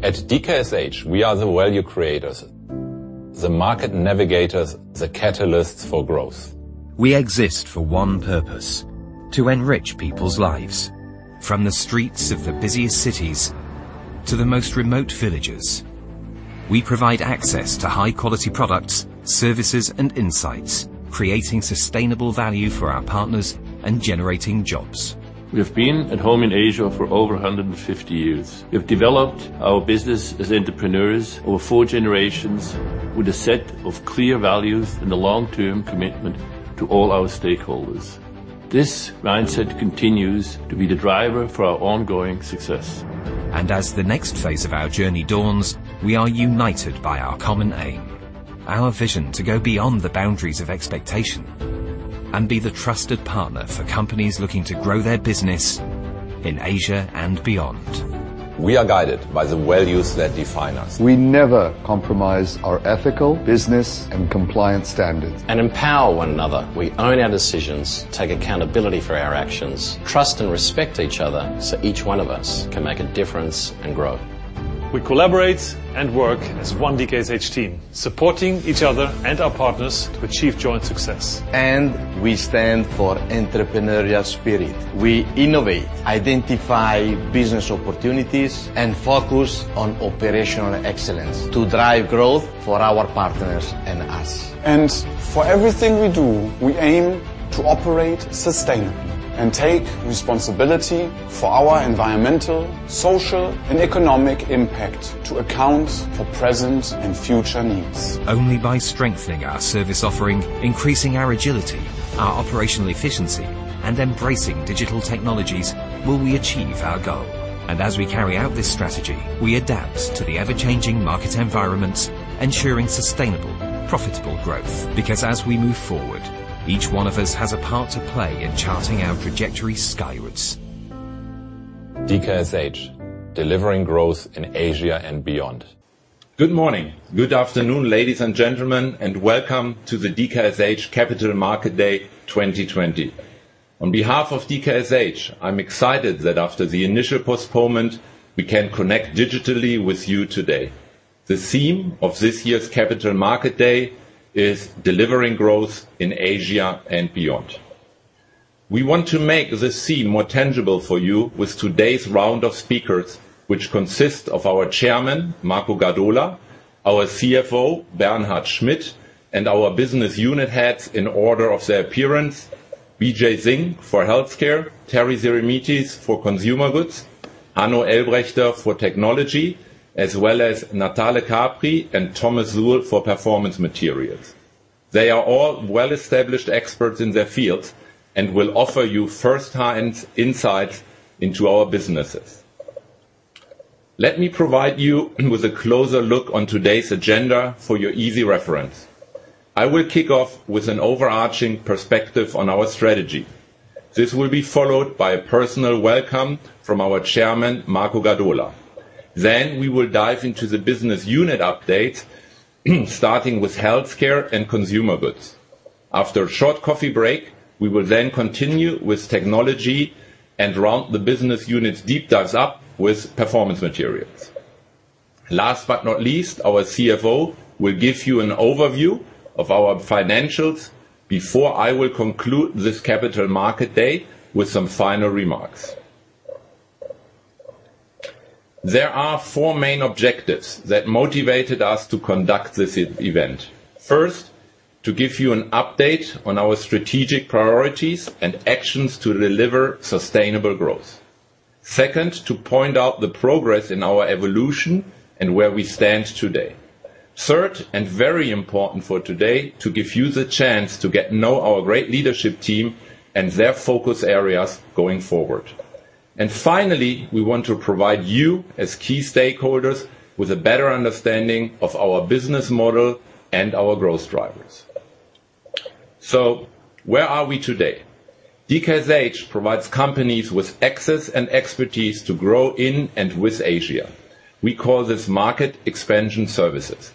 At DKSH, we are the value creators, the market navigators, the catalysts for growth. We exist for one purpose: to enrich people's lives. From the streets of the busiest cities to the most remote villages, we provide access to high-quality products, services, and insights, creating sustainable value for our partners and generating jobs. We have been at home in Asia for over 150 years. We have developed our business as entrepreneurs over four generations with a set of clear values and a long-term commitment to all our stakeholders. This mindset continues to be the driver for our ongoing success. As the next phase of our journey dawns, we are united by our common aim. Our vision to go beyond the boundaries of expectation and be the trusted partner for companies looking to grow their business in Asia and beyond. We are guided by the values that define us. We never compromise our ethical, business, and compliance standards. Empower one another. We own our decisions, take accountability for our actions, trust and respect each other so each one of us can make a difference and grow. We collaborate and work as one DKSH team, supporting each other and our partners to achieve joint success. We stand for entrepreneurial spirit. We innovate, identify business opportunities, and focus on operational excellence to drive growth for our partners and us. For everything we do, we aim to operate sustainably and take responsibility for our environmental, social, and economic impact to account for present and future needs. Only by strengthening our service offering, increasing our agility, our operational efficiency, and embracing digital technologies will we achieve our goal. As we carry out this strategy, we adapt to the ever-changing market environment, ensuring sustainable, profitable growth. As we move forward, each one of us has a part to play in charting our trajectory skywards. DKSH, Delivering Growth in Asia and Beyond. Good morning. Good afternoon, ladies and gentlemen, welcome to the DKSH Capital Market Day 2020. On behalf of DKSH, I'm excited that after the initial postponement, we can connect digitally with you today. The theme of this year's Capital Market Day is Delivering Growth in Asia and Beyond. We want to make this theme more tangible for you with today's round of speakers, which consist of our Chairman, Marco Gadola, our CFO, Bernhard Schmitt, our Business Unit Heads in order of their appearance, Bijay Singh for Healthcare, Terry Seremetis for Consumer Goods, Hanno Elbraechter for Technology, as well as Natale Capri and Thomas Sul for Performance Materials. They are all well-established experts in their fields will offer you first-hand insights into our businesses. Let me provide you with a closer look on today's agenda for your easy reference. I will kick off with an overarching perspective on our strategy. This will be followed by a personal welcome from our Chairman, Marco Gadola. We will dive into the Business Unit updates, starting with Healthcare and Consumer Goods. After a short coffee break, we will then continue with Technology and round the Business Unit deep dives up with Performance Materials. Last but not least, our CFO will give you an overview of our financials before I will conclude this Capital Market Day with some final remarks. There are four main objectives that motivated us to conduct this event. First, to give you an update on our strategic priorities and actions to deliver sustainable growth. Second, to point out the progress in our evolution and where we stand today. Third, very important for today, to give you the chance to get know our great leadership team and their focus areas going forward. Finally, we want to provide you, as key stakeholders, with a better understanding of our business model and our growth drivers. Where are we today? DKSH provides companies with access and expertise to grow in and with Asia. We call this Market Expansion Services.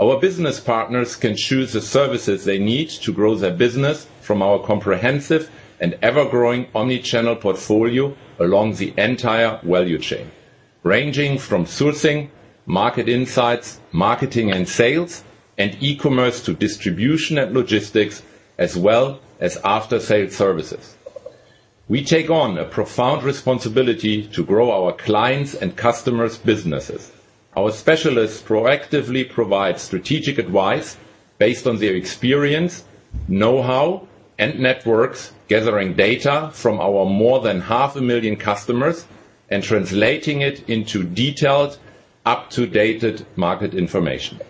Our business partners can choose the services they need to grow their business from our comprehensive and ever-growing omni-channel portfolio along the entire value chain, ranging from sourcing, market insights, marketing and sales, and e-commerce to distribution and logistics, as well as after-sale services. We take on a profound responsibility to grow our clients' and customers' businesses. Our specialists proactively provide strategic advice based on their experience, know-how, and networks, gathering data from our more than 500,000 customers and translating it into detailed, up-to-dated market information.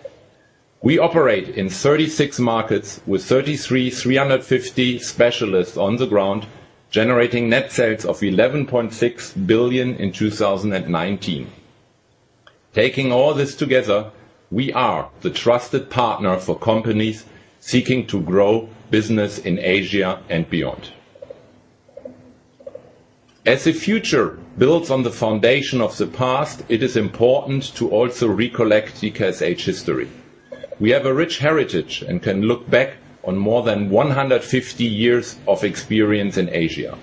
We operate in 36 markets with 3,350 specialists on the ground, generating net sales of 11.6 billion in 2019. Taking all this together, we are the trusted partner for companies seeking to grow business in Asia and beyond. As the future builds on the foundation of the past, it is important to also recollect DKSH history. We have a rich heritage and can look back on more than 150 years of experience in Asia.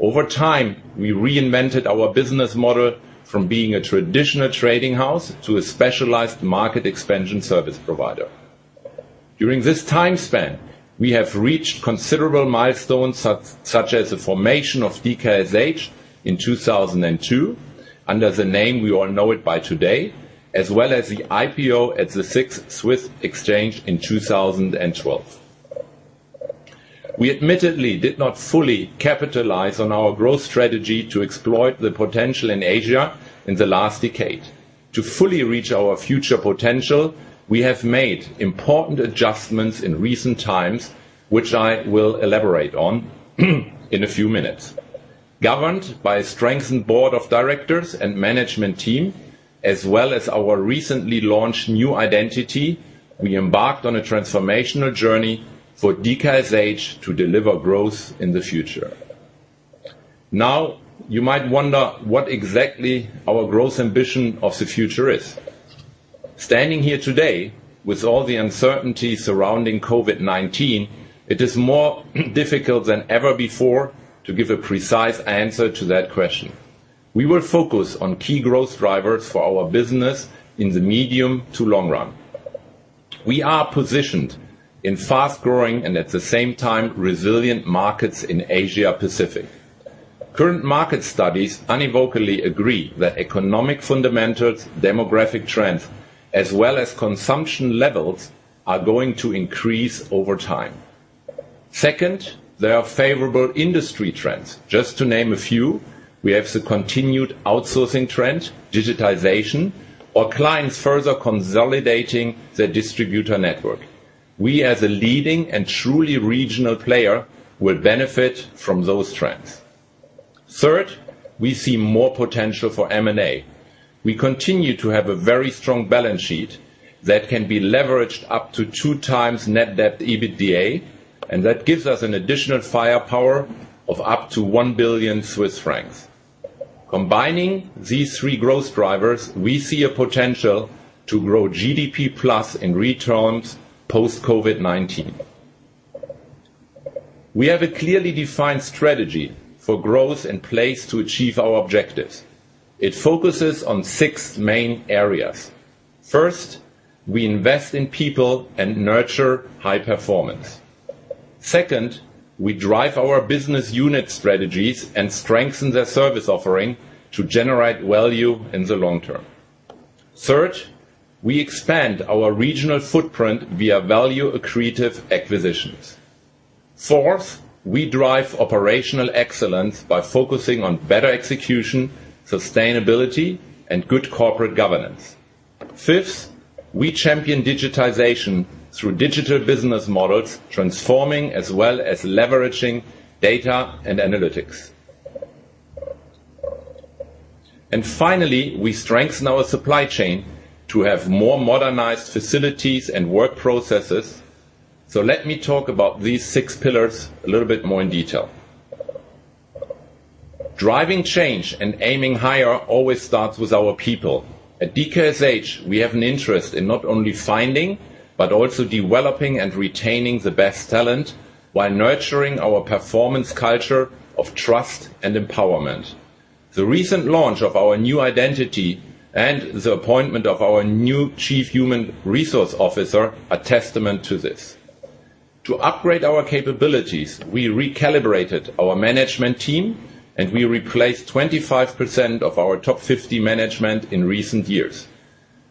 Over time, we reinvented our business model from being a traditional trading house to a specialized Market Expansion Services provider. During this time span, we have reached considerable milestones, such as the formation of DKSH in 2002, under the name we all know it by today, as well as the IPO at the SIX Swiss Exchange in 2012. We admittedly did not fully capitalize on our growth strategy to exploit the potential in Asia in the last decade. To fully reach our future potential, we have made important adjustments in recent times, which I will elaborate on in a few minutes. Governed by a strengthened board of directors and management team, as well as our recently launched new identity, we embarked on a transformational journey for DKSH to deliver growth in the future. Now, you might wonder what exactly our growth ambition of the future is. Standing here today, with all the uncertainty surrounding COVID-19, it is more difficult than ever before to give a precise answer to that question. We will focus on key growth drivers for our business in the medium to long run. We are positioned in fast-growing and at the same time, resilient markets in Asia Pacific. Current market studies unequivocally agree that economic fundamentals, demographic trends, as well as consumption levels, are going to increase over time. Second, there are favorable industry trends. Just to name a few, we have the continued outsourcing trend, digitization, our clients further consolidating their distributor network. We, as a leading and truly regional player, will benefit from those trends. Third, we see more potential for M&A. We continue to have a very strong balance sheet that can be leveraged up to 2x net debt EBITDA, and that gives us an additional firepower of up to 1 billion Swiss francs. Combining these three growth drivers, we see a potential to grow GDP plus in real terms post-COVID-19. We have a clearly defined strategy for growth in place to achieve our objectives. It focuses on six main areas. First, we invest in people and nurture high performance. Second, we drive our business unit strategies and strengthen their service offering to generate value in the long term. Third, we expand our regional footprint via value-accretive acquisitions. Fourth, we drive operational excellence by focusing on better execution, sustainability, and good corporate governance. Fifth, we champion digitization through digital business models, transforming as well as leveraging data and analytics. Finally, we strengthen our supply chain to have more modernized facilities and work processes. Let me talk about these six pillars a little bit more in detail. Driving change and aiming higher always starts with our people. At DKSH, we have an interest in not only finding, but also developing and retaining the best talent while nurturing our performance culture of trust and empowerment. The recent launch of our new identity and the appointment of our new Chief Human Resources Officer are testament to this. To upgrade our capabilities, we recalibrated our management team, and we replaced 25% of our top 50 management in recent years.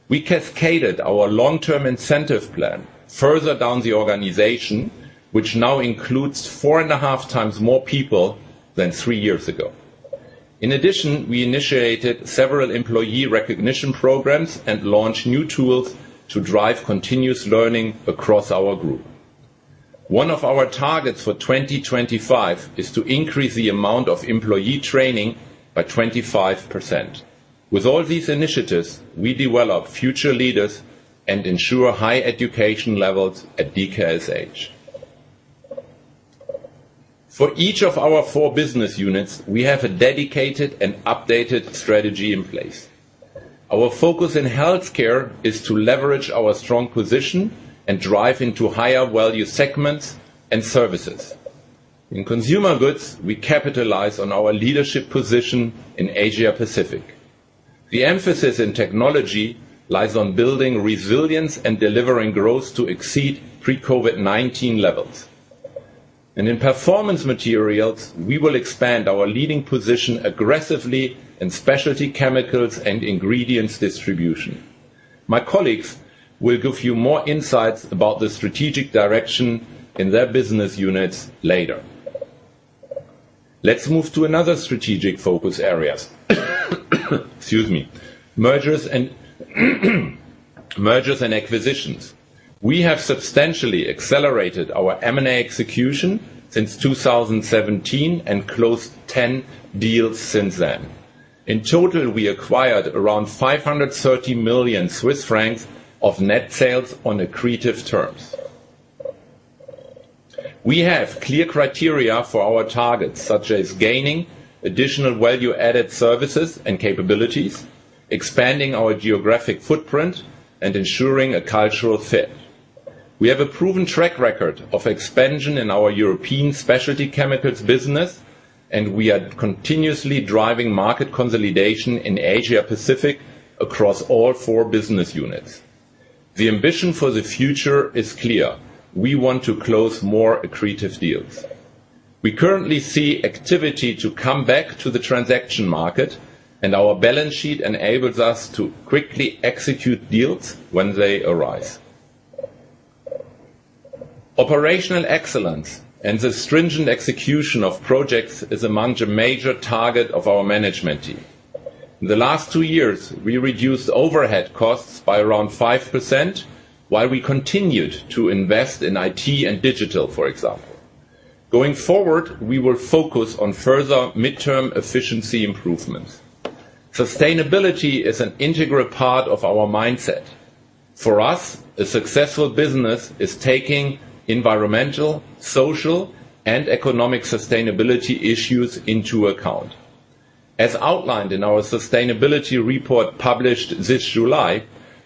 We cascaded our Long-Term Incentive Plan further down the organization, which now includes 4.5x more people than three years ago. In addition, we initiated several employee recognition programs and launched new tools to drive continuous learning across our group. One of our targets for 2025 is to increase the amount of employee training by 25%. With all these initiatives, we develop future leaders and ensure high education levels at DKSH. For each of our four business units, we have a dedicated and updated strategy in place. Our focus in Healthcare is to leverage our strong position and drive into higher value segments and services. In Consumer Goods, we capitalize on our leadership position in Asia Pacific. The emphasis in Technology lies on building resilience and delivering growth to exceed pre-COVID-19 levels. In Performance Materials, we will expand our leading position aggressively in specialty chemicals and ingredients distribution. My colleagues will give you more insights about the strategic direction in their business units later. Let's move to another strategic focus areas. Excuse me. Mergers and acquisitions. We have substantially accelerated our M&A execution since 2017 and closed 10 deals since then. In total, we acquired around 530 million Swiss francs of net sales on accretive terms. We have clear criteria for our targets, such as gaining additional Value-Added Services and capabilities, expanding our geographic footprint, and ensuring a cultural fit. We have a proven track record of expansion in our European specialty chemicals business, and we are continuously driving market consolidation in Asia Pacific across all four business units. The ambition for the future is clear. We want to close more accretive deals. Our balance sheet enables us to quickly execute deals when they arise. Operational excellence and the stringent execution of projects is among the major target of our management team. In the last two years, we reduced overhead costs by around 5%, while we continued to invest in IT and digital, for example. Going forward, we will focus on further mid-term efficiency improvements. Sustainability is an integral part of our mindset. For us, a successful business is taking environmental, social, and economic sustainability issues into account. As outlined in our sustainability report published this July,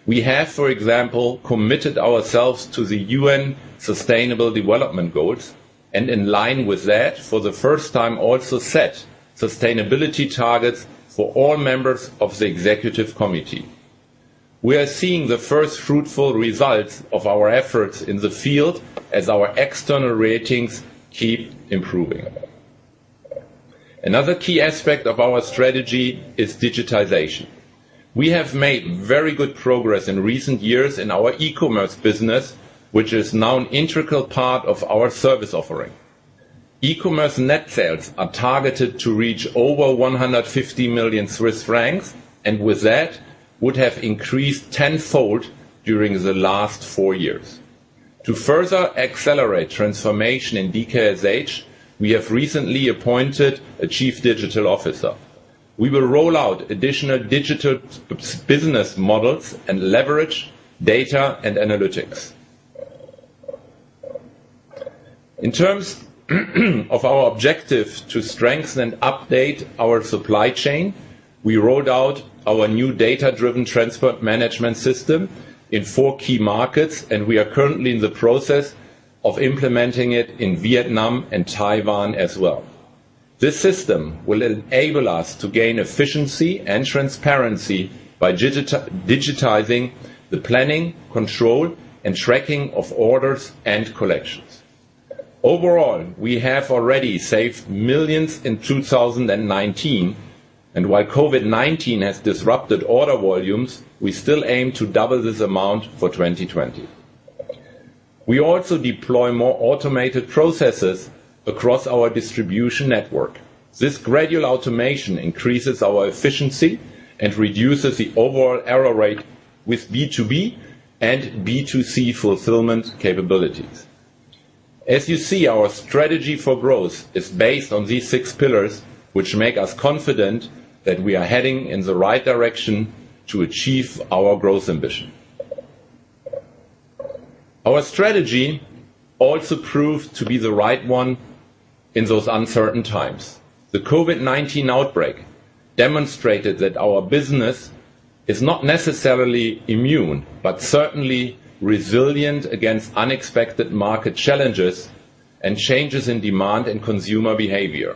we have, for example, committed ourselves to the UN Sustainable Development Goals, and in line with that, for the first time, also set sustainability targets for all members of the Executive Committee. We are seeing the first fruitful results of our efforts in the field as our external ratings keep improving. Another key aspect of our strategy is digitization. We have made very good progress in recent years in our e-commerce business, which is now an integral part of our service offering. E-commerce net sales are targeted to reach over 150 million Swiss francs, and with that, would have increased tenfold during the last four years. To further accelerate transformation in DKSH, we have recently appointed a Chief Digital Officer. We will roll out additional digital business models and leverage data and analytics. In terms of our objective to strengthen and update our supply chain, we rolled out our new data-driven transport management system in four key markets, and we are currently in the process of implementing it in Vietnam and Taiwan as well. This system will enable us to gain efficiency and transparency by digitizing the planning, control, and tracking of orders and collections. Overall, we have already saved millions in 2019, and while COVID-19 has disrupted order volumes, we still aim to double this amount for 2020. We also deploy more automated processes across our distribution network. This gradual automation increases our efficiency and reduces the overall error rate with B2B and B2C fulfillment capabilities. As you see, our strategy for growth is based on these six pillars, which make us confident that we are heading in the right direction to achieve our growth ambition. Our strategy also proved to be the right one in those uncertain times. The COVID-19 outbreak demonstrated that our business is not necessarily immune, but certainly resilient against unexpected market challenges and changes in demand and consumer behavior.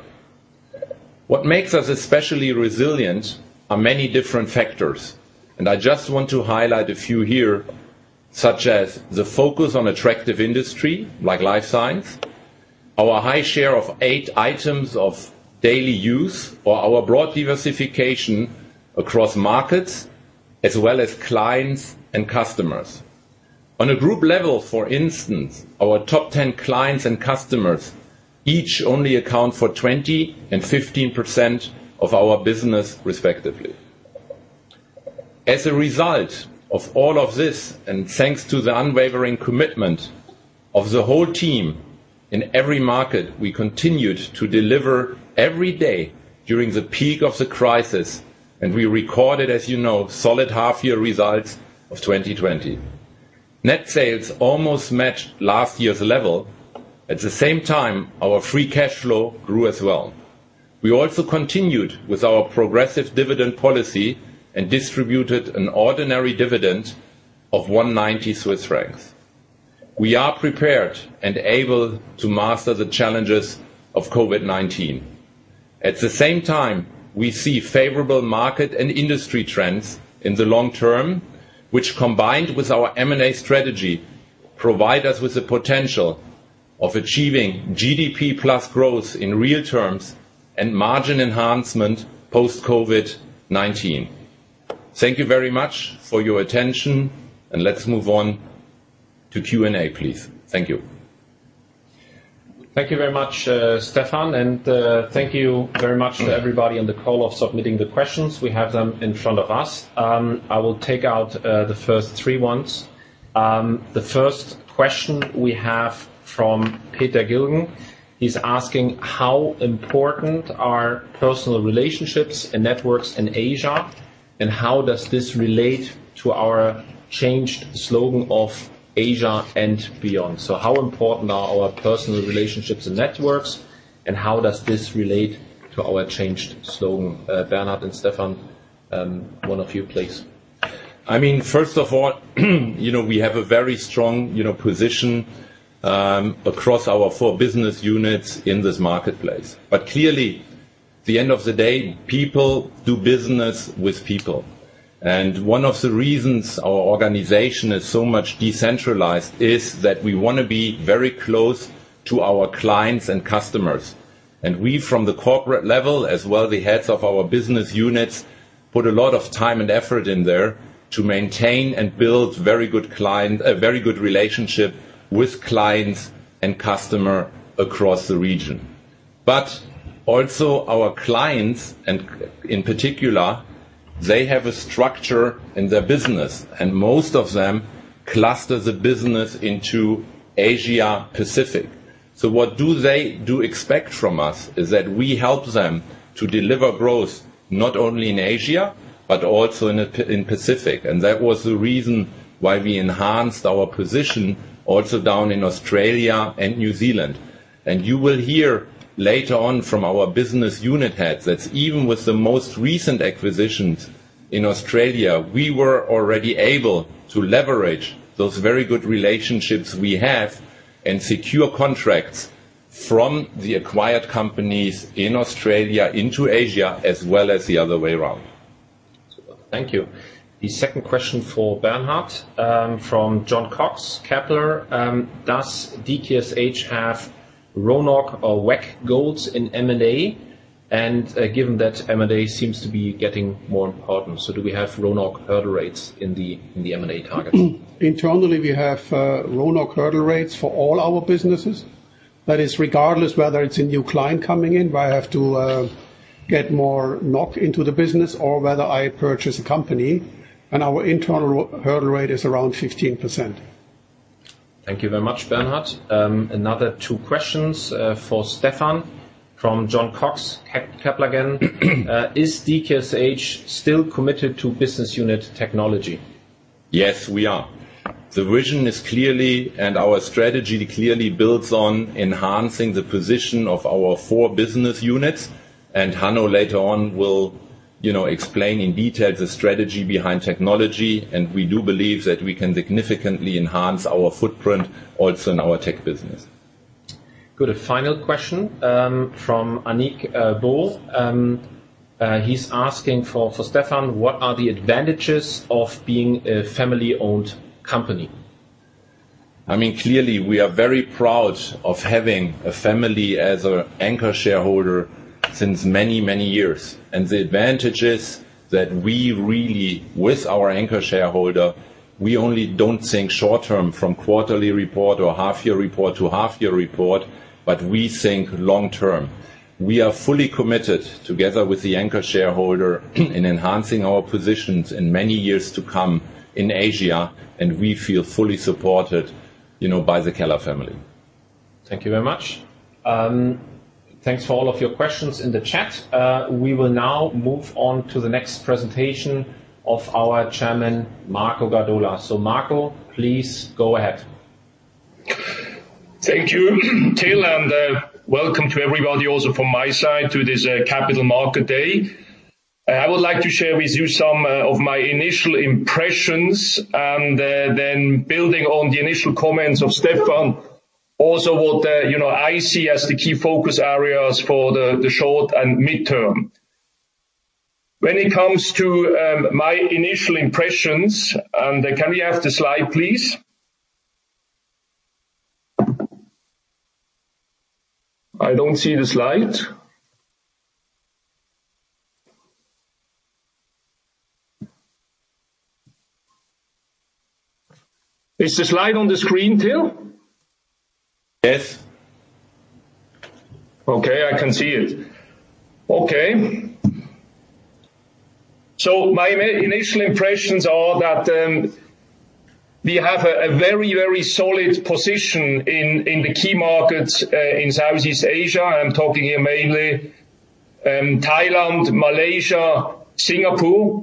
What makes us especially resilient are many different factors, and I just want to highlight a few here, such as the focus on attractive industry, like life science, our high share of A items of daily use, or our broad diversification across markets as well as clients and customers. On a group level, for instance, our top 10 clients and customers each only account for 20% and 15% of our business, respectively. As a result of all of this, and thanks to the unwavering commitment of the whole team in every market, we continued to deliver every day during the peak of the crisis, and we recorded, as you know, solid half-year results of 2020. Net sales almost matched last year's level. At the same time, our free cash flow grew as well. We also continued with our progressive dividend policy and distributed an ordinary dividend of 1.90 Swiss francs. We are prepared and able to master the challenges of COVID-19. At the same time, we see favorable market and industry trends in the long term, which combined with our M&A strategy, provide us with the potential of achieving GDP plus growth in real terms and margin enhancement post-COVID-19. Thank you very much for your attention, and let's move on to Q&A, please. Thank you. Thank you very much, Stefan. Thank you very much to everybody on the call of submitting the questions. We have them in front of us. I will take out the first three ones. The first question we have from Peter Gilgen. He's asking: How important are personal relationships and networks in Asia, and how does this relate to our changed slogan of Asia and beyond? How important are our personal relationships and networks? And how does this relate to our changed scope? Bernhard and Stefan, one of you, please. First of all, we have a very strong position across our four business units in this marketplace. Clearly, at the end of the day, people do business with people. One of the reasons our organization is so much decentralized is that we want to be very close to our clients and customers. We, from the corporate level, as well the heads of our business units, put a lot of time and effort in there to maintain and build very good relationship with clients and customer across the region. Also our clients, and in particular, they have a structure in their business. Most of them cluster the business into Asia Pacific. What do they do expect from us is that we help them to deliver growth not only in Asia, but also in Pacific. That was the reason why we enhanced our position also down in Australia and New Zealand. You will hear later on from our business unit heads, that even with the most recent acquisitions in Australia, we were already able to leverage those very good relationships we have and secure contracts from the acquired companies in Australia into Asia, as well as the other way around. Thank you. The second question for Bernhard, from Jon Cox, Kepler. Does DKSH have RONOC or WACC goals in M&A? Given that M&A seems to be getting more important, do we have RONOC hurdle rates in the M&A targets? Internally, we have RONOC hurdle rates for all our businesses. That is regardless whether it's a new client coming in, where I have to get more NOC into the business or whether I purchase a company, and our internal hurdle rate is around 15%. Thank you very much, Bernhard. Another two questions, for Stefan from Jon Cox, Kepler again. Is DKSH still committed to Business Unit Technology? Yes, we are. The vision is clearly, and our strategy clearly builds on enhancing the position of our four business units. Hanno later on will explain in detail the strategy behind Technology, and we do believe that we can significantly enhance our footprint also in our Tech business. Good. A final question, from Anik Boll. He's asking for Stefan: What are the advantages of being a family-owned company? Clearly, we are very proud of having a family as an anchor shareholder since many, many years. The advantage is that we really, with our anchor shareholder, we only don't think short-term from quarterly report or half-year report to half-year report, but we think long-term. We are fully committed, together with the anchor shareholder, in enhancing our positions in many years to come in Asia, and we feel fully supported by the Keller family. Thank you very much. Thanks for all of your questions in the chat. We will now move on to the next presentation of our Chairman, Marco Gadola. Marco, please go ahead. Thank you, Till, welcome to everybody also from my side to this Capital Market Day. I would like to share with you some of my initial impressions, then building on the initial comments of Stefan also what I see as the key focus areas for the short and mid-term. When it comes to my initial impressions, can we have the slide, please? I don't see the slide. Is the slide on the screen, Till? Yes. Okay, I can see it. Okay. My initial impressions are that we have a very solid position in the key markets, in Southeast Asia. I'm talking here mainly Thailand, Malaysia, Singapore.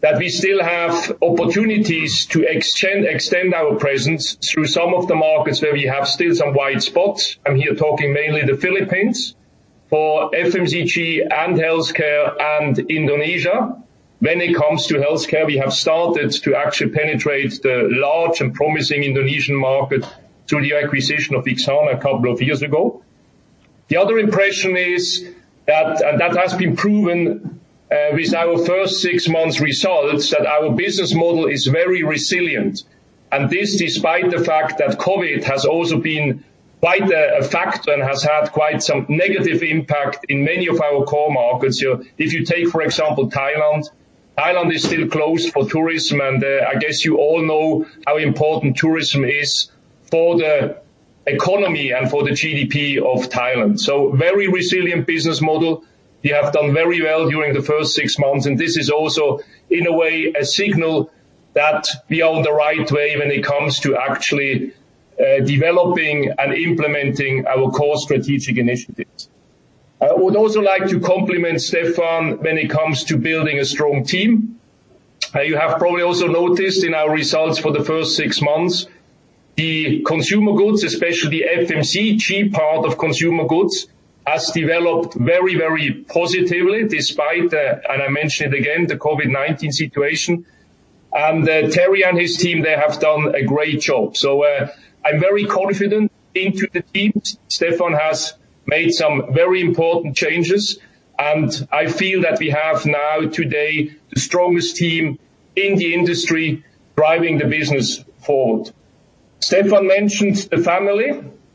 That we still have opportunities to extend our presence through some of the markets where we have still some wide spots. I'm here talking mainly the Philippines for FMCG and healthcare and Indonesia. When it comes to healthcare, we have started to actually penetrate the large and promising Indonesian market through the acquisition of Wicaksana a couple of years ago. The other impression is that, and that has been proven with our first six months results, that our business model is very resilient. This, despite the fact that COVID has also been quite a factor and has had quite some negative impact in many of our core markets. If you take, for example, Thailand. Thailand is still closed for tourism. I guess you all know how important tourism is for the economy and for the GDP of Thailand. Very resilient business model. We have done very well during the first six months. This is also, in a way, a signal that we are on the right way when it comes to actually developing and implementing our core strategic initiatives. I would also like to compliment Stefan when it comes to building a strong team. You have probably also noticed in our results for the first six months, the consumer goods, especially the FMCG part of consumer goods, has developed very positively despite, and I mention it again, the COVID-19 situation. Terry and his team, they have done a great job. I'm very confident in the teams. Stefan has made some very important changes. I feel that we have now today the strongest team in the industry driving the business forward. Stefan mentioned the family.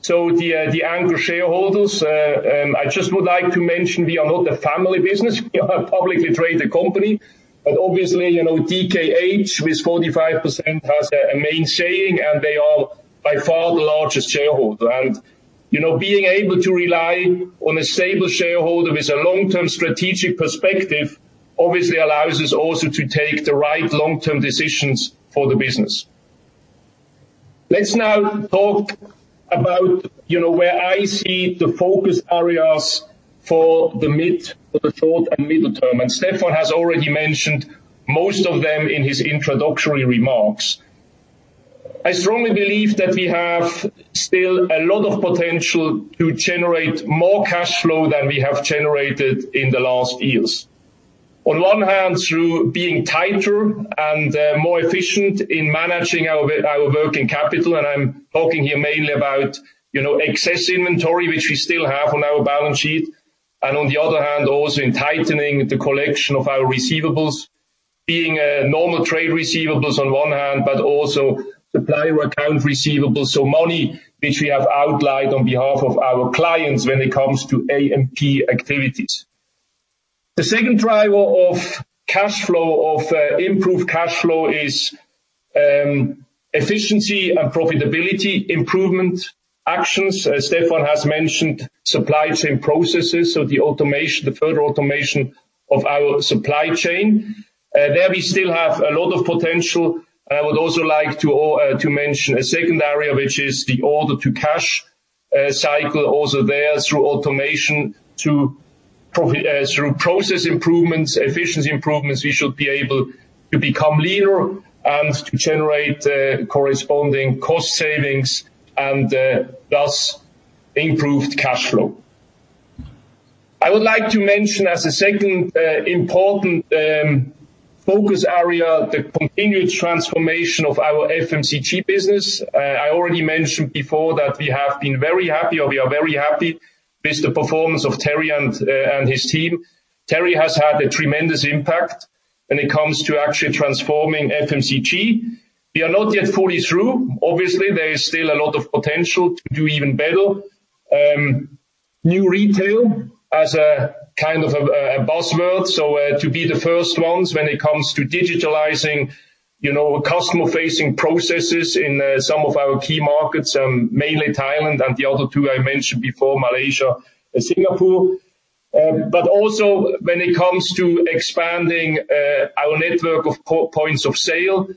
The anchor shareholders. I just would like to mention we are not a family business. We are a publicly traded company. Obviously, DKSH, with 45%, has a main saying, and they are by far the largest shareholder. Being able to rely on a stable shareholder with a long-term strategic perspective obviously allows us also to take the right long-term decisions for the business. Let's now talk about where I see the focus areas for the short and medium term. Stefan has already mentioned most of them in his introductory remarks. I strongly believe that we have still a lot of potential to generate more cash flow than we have generated in the last years. On one hand, through being tighter and more efficient in managing our working capital, and I'm talking here mainly about excess inventory, which we still have on our balance sheet. On the other hand, also in tightening the collection of our receivables. Being normal trade receivables on one hand, but also supplier account receivables, so money which we have outlined on behalf of our clients when it comes to A&P activities. The second driver of improved cash flow is efficiency and profitability improvement actions. Stefan has mentioned supply chain processes, so the further automation of our supply chain. There we still have a lot of potential. I would also like to mention a second area, which is the order-to-cash cycle. Also there, through automation, through process improvements, efficiency improvements, we should be able to become leaner and to generate corresponding cost savings and thus improved cash flow. I would like to mention as a second important focus area, the continued transformation of our FMCG business. I already mentioned before that we have been very happy, or we are very happy with the performance of Terry and his team. Terry has had a tremendous impact when it comes to actually transforming FMCG. We are not yet fully through. Obviously, there is still a lot of potential to do even better. New retail as a kind of a buzzword. To be the first ones when it comes to digitalizing customer-facing processes in some of our key markets, mainly Thailand and the other two I mentioned before, Malaysia and Singapore. Also when it comes to expanding our network of points of sale.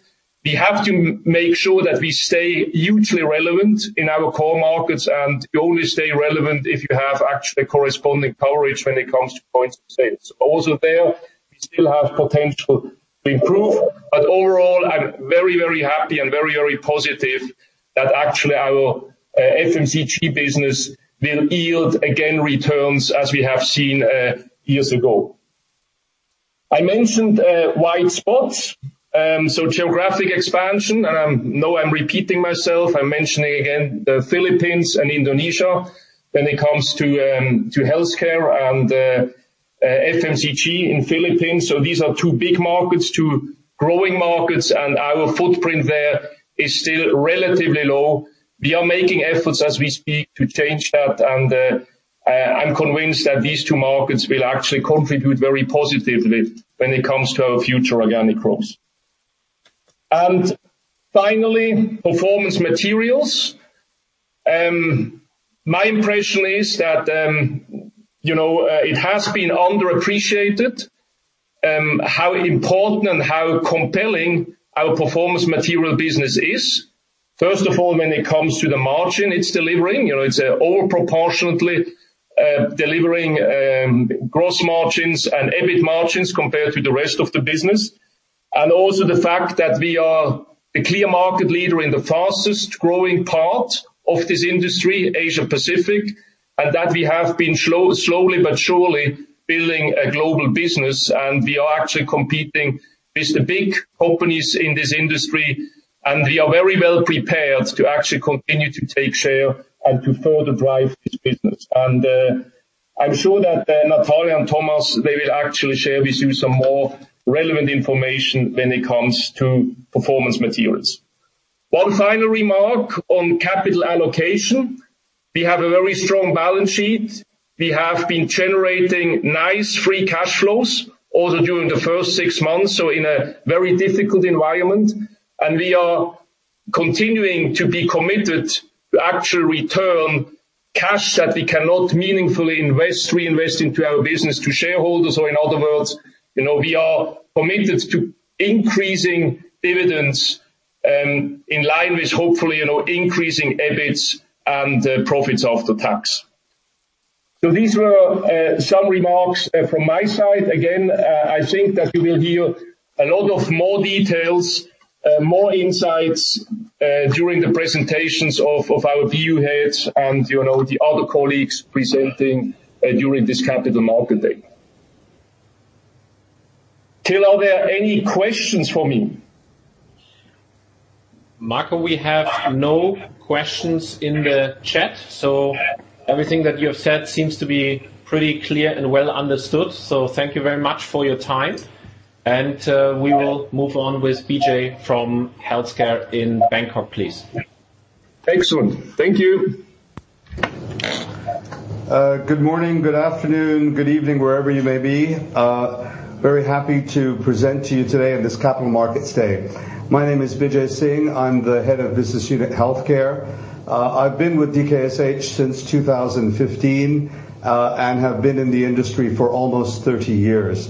We have to make sure that we stay hugely relevant in our core markets, and you only stay relevant if you have actually corresponding coverage when it comes to points of sale. Also there, we still have potential to improve. Overall, I'm very happy and very positive that actually our FMCG business will yield again returns as we have seen years ago. I mentioned white spots. Geographic expansion. I know I'm repeating myself. I'm mentioning again the Philippines and Indonesia when it comes to healthcare and FMCG in Philippines. These are two big markets, two growing markets, and our footprint there is still relatively low. We are making efforts as we speak to change that, and I'm convinced that these two markets will actually contribute very positively when it comes to our future organic growth. Finally, Performance Materials. My impression is that it has been underappreciated how important and how compelling our Performance Materials business is. First of all, when it comes to the margin it's delivering. It's disproportionately delivering gross margins and EBIT margins compared to the rest of the business. Also the fact that we are the clear market leader in the fastest-growing part of this industry, Asia-Pacific. That we have been slowly but surely building a global business, and we are actually competing with the big companies in this industry, and we are very well prepared to actually continue to take share and to further drive this business. I'm sure that Natale and Thomas, they will actually share with you some more relevant information when it comes to Performance Materials. One final remark on capital allocation. We have a very strong balance sheet. We have been generating nice free cash flows, also during the first six months, in a very difficult environment. We are continuing to be committed to actually return cash that we cannot meaningfully reinvest into our business to shareholders. In other words, we are committed to increasing dividends in line with hopefully increasing EBITs and profits after tax. These were some remarks from my side. Again, I think that you will hear a lot of more details, more insights, during the presentations of our BU Heads and the other colleagues presenting during this Capital Market Day. Till, are there any questions for me? Marco, we have no questions in the chat. Everything that you have said seems to be pretty clear and well understood. Thank you very much for your time. We will move on with Bijay from Healthcare in Bangkok, please. Excellent. Thank you. Good morning, good afternoon, good evening, wherever you may be. Very happy to present to you today on this Capital Markets Day. My name is Bijay Singh. I'm the Head of Business Unit Healthcare. I've been with DKSH since 2015, and have been in the industry for almost 30 years.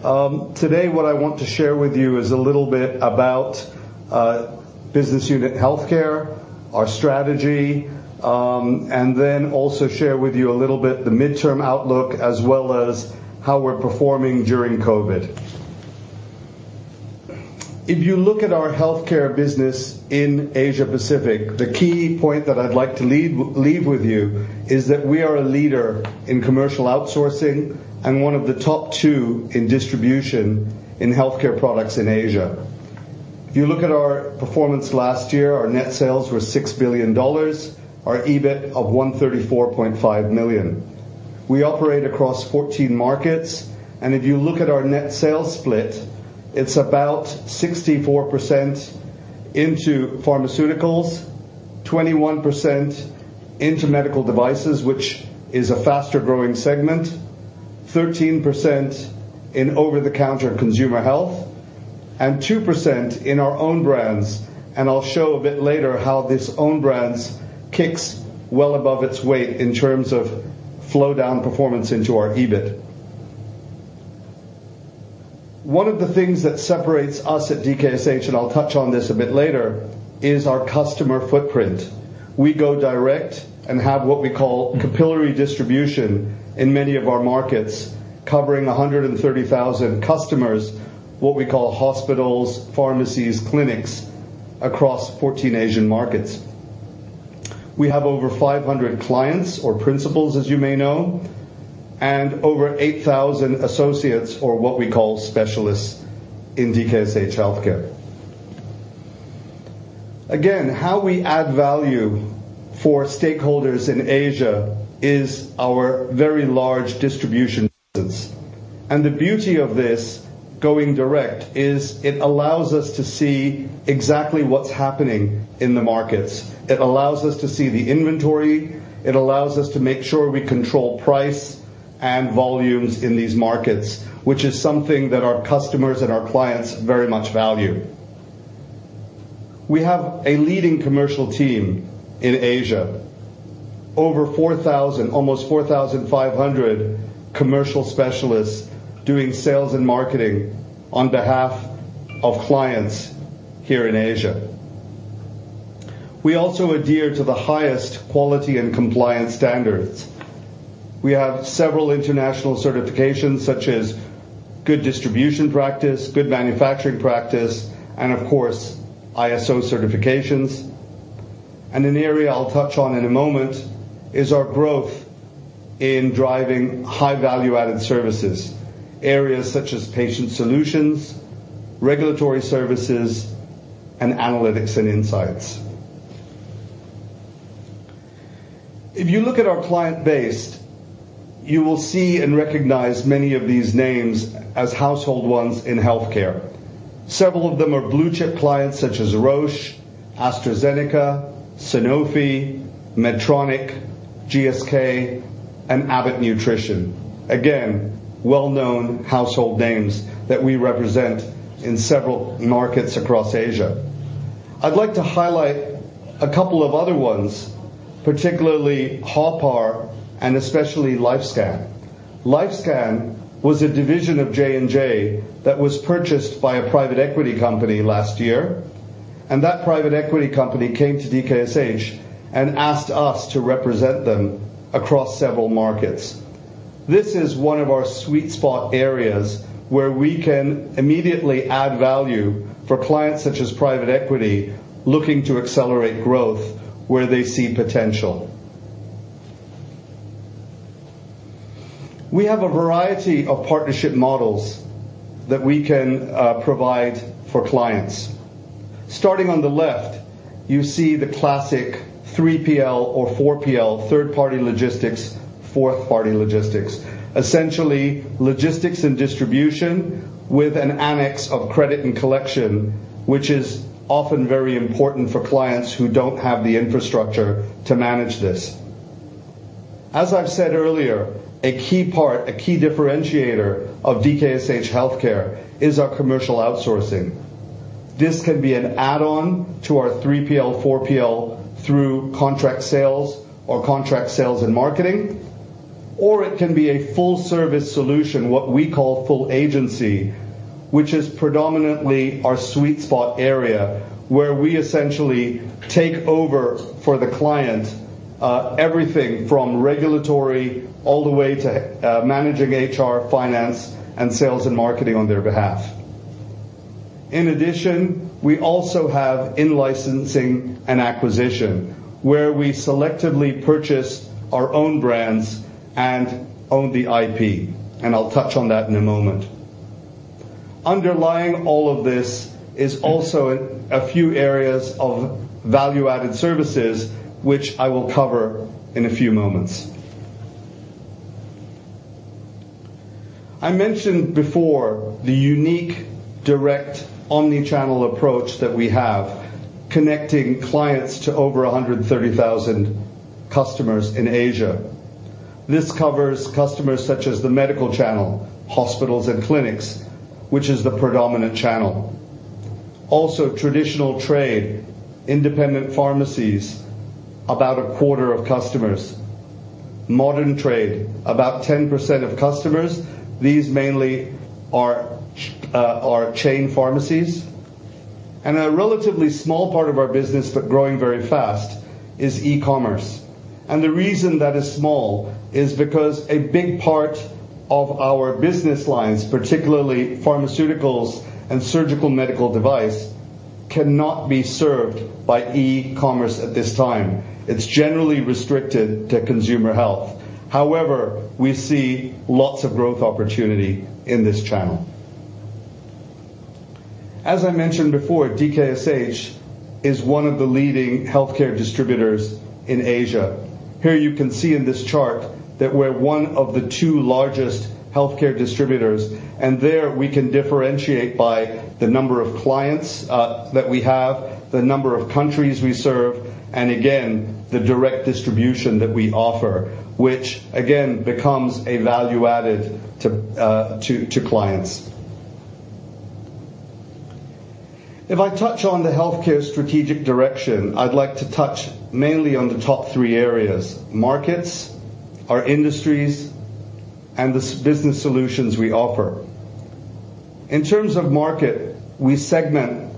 Today, what I want to share with you is a little bit about Business Unit Healthcare, our strategy, and then also share with you a little bit the midterm outlook, as well as how we're performing during COVID. If you look at our healthcare business in Asia-Pacific, the key point that I'd like to leave with you is that we are a leader in commercial outsourcing and one of the top two in distribution in healthcare products in Asia. If you look at our performance last year, our net sales were CHF 6 billion, our EBIT of 134.5 million. We operate across 14 markets. If you look at our net sales split, it's about 64% into pharmaceuticals, 21% into medical devices, which is a faster-growing segment, 13% in over-the-counter consumer health, and 2% in our own brands. I'll show a bit later how this own brands kicks well above its weight in terms of flow-down performance into our EBIT. One of the things that separates us at DKSH, I'll touch on this a bit later, is our customer footprint. We go direct and have what we call capillary distribution in many of our markets, covering 130,000 customers, what we call hospitals, pharmacies, clinics, across 14 Asian markets. We have over 500 clients or principals, as you may know, and over 8,000 associates or what we call specialists in DKSH Healthcare. How we add value for stakeholders in Asia is our very large distribution presence. The beauty of this going direct is it allows us to see exactly what's happening in the markets. It allows us to see the inventory. It allows us to make sure we control price and volumes in these markets, which is something that our customers and our clients very much value. We have a leading commercial team in Asia. Over 4,000, almost 4,500 commercial specialists doing sales and marketing on behalf of clients here in Asia. We also adhere to the highest quality and compliance standards. We have several international certifications such as Good Distribution Practice, Good Manufacturing Practice, and of course, ISO certifications. An area I'll touch on in a moment is our growth in driving high value-added services, areas such as patient solutions, regulatory services, and analytics and insights. If you look at our client base, you will see and recognize many of these names as household ones in healthcare. Several of them are blue-chip clients such as Roche, AstraZeneca, Sanofi, Medtronic, GSK, and Abbott Nutrition. Again, well-known household names that we represent in several markets across Asia. I'd like to highlight a couple of other ones, particularly Haw Par and especially LifeScan. LifeScan was a division of J&J that was purchased by a private equity company last year, and that private equity company came to DKSH and asked us to represent them across several markets. This is one of our sweet spot areas where we can immediately add value for clients such as private equity looking to accelerate growth where they see potential. We have a variety of partnership models that we can provide for clients. Starting on the left, you see the classic 3PL or 4PL, third-party logistics, fourth-party logistics. Essentially, logistics and distribution with an annex of credit and collection, which is often very important for clients who don't have the infrastructure to manage this. As I've said earlier, a key part, a key differentiator of DKSH Healthcare is our commercial outsourcing. This can be an add-on to our 3PL, 4PL through contract sales or contract sales and marketing, or it can be a full-service solution, what we call full agency, which is predominantly our sweet spot area, where we essentially take over for the client everything from regulatory all the way to managing HR, finance, and sales and marketing on their behalf. In addition, we also have in-licensing and acquisition, where we selectively purchase our own brands and own the IP. I'll touch on that in a moment. Underlying all of this is also a few areas of value-added services, which I will cover in a few moments. I mentioned before the unique direct omni-channel approach that we have, connecting clients to over 130,000 customers in Asia. This covers customers such as the medical channel, hospitals and clinics, which is the predominant channel. Traditional trade, independent pharmacies, about a quarter of customers. Modern trade, about 10% of customers. These mainly are chain pharmacies. A relatively small part of our business, but growing very fast, is e-commerce. The reason that is small is because a big part of our business lines, particularly pharmaceuticals and surgical medical device, cannot be served by e-commerce at this time. It is generally restricted to consumer health. However, we see lots of growth opportunity in this channel. As I mentioned before, DKSH is one of the leading healthcare distributors in Asia. Here you can see in this chart that we're one of the two largest healthcare distributors. There we can differentiate by the number of clients that we have, the number of countries we serve, and again, the direct distribution that we offer, which again, becomes a value added to clients. If I touch on the healthcare strategic direction, I'd like to touch mainly on the top three areas: markets, our industries, and the business solutions we offer. In terms of market, we segment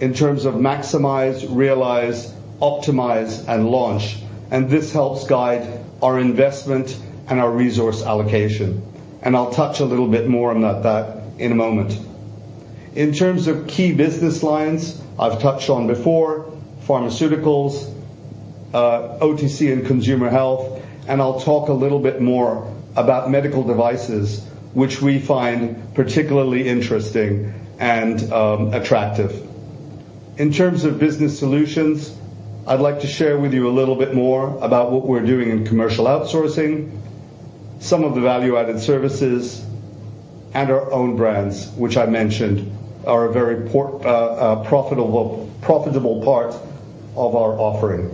in terms of maximize, realize, optimize, and launch. This helps guide our investment and our resource allocation. I'll touch a little bit more on that in a moment. In terms of key business lines, I've touched on before, pharmaceuticals, OTC, and consumer health. I'll talk a little bit more about medical devices, which we find particularly interesting and attractive. In terms of business solutions, I'd like to share with you a little bit more about what we're doing in commercial outsourcing, some of the value-added services, and our own brands, which I mentioned are a very profitable part of our offering.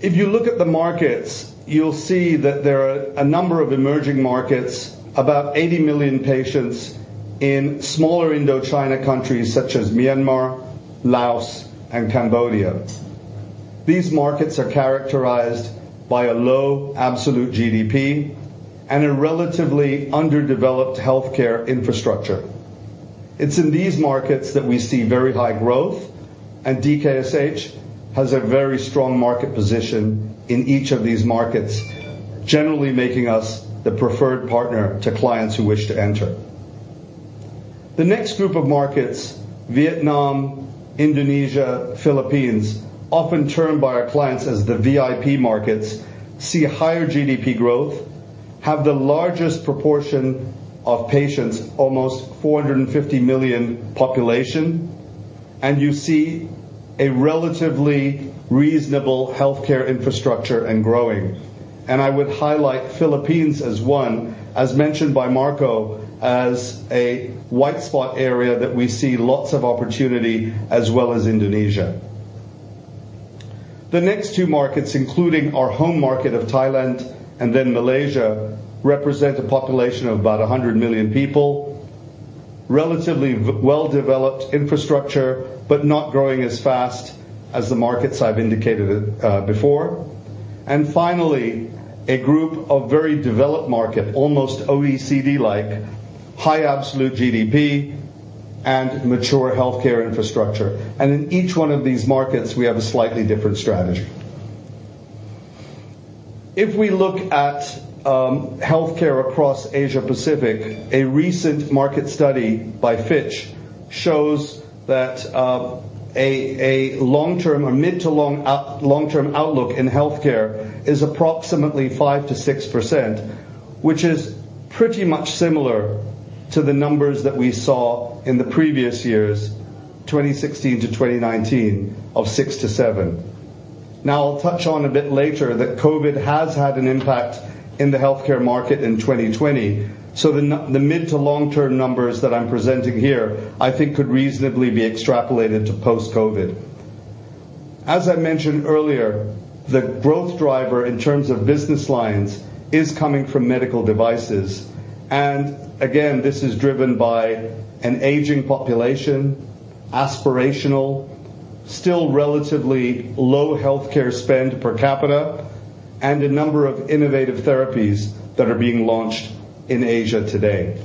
If you look at the markets, you'll see that there are a number of emerging markets, about 80 million patients in smaller Indochina countries such as Myanmar, Laos, and Cambodia. These markets are characterized by a low absolute GDP and a relatively underdeveloped healthcare infrastructure. It's in these markets that we see very high growth, and DKSH has a very strong market position in each of these markets, generally making us the preferred partner to clients who wish to enter. The next group of markets, Vietnam, Indonesia, Philippines, often termed by our clients as the VIP markets, see higher GDP growth, have the largest proportion of patients, almost 450 million population, you see a relatively reasonable healthcare infrastructure and growing. I would highlight Philippines as one, as mentioned by Marco, as a white spot area that we see lots of opportunity, as well as Indonesia. The next two markets, including our home market of Thailand and then Malaysia, represent a population of about 100 million people. Relatively well-developed infrastructure, not growing as fast as the markets I've indicated before. Finally, a group of very developed market, almost OECD-like, high absolute GDP and mature healthcare infrastructure. In each one of these markets, we have a slightly different strategy. If we look at healthcare across Asia Pacific, a recent market study by Fitch shows that a mid to long-term outlook in healthcare is approximately 5%-6%, which is pretty much similar to the numbers that we saw in the previous years, 2016-2019, of 6%-7%. I'll touch on a bit later that COVID has had an impact in the healthcare market in 2020. The mid to long-term numbers that I'm presenting here, I think could reasonably be extrapolated to post-COVID. As I mentioned earlier, the growth driver in terms of business lines is coming from medical devices. Again, this is driven by an aging population, aspirational, still relatively low healthcare spend per capita, and a number of innovative therapies that are being launched in Asia today.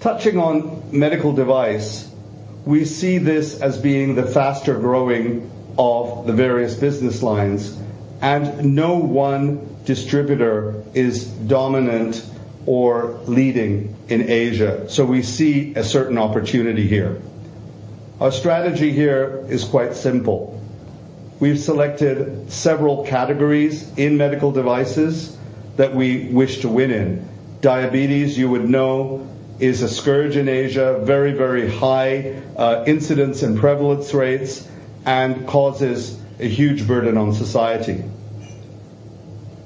Touching on medical device, we see this as being the faster-growing of the various business lines, and no one distributor is dominant or leading in Asia, so we see a certain opportunity here. Our strategy here is quite simple. We've selected several categories in medical devices that we wish to win in. Diabetes, you would know, is a scourge in Asia. Very high incidence and prevalence rates, and causes a huge burden on society.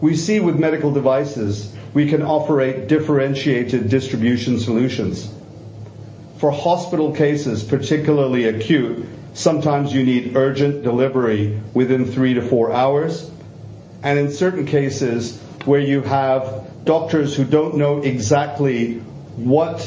We see with medical devices, we can operate differentiated distribution solutions. For hospital cases, particularly acute, sometimes you need urgent delivery within three to four hours. In certain cases, where you have doctors who don't know exactly what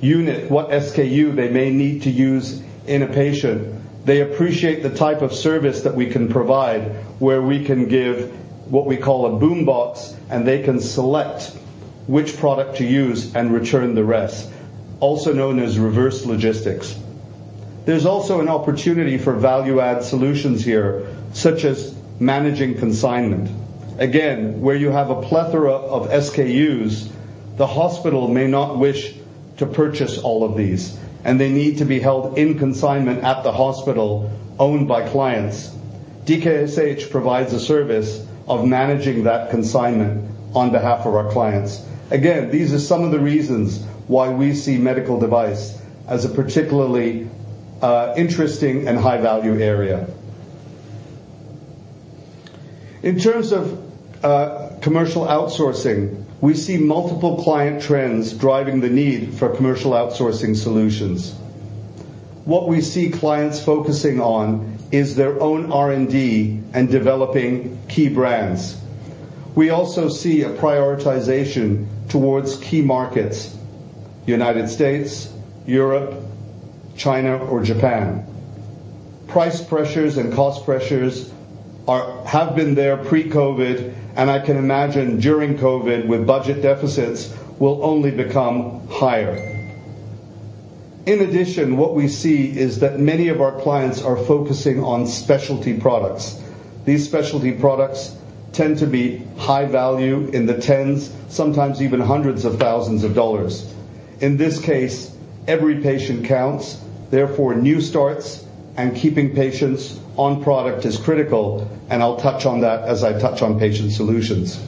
unit, what SKU they may need to use in a patient, they appreciate the type of service that we can provide, where we can give what we call a boom box. They can select which product to use and return the rest, also known as reverse logistics. There's also an opportunity for value-add solutions here, such as managing consignment. Again, where you have a plethora of SKUs, the hospital may not wish to purchase all of these. They need to be held in consignment at the hospital owned by clients. DKSH provides a service of managing that consignment on behalf of our clients. Again, these are some of the reasons why we see medical device as a particularly interesting and high-value area. In terms of commercial outsourcing, we see multiple client trends driving the need for commercial outsourcing solutions. What we see clients focusing on is their own R&D and developing key brands. We also see a prioritization towards key markets: U.S., Europe, China, or Japan. Price pressures and cost pressures have been there pre-COVID. I can imagine during COVID, with budget deficits, will only become higher. In addition what we see is that many of our clients are focusing on specialty products. These specialty products tend to be high value in the tens, sometimes even hundreds of thousands of CHF. Every patient counts, therefore new starts and keeping patients on product is critical. I'll touch on that as I touch on patient solutions.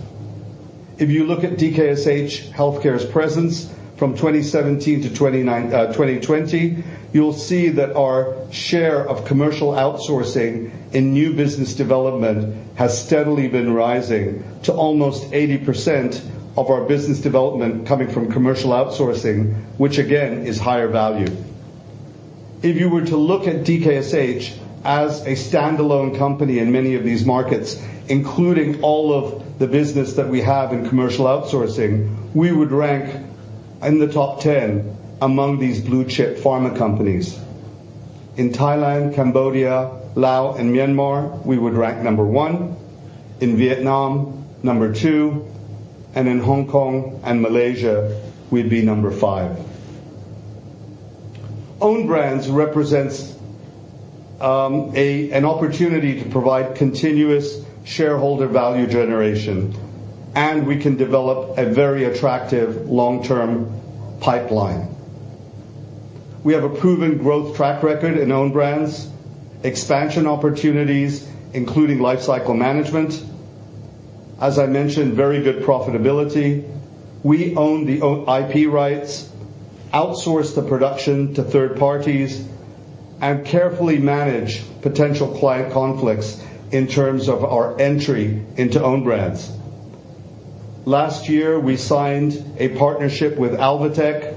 If you look at DKSH Healthcare's presence from 2017 to 2020, you'll see that our share of commercial outsourcing in new business development has steadily been rising to almost 80% of our business development coming from commercial outsourcing, which again, is higher value. If you were to look at DKSH as a standalone company in many of these markets, including all of the business that we have in commercial outsourcing, we would rank in the top 10 among these blue-chip pharma companies. In Thailand, Cambodia, Laos, and Myanmar, we would rank number one. In Vietnam, number two, and in Hong Kong and Malaysia, we'd be number five. Own brands represents an opportunity to provide continuous shareholder value generation, and we can develop a very attractive long-term pipeline. We have a proven growth track record in own brands, expansion opportunities, including lifecycle management. As I mentioned, very good profitability. We own the IP rights, outsource the production to third parties, and carefully manage potential client conflicts in terms of our entry into own brands. Last year, we signed a partnership with Alvotech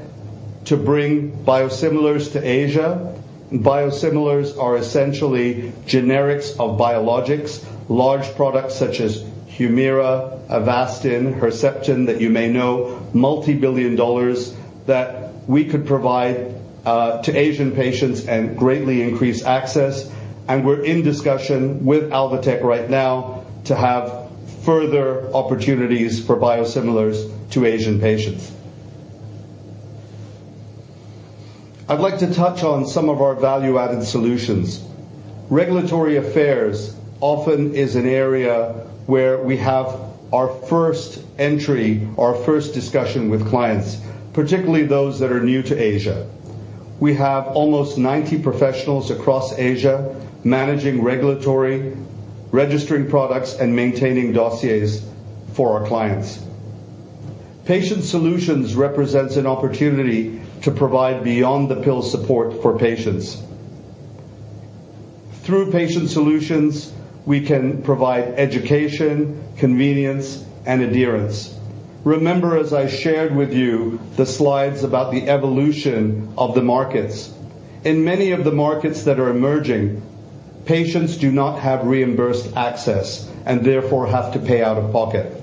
to bring biosimilars to Asia. Biosimilars are essentially generics of biologics, large products such as HUMIRA, Avastin, Herceptin, that you may know, multi-billion dollars that we could provide to Asian patients and greatly increase access. We're in discussion with Alvotech right now to have further opportunities for biosimilars to Asian patients. I'd like to touch on some of our value-added solutions. Regulatory affairs often is an area where we have our first entry, our first discussion with clients, particularly those that are new to Asia. We have almost 90 professionals across Asia managing regulatory, registering products, and maintaining dossiers for our clients. Patient solutions represents an opportunity to provide beyond-the-pill support for patients. Through patient solutions, we can provide education, convenience, and adherence. Remember, as I shared with you the slides about the evolution of the markets. In many of the markets that are emerging, patients do not have reimbursed access, and therefore have to pay out of pocket.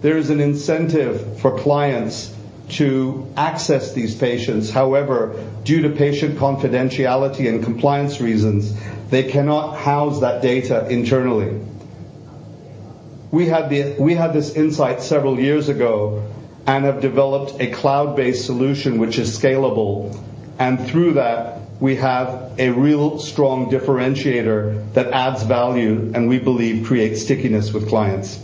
There is an incentive for clients to access these patients. However, due to patient confidentiality and compliance reasons, they cannot house that data internally. We had this insight several years ago and have developed a cloud-based solution which is scalable, and through that, we have a real strong differentiator that adds value and we believe creates stickiness with clients.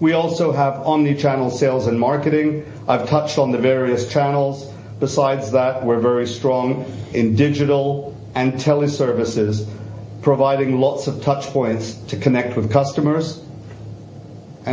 We also have omni-channel sales and marketing. I've touched on the various channels. Besides that, we're very strong in digital and teleservices, providing lots of touchpoints to connect with customers.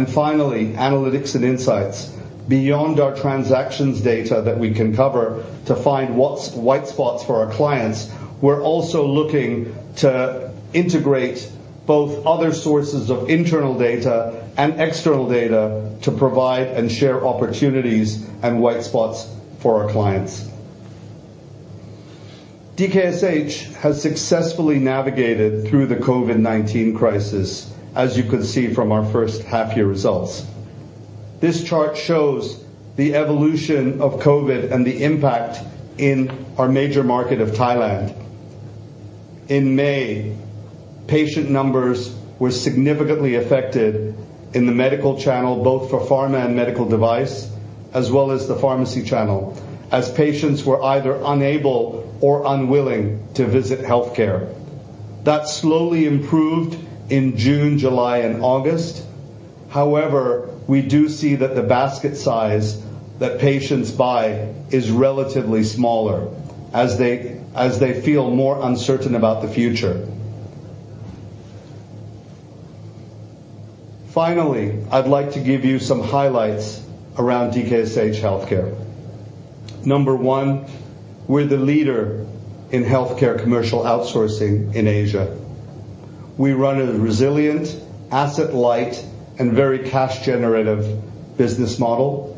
Finally, analytics and insights. Beyond our transactions data that we can cover to find what's white spots for our clients, we are also looking to integrate both other sources of internal data and external data to provide and share opportunities and white spots for our clients. DKSH has successfully navigated through the COVID-19 crisis, as you can see from our first half year results. This chart shows the evolution of COVID and the impact in our major market of Thailand. In May, patient numbers were significantly affected in the medical channel, both for pharma and medical device, as well as the pharmacy channel, as patients were either unable or unwilling to visit healthcare. That slowly improved in June, July, and August. However, we do see that the basket size that patients buy is relatively smaller as they feel more uncertain about the future. Finally, I'd like to give you some highlights around DKSH Healthcare. Number one, we're the leader in healthcare commercial outsourcing in Asia. We run a resilient asset light and very cash generative business model.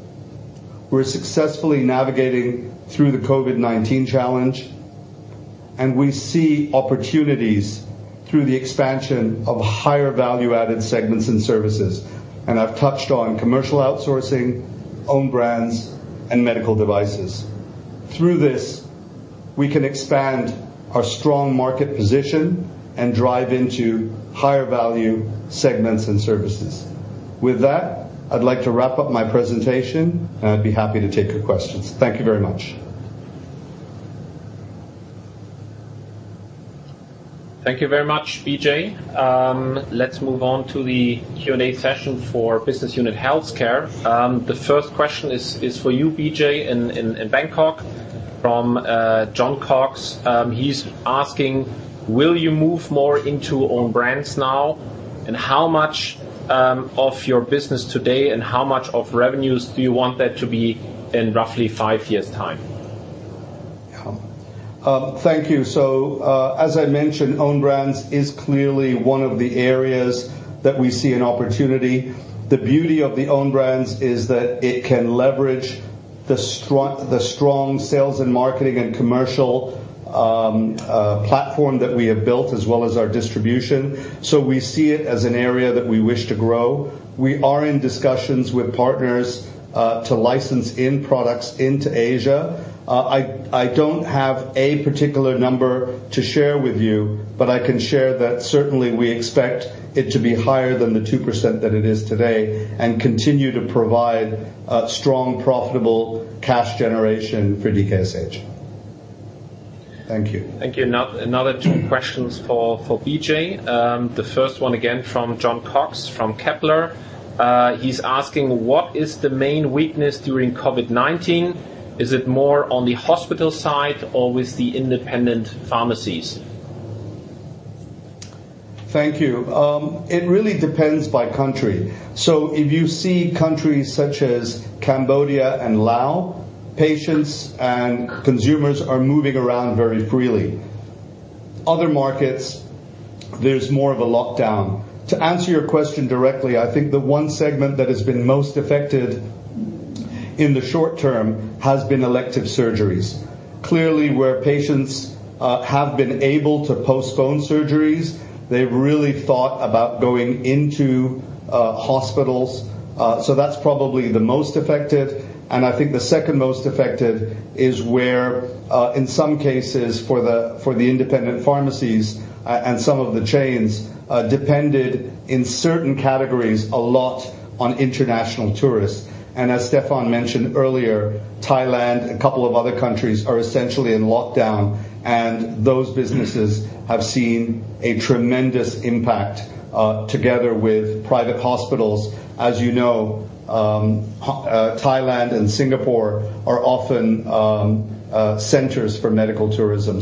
We're successfully navigating through the COVID-19 challenge, and we see opportunities through the expansion of higher value-added segments and services, and I've touched on commercial outsourcing, own brands, and medical devices. Through this, we can expand our strong market position and drive into higher value segments and services. With that, I'd like to wrap up my presentation, and I'd be happy to take your questions. Thank you very much. Thank you very much, Bijay. Let's move on to the Q&A session for Business Unit Healthcare. The first question is for you, Bijay, in Bangkok from Jon Cox. He's asking, will you move more into own brands now? And how much of your business today, and how much of revenues do you want that to be in roughly five years' time? Yeah. Thank you. As I mentioned, own brands is clearly one of the areas that we see an opportunity. The beauty of the own brands is that it can leverage the strong sales and marketing and commercial platform that we have built, as well as our distribution. We see it as an area that we wish to grow. We are in discussions with partners to license in products into Asia. I don't have a particular number to share with you, but I can share that certainly we expect it to be higher than the 2% that it is today and continue to provide a strong, profitable cash generation for DKSH. Thank you. Thank you. Another two questions for Bijay. The first one again from Jon Cox from Kepler. He's asking, what is the main weakness during COVID-19? Is it more on the hospital side or with the independent pharmacies? Thank you. It really depends by country. If you see countries such as Cambodia and Laos, patients and consumers are moving around very freely. Other markets, there's more of a lockdown. To answer your question directly, I think the one segment that has been most affected in the short term has been elective surgeries. Clearly, where patients have been able to postpone surgeries, they've really thought about going into hospitals. That's probably the most affected, and I think the second most affected is where, in some cases, for the independent pharmacies and some of the chains, depended in certain categories a lot on international tourists. As Stefan mentioned earlier, Thailand, a couple of other countries, are essentially in lockdown, and those businesses have seen a tremendous impact, together with private hospitals. As you know, Thailand and Singapore are often centers for medical tourism.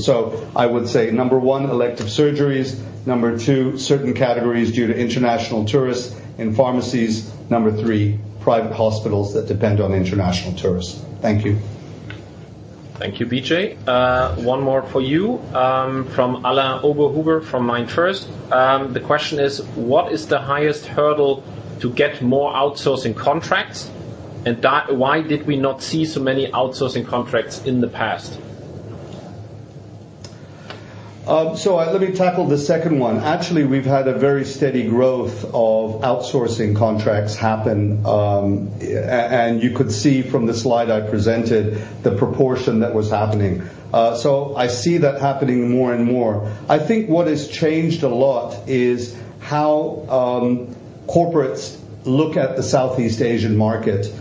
I would say, number one, elective surgeries. Number two, certain categories due to international tourists in pharmacies. Number three, private hospitals that depend on international tourists. Thank you. Thank you, Bijay. One more for you, from Alain Oberhuber from MainFirst. The question is, what is the highest hurdle to get more outsourcing contracts? Why did we not see so many outsourcing contracts in the past? Let me tackle the second one. Actually, we've had a very steady growth of outsourcing contracts happen, and you could see from the slide I presented the proportion that was happening. I see that happening more and more. I think what has changed a lot is how corporates look at the Southeast Asian market.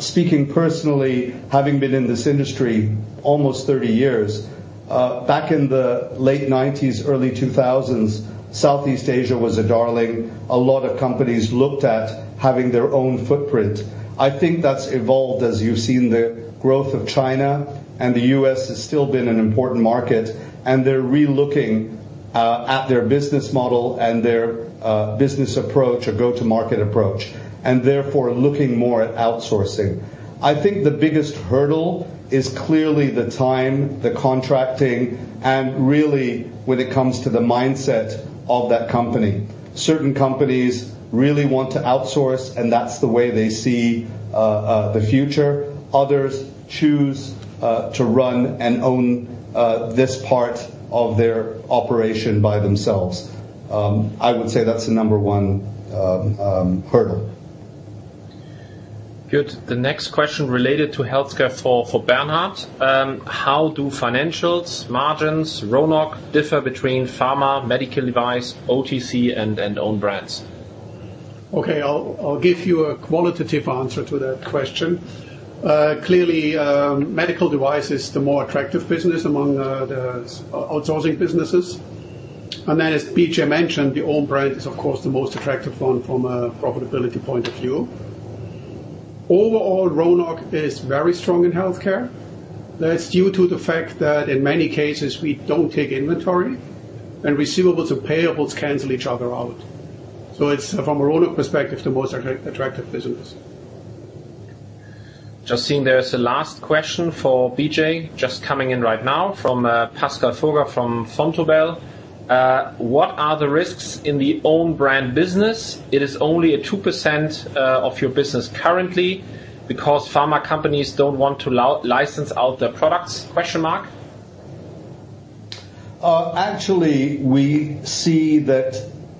Speaking personally, having been in this industry almost 30 years, back in the late 1990s, early 2000s, Southeast Asia was a darling. A lot of companies looked at having their own footprint. I think that's evolved as you've seen the growth of China, and the U.S. has still been an important market, and they're re-looking at their business model and their business approach or go-to-market approach, and therefore, looking more at outsourcing. I think the biggest hurdle is clearly the time, the contracting, and really when it comes to the mindset of that company. Certain companies really want to outsource, and that's the way they see the future. Others choose to run and own this part of their operation by themselves. I would say that's the number one hurdle. Good. The next question related to healthcare for Bernhard. How do financials, margins, RONOC differ between pharma, medical device, OTC, and own brands? Okay. I'll give you a qualitative answer to that question. Clearly, medical device is the more attractive business among the outsourcing businesses. Then, as Bijay mentioned, the own brand is, of course, the most attractive one from a profitability point of view. Overall, RONOC is very strong in healthcare. That's due to the fact that in many cases, we don't take inventory and receivables and payables cancel each other out. It's, from a RONOC perspective, the most attractive business. Just seeing there is a last question for Bijay just coming in right now from Pascal Furger, from Vontobel. What are the risks in the own brand business? It is only at 2% of your business currently because pharma companies don't want to license out their products? Actually, we see that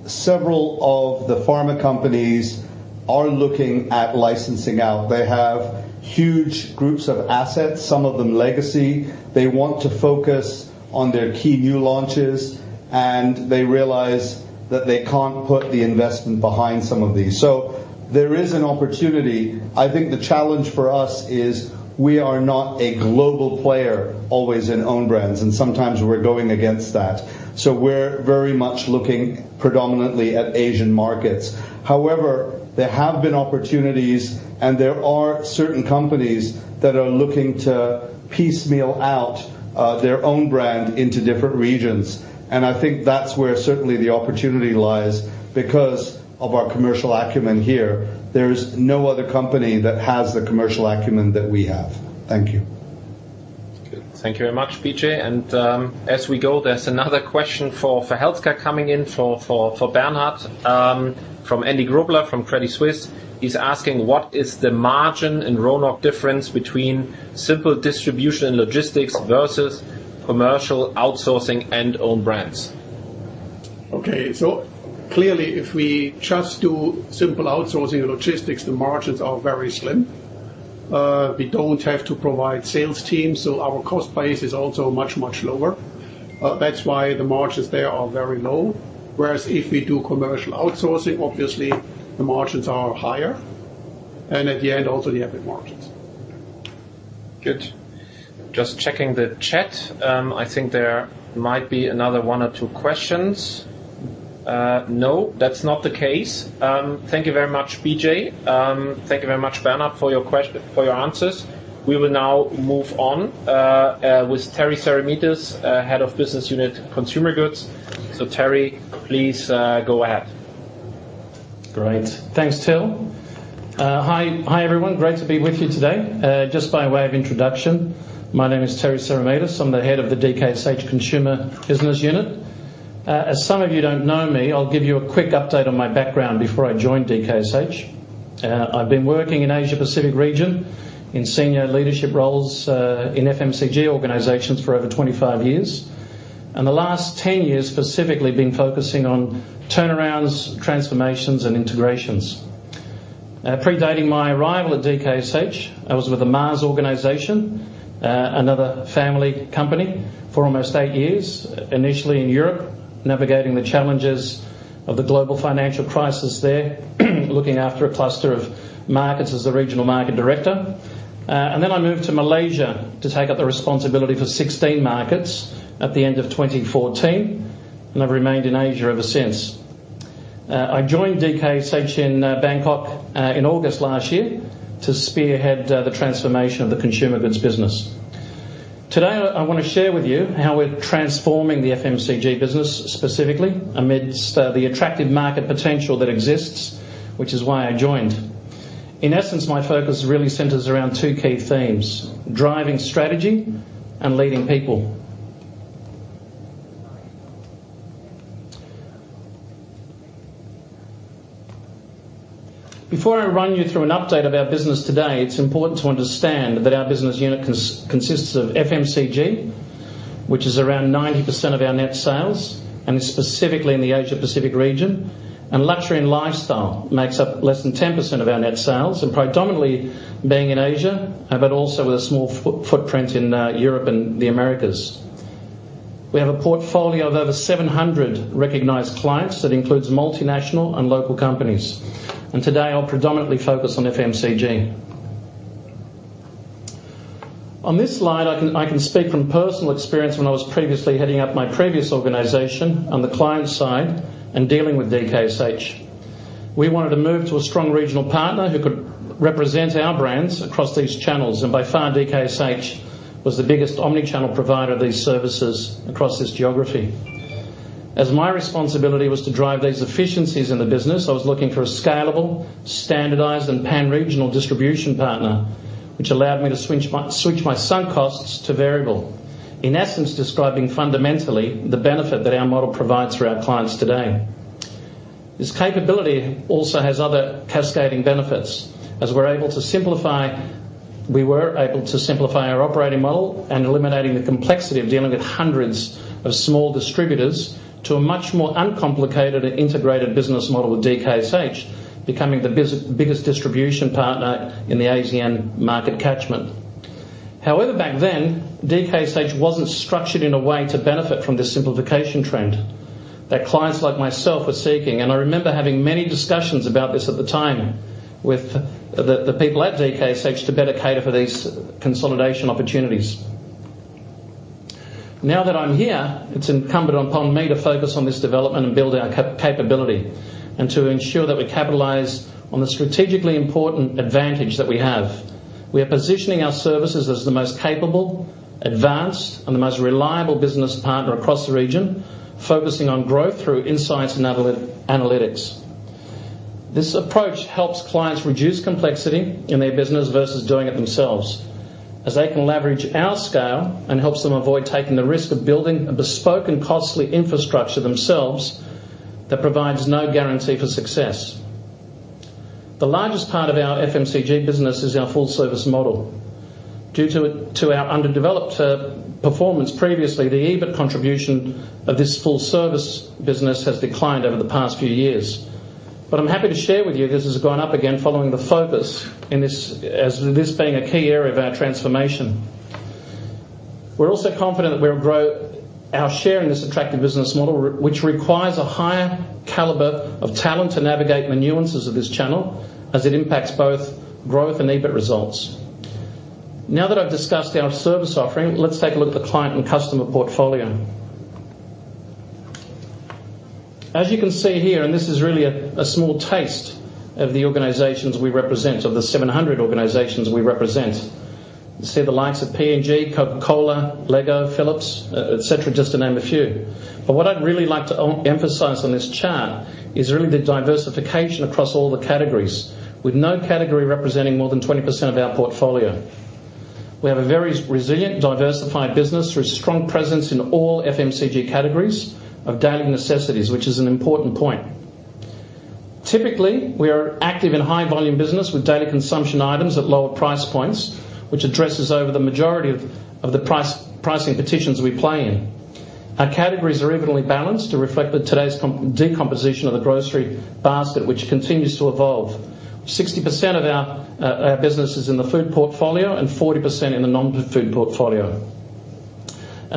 several of the pharma companies are looking at licensing out. They have huge groups of assets, some of them legacy. They want to focus on their key new launches, they realize that they can't put the investment behind some of these. There is an opportunity. I think the challenge for us is we are not a global player always in own brands, sometimes we're going against that. We're very much looking predominantly at Asian markets. However, there have been opportunities and there are certain companies that are looking to piecemeal out their own brand into different regions. I think that's where certainly the opportunity lies because of our commercial acumen here. There's no other company that has the commercial acumen that we have. Thank you. Good. Thank you very much, Bijay. As we go, there's another question for healthcare coming in for Bernhard, from Andy Grobler from Credit Suisse. He's asking, what is the margin and RONOC difference between simple distribution logistics versus commercial outsourcing and own brands? Clearly, if we just do simple outsourcing and logistics, the margins are very slim. We don't have to provide sales teams, so our cost base is also much lower. That's why the margins there are very low. Whereas if we do commercial outsourcing, obviously the margins are higher and at the end, also the EBIT margins. Good. Just checking the chat. I think there might be another one or two questions. No, that's not the case. Thank you very much, Bijay. Thank you very much, Bernhard, for your answers. We will now move on with Terry Seremetis, Head of Business Unit Consumer Goods. Terry, please go ahead. Great. Thanks, Till. Hi, everyone. Great to be with you today. Just by way of introduction, my name is Terry Seremetis. I'm the Head of the DKSH Consumer Business Unit. As some of you don't know me, I'll give you a quick update on my background before I joined DKSH. I've been working in Asia-Pacific region in senior leadership roles in FMCG organizations for over 25 years. The last 10 years specifically been focusing on turnarounds, transformations, and integrations. Predating my arrival at DKSH, I was with the Mars organization, another family company for almost eight years. Initially in Europe, navigating the challenges of the global financial crisis there, looking after a cluster of markets as the Regional Market Director. Then I moved to Malaysia to take up the responsibility for 16 markets at the end of 2014, and I've remained in Asia ever since. I joined DKSH in Bangkok, in August last year to spearhead the transformation of the consumer goods business. Today, I want to share with you how we're transforming the FMCG business specifically amidst the attractive market potential that exists, which is why I joined. In essence, my focus really centers around two key themes: driving strategy and leading people. Before I run you through an update of our business today, it's important to understand that our business unit consists of FMCG, which is around 90% of our net sales, and specifically in the Asia Pacific region, and luxury and lifestyle makes up less than 10% of our net sales, and predominantly being in Asia, but also with a small footprint in Europe and the Americas. We have a portfolio of over 700 recognized clients that includes multinational and local companies. Today, I'll predominantly focus on FMCG. On this slide, I can speak from personal experience when I was previously heading up my previous organization on the client side and dealing with DKSH. We wanted to move to a strong regional partner who could represent our brands across these channels, and by far, DKSH was the biggest omni-channel provider of these services across this geography. As my responsibility was to drive these efficiencies in the business, I was looking for a scalable, standardized, and pan-regional distribution partner, which allowed me to switch my sunk costs to variable. In essence, describing fundamentally the benefit that our model provides for our clients today. This capability also has other cascading benefits, as we were able to simplify our operating model and eliminating the complexity of dealing with hundreds of small distributors to a much more uncomplicated and integrated business model with DKSH becoming the biggest distribution partner in the ASEAN market catchment. However, back then, DKSH wasn't structured in a way to benefit from this simplification trend that clients like myself were seeking, and I remember having many discussions about this at the time with the people at DKSH to better cater for these consolidation opportunities. Now that I'm here, it's incumbent upon me to focus on this development and build our capability and to ensure that we capitalize on the strategically important advantage that we have. We are positioning our services as the most capable, advanced, and the most reliable business partner across the region, focusing on growth through insights and analytics. This approach helps clients reduce complexity in their business versus doing it themselves, as they can leverage our scale and helps them avoid taking the risk of building a bespoke and costly infrastructure themselves that provides no guarantee for success. The largest part of our FMCG business is our full-service model. Due to our underdeveloped performance previously, the EBIT contribution of this full-service business has declined over the past few years. I'm happy to share with you this has gone up again following the focus as this being a key area of our transformation. We're also confident that we'll grow our share in this attractive business model, which requires a higher caliber of talent to navigate the nuances of this channel as it impacts both growth and EBIT results. Now that I've discussed our service offering, let's take a look at the client and customer portfolio. As you can see here, and this is really a small taste of the organizations we represent, of the 700 organizations we represent. You see the likes of P&G, Coca-Cola, L, Philips, et cetera, just to name a few. What I'd really like to emphasize on this chart is really the diversification across all the categories, with no category representing more than 20% of our portfolio. We have a very resilient, diversified business through a strong presence in all FMCG categories of daily necessities, which is an important point. Typically, we are active in high volume business with daily consumption items at lower price points, which addresses over the majority of the pricing petitions we play in. Our categories are evenly balanced to reflect today's decomposition of the grocery basket, which continues to evolve. 60% of our business is in the food portfolio and 40% in the non-food portfolio.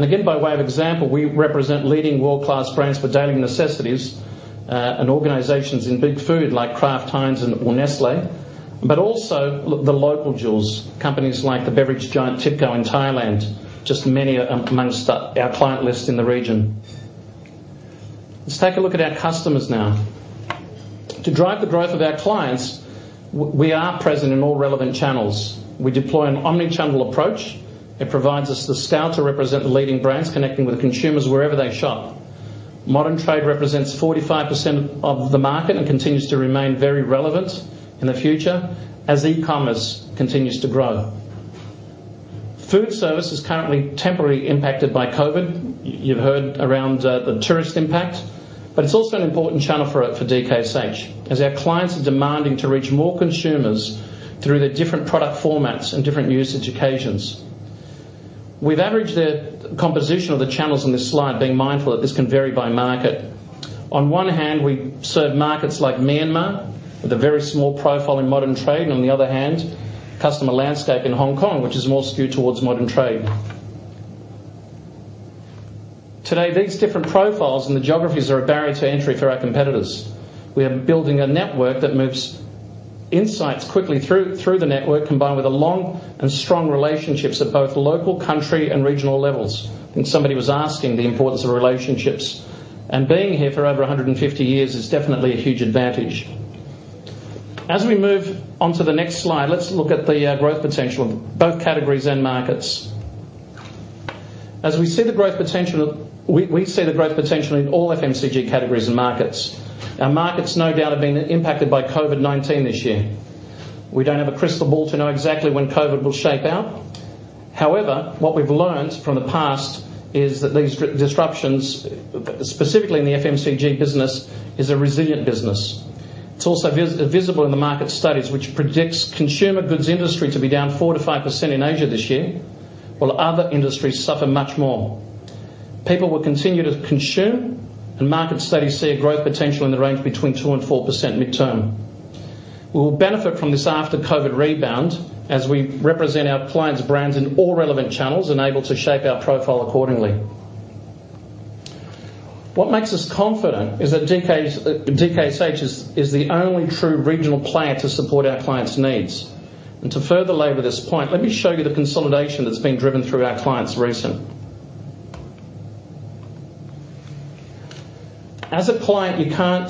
Again, by way of example, we represent leading world-class brands for daily necessities, and organizations in big food like Kraft Heinz or Nestlé, but also the local jewels, companies like the beverage giant Tipco in Thailand, just many amongst our client list in the region. Let's take a look at our customers now. To drive the growth of our clients, we are present in all relevant channels. We deploy an omni-channel approach. It provides us the scale to represent the leading brands, connecting with consumers wherever they shop. Modern trade represents 45% of the market and continues to remain very relevant in the future as e-commerce continues to grow. Food service is currently temporarily impacted by COVID. You've heard around the tourist impact, but it's also an important channel for DKSH, as our clients are demanding to reach more consumers through the different product formats and different usage occasions. We've averaged the composition of the channels on this slide, being mindful that this can vary by market. On one hand, we serve markets like Myanmar with a very small profile in modern trade, and on the other hand, customer landscape in Hong Kong, which is more skewed towards modern trade. Today, these different profiles and the geographies are a barrier to entry for our competitors. We are building a network that moves insights quickly through the network, combined with the long and strong relationships at both local, country, and regional levels. Somebody was asking the importance of relationships. Being here for over 150 years is definitely a huge advantage. As we move on to the next slide, let's look at the growth potential of both categories and markets. As we see the growth potential, we see the growth potential in all FMCG categories and markets. Our markets, no doubt, have been impacted by COVID-19 this year. We don't have a crystal ball to know exactly when COVID will shake out. However, what we've learned from the past is that these disruptions, specifically in the FMCG business, is a resilient business. It's also visible in the market studies, which predicts consumer goods industry to be down 4%-5% in Asia this year, while other industries suffer much more. People will continue to consume. Market studies see a growth potential in the range between 2% and 4% midterm. We will benefit from this after-COVID rebound as we represent our clients' brands in all relevant channels and able to shape our profile accordingly. What makes us confident is that DKSH is the only true regional player to support our clients' needs. To further labor this point, let me show you the consolidation that's been driven through our clients recently. As a client, you can't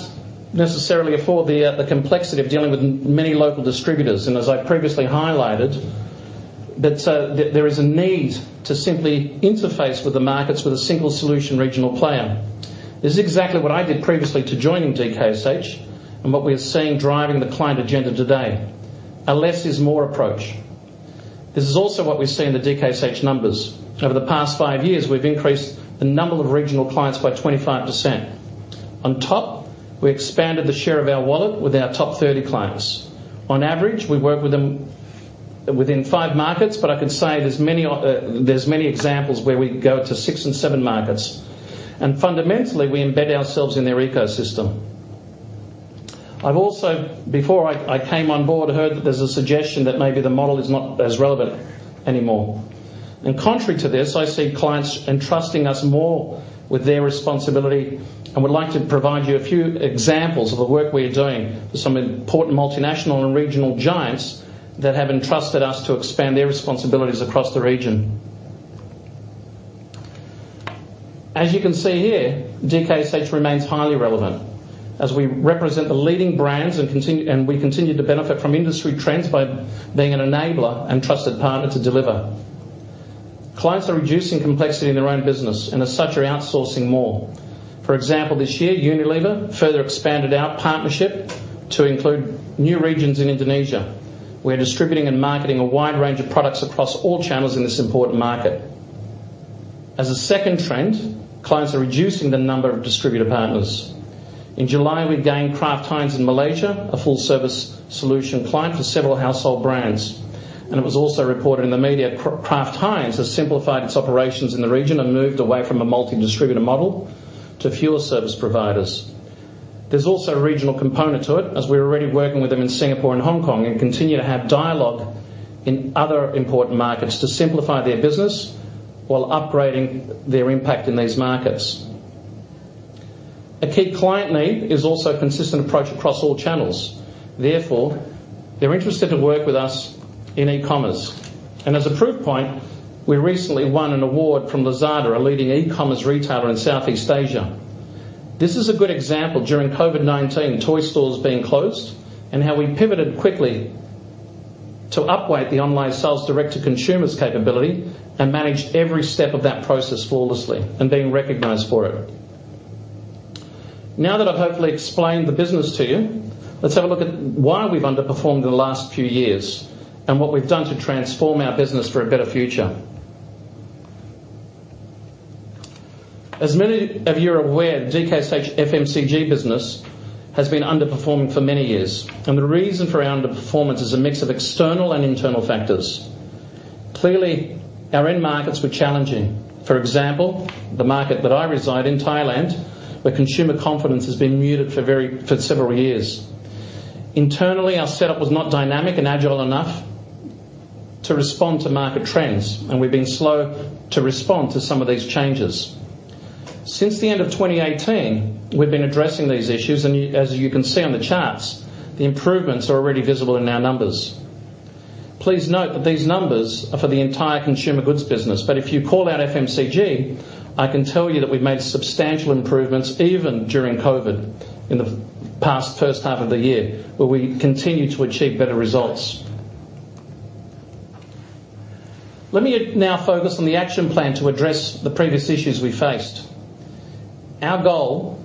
necessarily afford the complexity of dealing with many local distributors, and as I previously highlighted, that there is a need to simply interface with the markets with a single solution regional player. This is exactly what I did previously to joining DKSH and what we are seeing driving the client agenda today. A less is more approach. This is also what we see in the DKSH numbers. Over the past five years, we've increased the number of regional clients by 25%. On top, we expanded the share of our wallet with our top 30 clients. On average, we work with them within five markets, but I can say there's many examples where we go to six and seven markets. Fundamentally, we embed ourselves in their ecosystem. Before I came on board, heard that there's a suggestion that maybe the model is not as relevant anymore. In contrary to this, I see clients entrusting us more with their responsibility, and would like to provide you a few examples of the work we are doing with some important multinational and regional giants that have entrusted us to expand their responsibilities across the region. As you can see here, DKSH remains highly relevant as we represent the leading brands and we continue to benefit from industry trends by being an enabler and trusted partner to deliver. Clients are reducing complexity in their own business and as such, are outsourcing more. For example, this year, Unilever further expanded our partnership to include new regions in Indonesia. We are distributing and marketing a wide range of products across all channels in this important market. As a second trend, clients are reducing the number of distributor partners. In July, we gained Kraft Heinz in Malaysia, a full service solution client with several household brands. It was also reported in the media Kraft Heinz has simplified its operations in the region and moved away from a multi-distributor model to fewer service providers. There's also a regional component to it as we're already working with them in Singapore and Hong Kong and continue to have dialogue in other important markets to simplify their business while upgrading their impact in these markets. A key client need is also consistent approach across all channels. Therefore, they're interested to work with us in e-commerce. As a proof point, we recently won an award from Lazada, a leading e-commerce retailer in Southeast Asia. This is a good example during COVID-19, toy stores being closed, and how we pivoted quickly to upweight the online sales direct-to-consumers capability and manage every step of that process flawlessly and being recognized for it. Now that I've hopefully explained the business to you, let's have a look at why we've underperformed the last few years and what we've done to transform our business for a better future. As many of you are aware, DKSH FMCG business has been underperforming for many years, and the reason for our underperformance is a mix of external and internal factors. Clearly, our end markets were challenging. For example, the market that I reside in, Thailand, where consumer confidence has been muted for several years. Internally, our setup was not dynamic and agile enough to respond to market trends, and we've been slow to respond to some of these changes. Since the end of 2018, we've been addressing these issues, and as you can see on the charts, the improvements are already visible in our numbers. Please note that these numbers are for the entire consumer goods business. If you call out FMCG, I can tell you that we've made substantial improvements even during COVID in the past first half of the year, where we continue to achieve better results. Let me now focus on the action plan to address the previous issues we faced. Our goal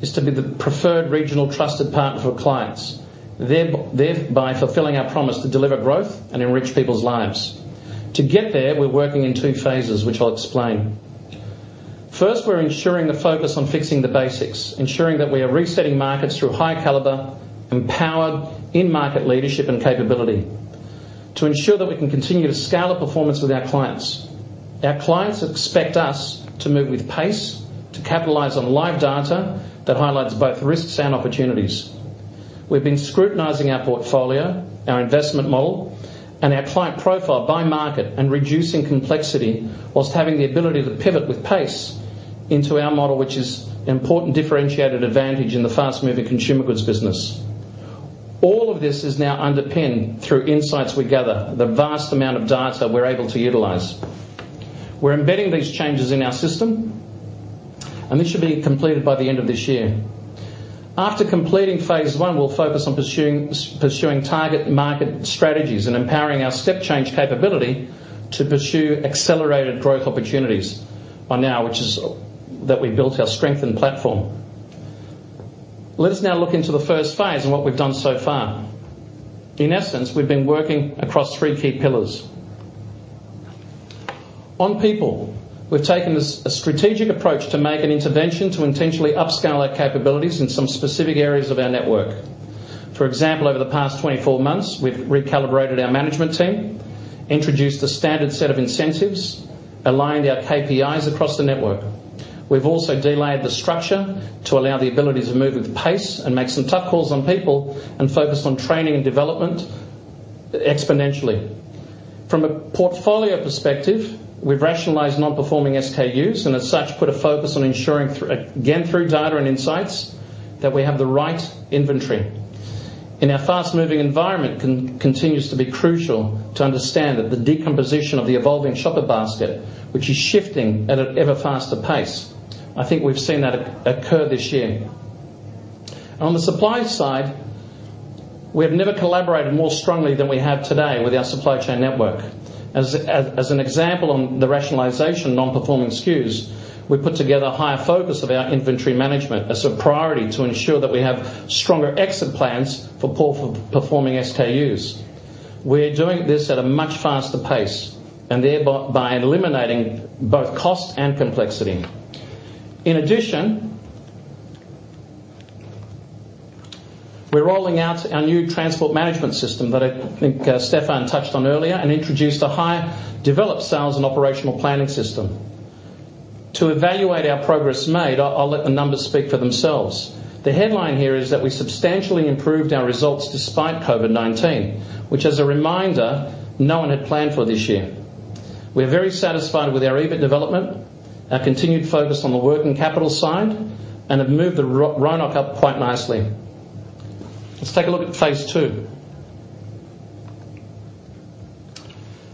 is to be the preferred regional trusted partner for clients, thereby fulfilling our promise to deliver growth and enrich people's lives. To get there, we're working in two phases, which I'll explain. First, we're ensuring a focus on fixing the basics, ensuring that we are resetting markets through high caliber, empowered in-market leadership and capability to ensure that we can continue to scale up performance with our clients. Our clients expect us to move with pace, to capitalize on live data that highlights both risks and opportunities. We've been scrutinizing our portfolio, our investment model, and our client profile by market and reducing complexity while having the ability to pivot with pace into our model, which is an important differentiated advantage in the fast-moving consumer goods business. All of this is now underpinned through insights we gather, the vast amount of data we're able to utilize. We're embedding these changes in our system, and this should be completed by the end of this year. After completing phase I, we'll focus on pursuing target market strategies and empowering our step change capability to pursue accelerated growth opportunities by now, which is that we built our strengthened platform. Let's now look into the first phase and what we've done so far. In essence, we've been working across three key pillars. On people, we've taken a strategic approach to make an intervention to intentionally upscale our capabilities in some specific areas of our network. For example, over the past 24 months, we've recalibrated our management team, introduced a standard set of incentives, aligned our KPIs across the network. We've also delayered the structure to allow the ability to move with pace and make some tough calls on people, and focused on training and development exponentially. From a portfolio perspective, we've rationalized non-performing SKUs, and as such, put a focus on ensuring, again, through data and insights, that we have the right inventory. In our fast-moving environment, it continues to be crucial to understand that the decomposition of the evolving shopper basket, which is shifting at an ever faster pace. I think we've seen that occur this year. On the supply side, we have never collaborated more strongly than we have today with our supply chain network. As an example on the rationalization of non-performing SKUs, we put together a higher focus of our inventory management as a priority to ensure that we have stronger exit plans for poor performing SKUs. We're doing this at a much faster pace, and thereby eliminating both cost and complexity. In addition, we're rolling out our new transport management system that I think Stefan touched on earlier and introduced a higher developed sales and operational planning system. To evaluate our progress made, I'll let the numbers speak for themselves. The headline here is that we substantially improved our results despite COVID-19, which as a reminder, no one had planned for this year. We are very satisfied with our EBIT development, our continued focus on the working capital side, and have moved the RONOC up quite nicely. Let's take a look at phase II.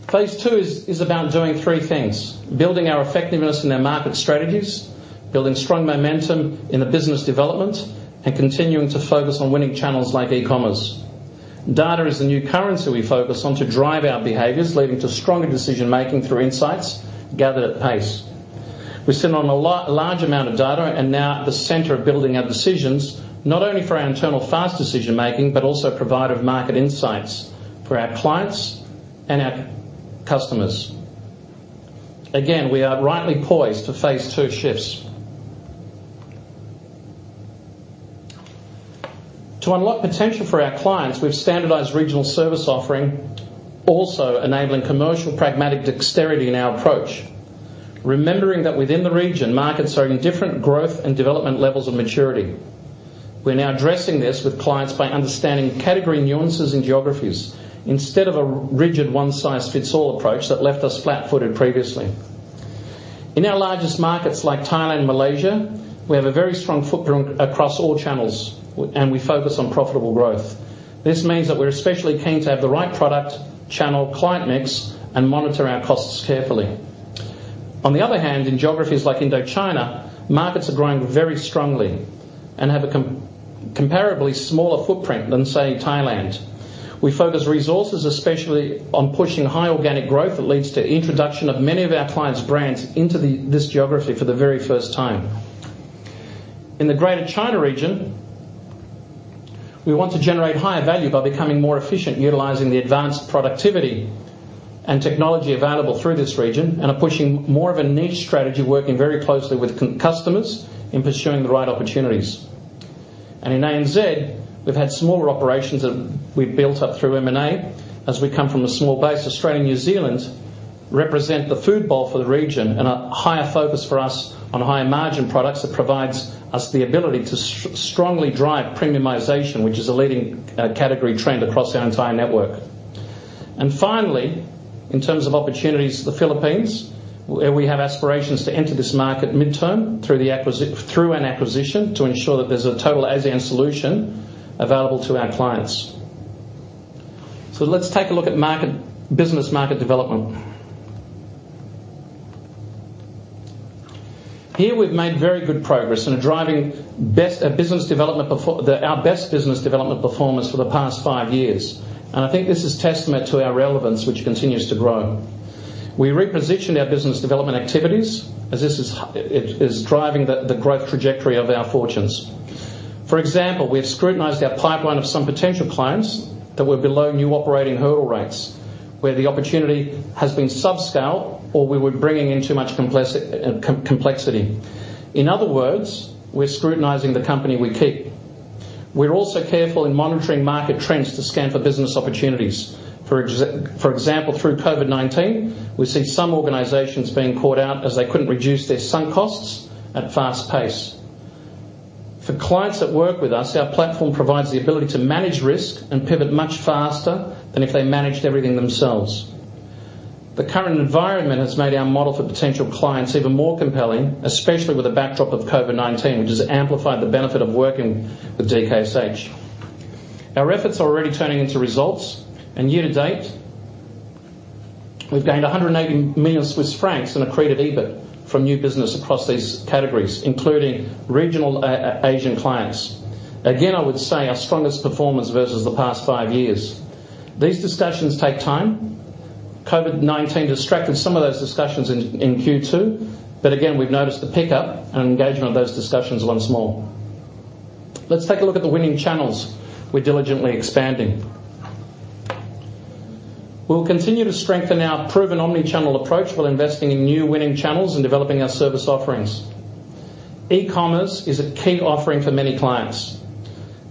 Phase II is about doing three things: building our effectiveness in our market strategies, building strong momentum in the business development, and continuing to focus on winning channels like e-commerce. Data is the new currency we focus on to drive our behaviors, leading to stronger decision-making through insights gathered at pace. We sit on a large amount of data and now at the center of building our decisions, not only for our internal fast decision-making, but also provider of market insights for our clients and our customers. Again, we are rightly poised for phase two shifts. To unlock potential for our clients, we've standardized regional service offering, also enabling commercial pragmatic dexterity in our approach. Remembering that within the region, markets are in different growth and development levels of maturity. We're now addressing this with clients by understanding category nuances and geographies instead of a rigid one-size-fits-all approach that left us flat-footed previously. In our largest markets like Thailand and Malaysia, we have a very strong footprint across all channels, and we focus on profitable growth. This means that we're especially keen to have the right product, channel, client mix, and monitor our costs carefully. On the other hand, in geographies like Indochina, markets are growing very strongly and have a comparably smaller footprint than, say, Thailand. We focus resources, especially on pushing high organic growth that leads to introduction of many of our clients' brands into this geography for the very first time. In the Greater China region, we want to generate higher value by becoming more efficient, utilizing the advanced productivity and technology available through this region and are pushing more of a niche strategy, working very closely with customers in pursuing the right opportunities. In ANZ, we've had smaller operations that we've built up through M&A. As we come from a small base, Australia and New Zealand represent the food bowl for the region and a higher focus for us on higher margin products that provides us the ability to strongly drive premiumization, which is a leading category trend across our entire network. Finally, in terms of opportunities, the Philippines, we have aspirations to enter this market midterm through an acquisition to ensure that there's a total ASEAN solution available to our clients. Let's take a look at business market development. Here we've made very good progress and are driving our best business development performance for the past five years. I think this is testament to our relevance, which continues to grow. We repositioned our business development activities as this is driving the growth trajectory of our fortunes. For example, we have scrutinized our pipeline of some potential clients that were below new operating hurdle rates, where the opportunity has been subscale, or we were bringing in too much complexity. In other words, we're scrutinizing the company we keep. We're also careful in monitoring market trends to scan for business opportunities. For example, through COVID-19, we see some organizations being caught out as they couldn't reduce their sunk costs at fast pace. For clients that work with us, our platform provides the ability to manage risk and pivot much faster than if they managed everything themselves. The current environment has made our model for potential clients even more compelling, especially with the backdrop of COVID-19, which has amplified the benefit of working with DKSH. Our efforts are already turning into results. Year-to-date, we've gained 180 million Swiss francs in accreted EBIT from new business across these categories, including regional Asian clients. Again, I would say our strongest performance versus the past five years. These discussions take time. COVID-19 distracted some of those discussions in Q2. Again, we've noticed a pickup and engagement on those discussions once more. Let's take a look at the winning channels we're diligently expanding. We'll continue to strengthen our proven omni-channel approach while investing in new winning channels and developing our service offerings. E-commerce is a key offering for many clients.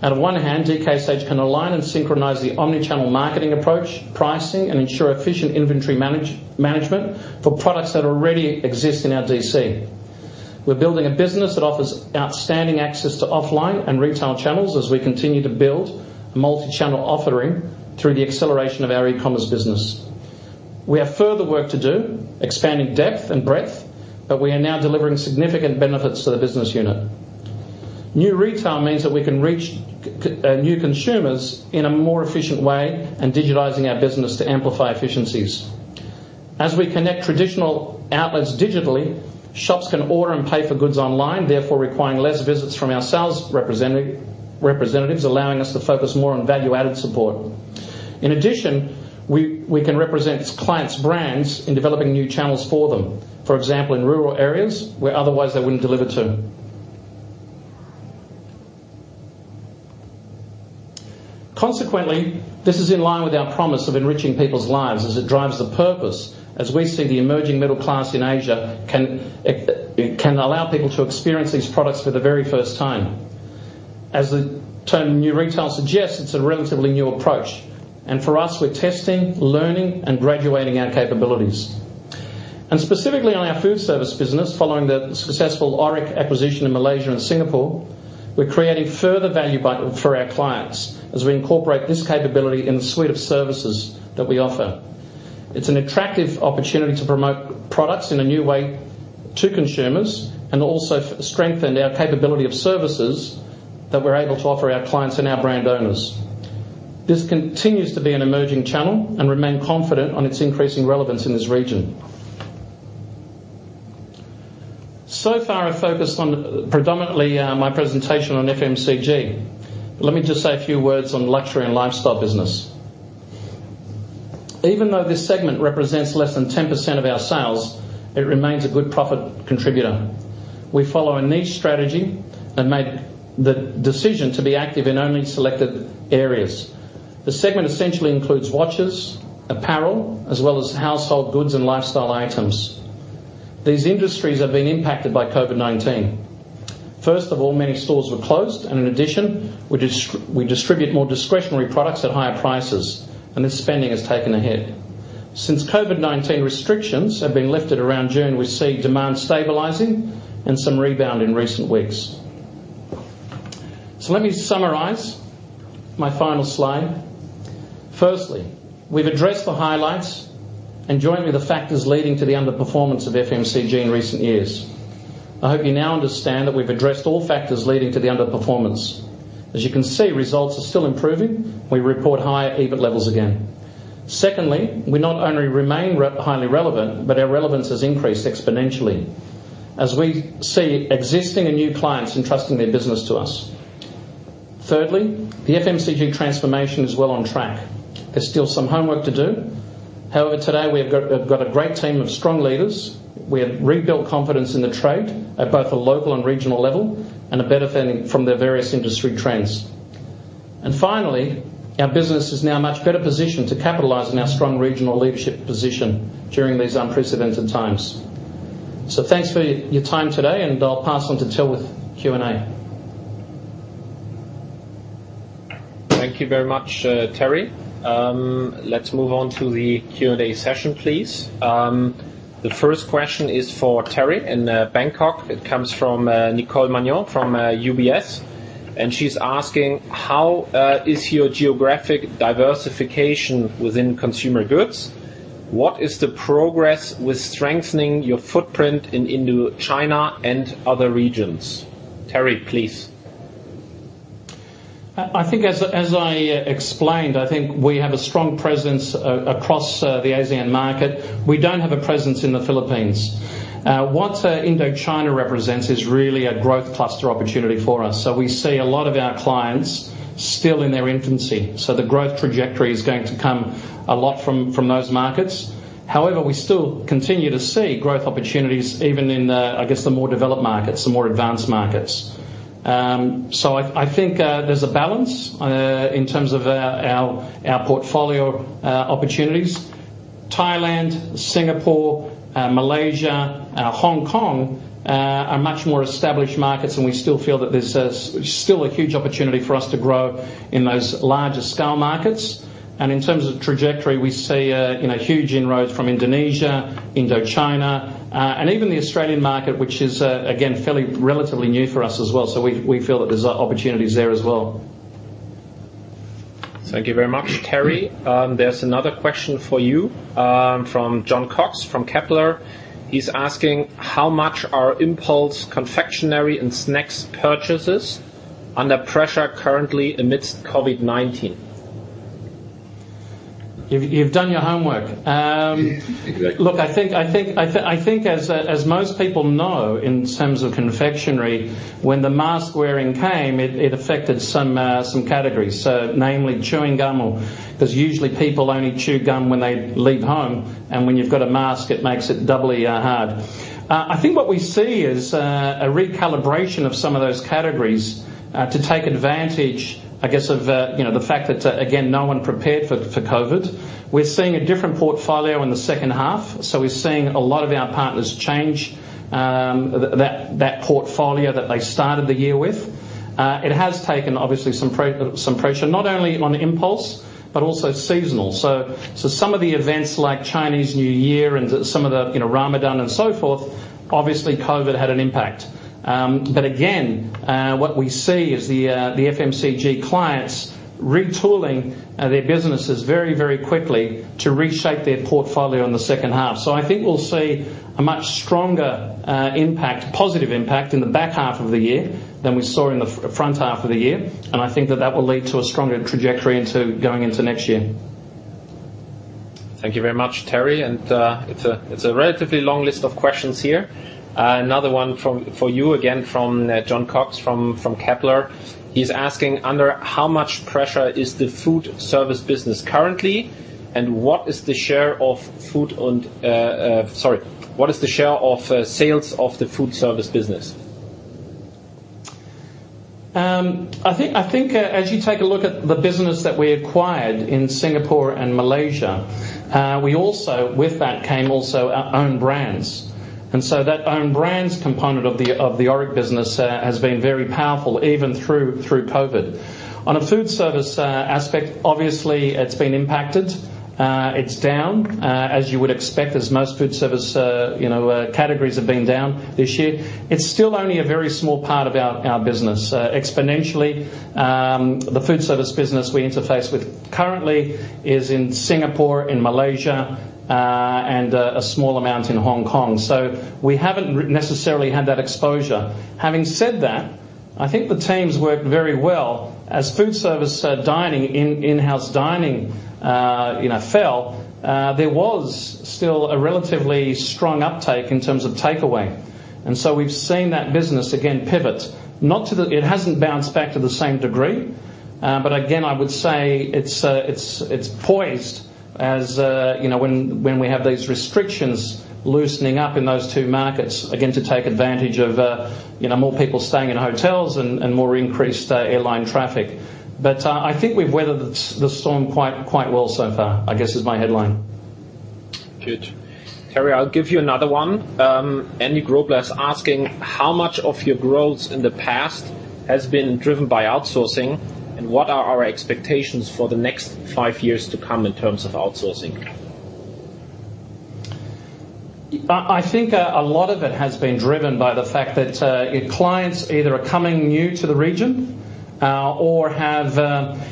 On one hand, DKSH can align and synchronize the omni-channel marketing approach, pricing, and ensure efficient inventory management for products that already exist in our DC. We're building a business that offers outstanding access to offline and retail channels as we continue to build a multi-channel offering through the acceleration of our e-commerce business. We have further work to do expanding depth and breadth, but we are now delivering significant benefits to the business unit. New retail means that we can reach new consumers in a more efficient way and digitizing our business to amplify efficiencies. As we connect traditional outlets digitally, shops can order and pay for goods online, therefore requiring less visits from our sales representatives, allowing us to focus more on value-added support. In addition, we can represent clients' brands in developing new channels for them. For example, in rural areas where otherwise they wouldn't deliver to. Consequently, this is in line with our promise of enriching people's lives as it drives the purpose, as we see the emerging middle class in Asia can allow people to experience these products for the very first time. As the term new retail suggests, it's a relatively new approach, and for us, we're testing, learning, and graduating our capabilities. Specifically on our food service business, following the successful Auric acquisition in Malaysia and Singapore, we're creating further value for our clients as we incorporate this capability in the suite of services that we offer. It's an attractive opportunity to promote products in a new way to consumers, and also strengthen our capability of services that we're able to offer our clients and our brand owners. This continues to be an emerging channel and remain confident on its increasing relevance in this region. Far, I've focused predominantly my presentation on FMCG, but let me just say a few words on luxury and lifestyle business. Even though this segment represents less than 10% of our sales, it remains a good profit contributor. We follow a niche strategy and made the decision to be active in only selected areas. The segment essentially includes watches, apparel, as well as household goods and lifestyle items. These industries have been impacted by COVID-19. First of all, many stores were closed, and in addition, we distribute more discretionary products at higher prices, and this spending has taken a hit. Since COVID-19 restrictions have been lifted around June, we see demand stabilizing and some rebound in recent weeks. Let me summarize my final slide. Firstly, we've addressed the highlights and jointly the factors leading to the underperformance of FMCG in recent years. I hope you now understand that we've addressed all factors leading to the underperformance. As you can see, results are still improving. We report higher EBIT levels again. Secondly, we not only remain highly relevant, but our relevance has increased exponentially as we see existing and new clients entrusting their business to us. Thirdly, the FMCG transformation is well on track. There's still some homework to do. However, today we have got a great team of strong leaders. We have rebuilt confidence in the trade at both a local and regional level and are benefiting from the various industry trends. Finally, our business is now much better positioned to capitalize on our strong regional leadership position during these unprecedented times. Thanks for your time today, and I'll pass on to Till with Q&A. Thank you very much, Terry. Let's move on to the Q&A session, please. The first question is for Terry in Bangkok. It comes from Nicole Manion from UBS. She's asking, how is your geographic diversification within consumer goods? What is the progress with strengthening your footprint in Indochina and other regions? Terry, please. I think as I explained, I think we have a strong presence across the ASEAN market. We don't have a presence in the Philippines. What Indochina represents is really a growth cluster opportunity for us. We see a lot of our clients still in their infancy. The growth trajectory is going to come a lot from those markets. However, we still continue to see growth opportunities even in the, I guess, the more developed markets, the more advanced markets. I think there's a balance in terms of our portfolio opportunities. Thailand, Singapore, Malaysia, Hong Kong are much more established markets, and we still feel that there's still a huge opportunity for us to grow in those larger scale markets. In terms of trajectory, we see huge inroads from Indonesia, Indochina, and even the Australian market, which is, again, fairly relatively new for us as well. We feel that there's opportunities there as well. Thank you very much, Terry. There's another question for you from Jon Cox from Kepler. He's asking: how much are impulse confectionery and snacks purchases under pressure currently amidst COVID-19? You've done your homework. Yeah, exactly. Look, I think as most people know, in terms of confectionery, when the mask wearing came, it affected some categories. Namely chewing gum, because usually people only chew gum when they leave home, and when you've got a mask, it makes it doubly hard. I think what we see is a recalibration of some of those categories to take advantage, I guess, of the fact that, again, no one prepared for COVID. We're seeing a different portfolio in the second half. We're seeing a lot of our partners change that portfolio that they started the year with. It has taken, obviously, some pressure, not only on impulse, but also seasonal. Some of the events like Chinese New Year and some of the Ramadan and so forth, obviously COVID had an impact. Again, what we see is the FMCG clients retooling their businesses very quickly to reshape their portfolio in the second half. I think we'll see a much stronger impact, positive impact, in the back half of the year than we saw in the front half of the year. I think that will lead to a stronger trajectory going into next year. Thank you very much, Terry. It's a relatively long list of questions here. Another one for you again from Jon Cox from Kepler. He's asking, under how much pressure is the food service business currently, and what is the share of sales of the food service business? I think as you take a look at the business that we acquired in Singapore and Malaysia, with that came also our own brands. That own brands component of the Auric business has been very powerful, even through COVID. On a food service aspect, obviously, it's been impacted. It's down, as you would expect, as most food service categories have been down this year. It's still only a very small part of our business. Exponentially, the food service business we interface with currently is in Singapore, in Malaysia, and a small amount in Hong Kong. We haven't necessarily had that exposure. Having said that, I think the teams worked very well. As food service dining, in-house dining fell, there was still a relatively strong uptake in terms of takeaway. We've seen that business, again, pivot. It hasn't bounced back to the same degree. Again, I would say it's poised as when we have these restrictions loosening up in those two markets, again, to take advantage of more people staying in hotels and more increased airline traffic. I think we've weathered the storm quite well so far, I guess, is my headline. Good. Terry, I'll give you another one. Andy Grobler is asking, how much of your growth in the past has been driven by outsourcing, and what are our expectations for the next five years to come in terms of outsourcing? I think a lot of it has been driven by the fact that clients either are coming new to the region or have.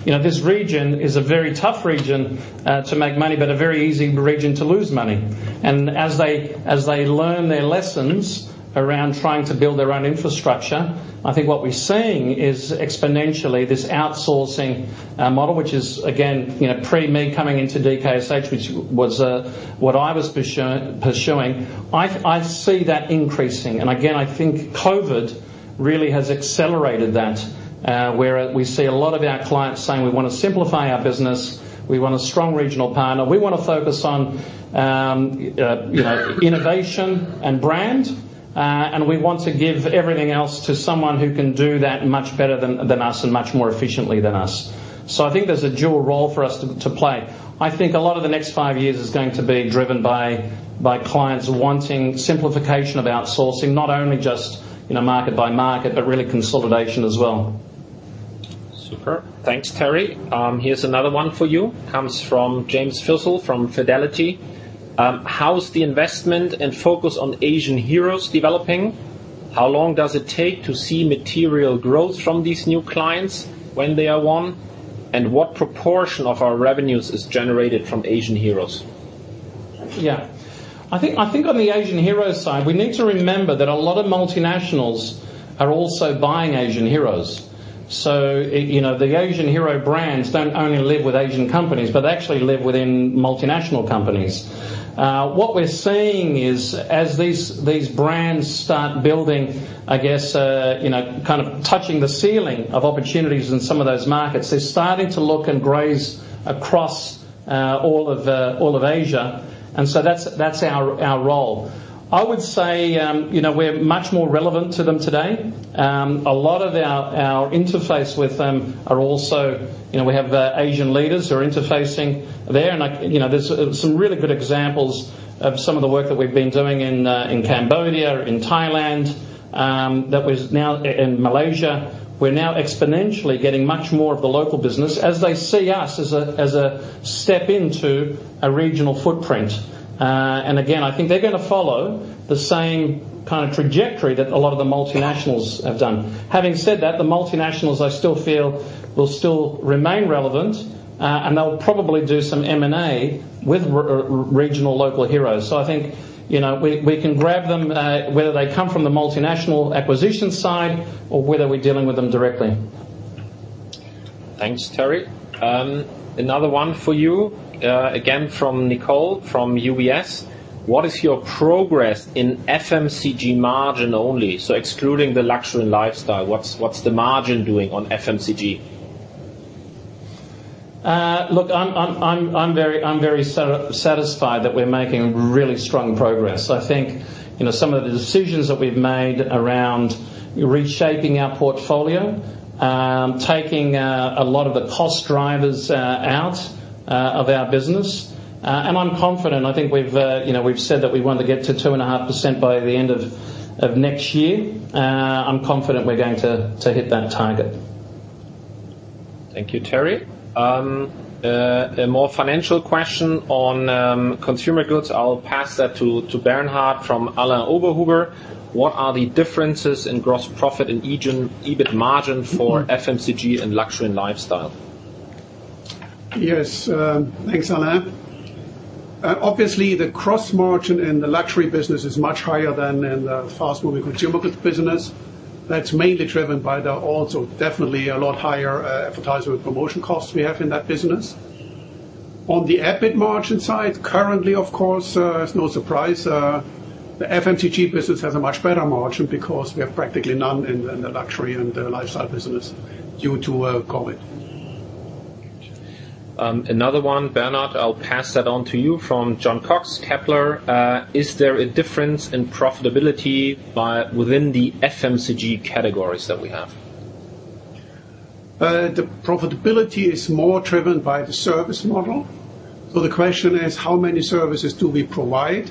This region is a very tough region to make money, but a very easy region to lose money. As they learn their lessons around trying to build their own infrastructure, I think what we're seeing is exponentially this outsourcing model, which is, again, pre-me coming into DKSH, which was what I was pursuing. I see that increasing. Again, I think COVID really has accelerated that, where we see a lot of our clients saying, "We want to simplify our business. We want a strong regional partner." We want to focus on innovation and brand, and we want to give everything else to someone who can do that much better than us and much more efficiently than us. I think there's a dual role for us to play. I think a lot of the next five years is going to be driven by clients wanting simplification of outsourcing, not only just market by market, but really consolidation as well. Super. Thanks, Terry. Here's another one for you. Comes from James Filsell from Fidelity. "How's the investment and focus on Asian heroes developing? How long does it take to see material growth from these new clients when they are won? And what proportion of our revenues is generated from Asian heroes? Yeah. I think on the Asian heroes side, we need to remember that a lot of multinationals are also buying Asian heroes. The Asian hero brands don't only live with Asian companies, but they actually live within multinational companies. What we're seeing is, as these brands start building, I guess, kind of touching the ceiling of opportunities in some of those markets, they're starting to look and graze across all of Asia. That's our role. I would say we're much more relevant to them today. A lot of our interface with them are also, we have Asian leaders who are interfacing there. There's some really good examples of some of the work that we've been doing in Cambodia, in Thailand, in Malaysia. We're now exponentially getting much more of the local business as they see us as a step into a regional footprint. Again, I think they're going to follow the same kind of trajectory that a lot of the multinationals have done. Having said that, the multinationals, I still feel, will still remain relevant, and they'll probably do some M&A with regional local heroes. I think we can grab them, whether they come from the multinational acquisition side or whether we're dealing with them directly. Thanks, Terry. Another one for you, again from Nicole from UBS, what is your progress in FMCG margin only? Excluding the luxury and lifestyle, what's the margin doing on FMCG? Look, I'm very satisfied that we're making really strong progress. I think some of the decisions that we've made around reshaping our portfolio, taking a lot of the cost drivers out of our business, and I'm confident, I think we've said that we want to get to 2.5% by the end of next year. I'm confident we're going to hit that target. Thank you, Terry. A more financial question on consumer goods. I'll pass that to Bernhard from Alain Oberhuber. What are the differences in gross profit and EBIT margin for FMCG and luxury and lifestyle? Yes, thanks, Alain. Obviously, the gross margin in the luxury business is much higher than in the fast-moving consumer goods business. That's mainly driven by the also definitely a lot higher advertising promotion costs we have in that business. On the EBIT margin side, currently, of course, it's no surprise, the FMCG business has a much better margin because we have practically none in the luxury and the lifestyle business due to COVID. Another one, Bernhard, I'll pass that on to you from Jon Cox, Kepler. Is there a difference in profitability within the FMCG categories that we have? The profitability is more driven by the service model. The question is, how many services do we provide,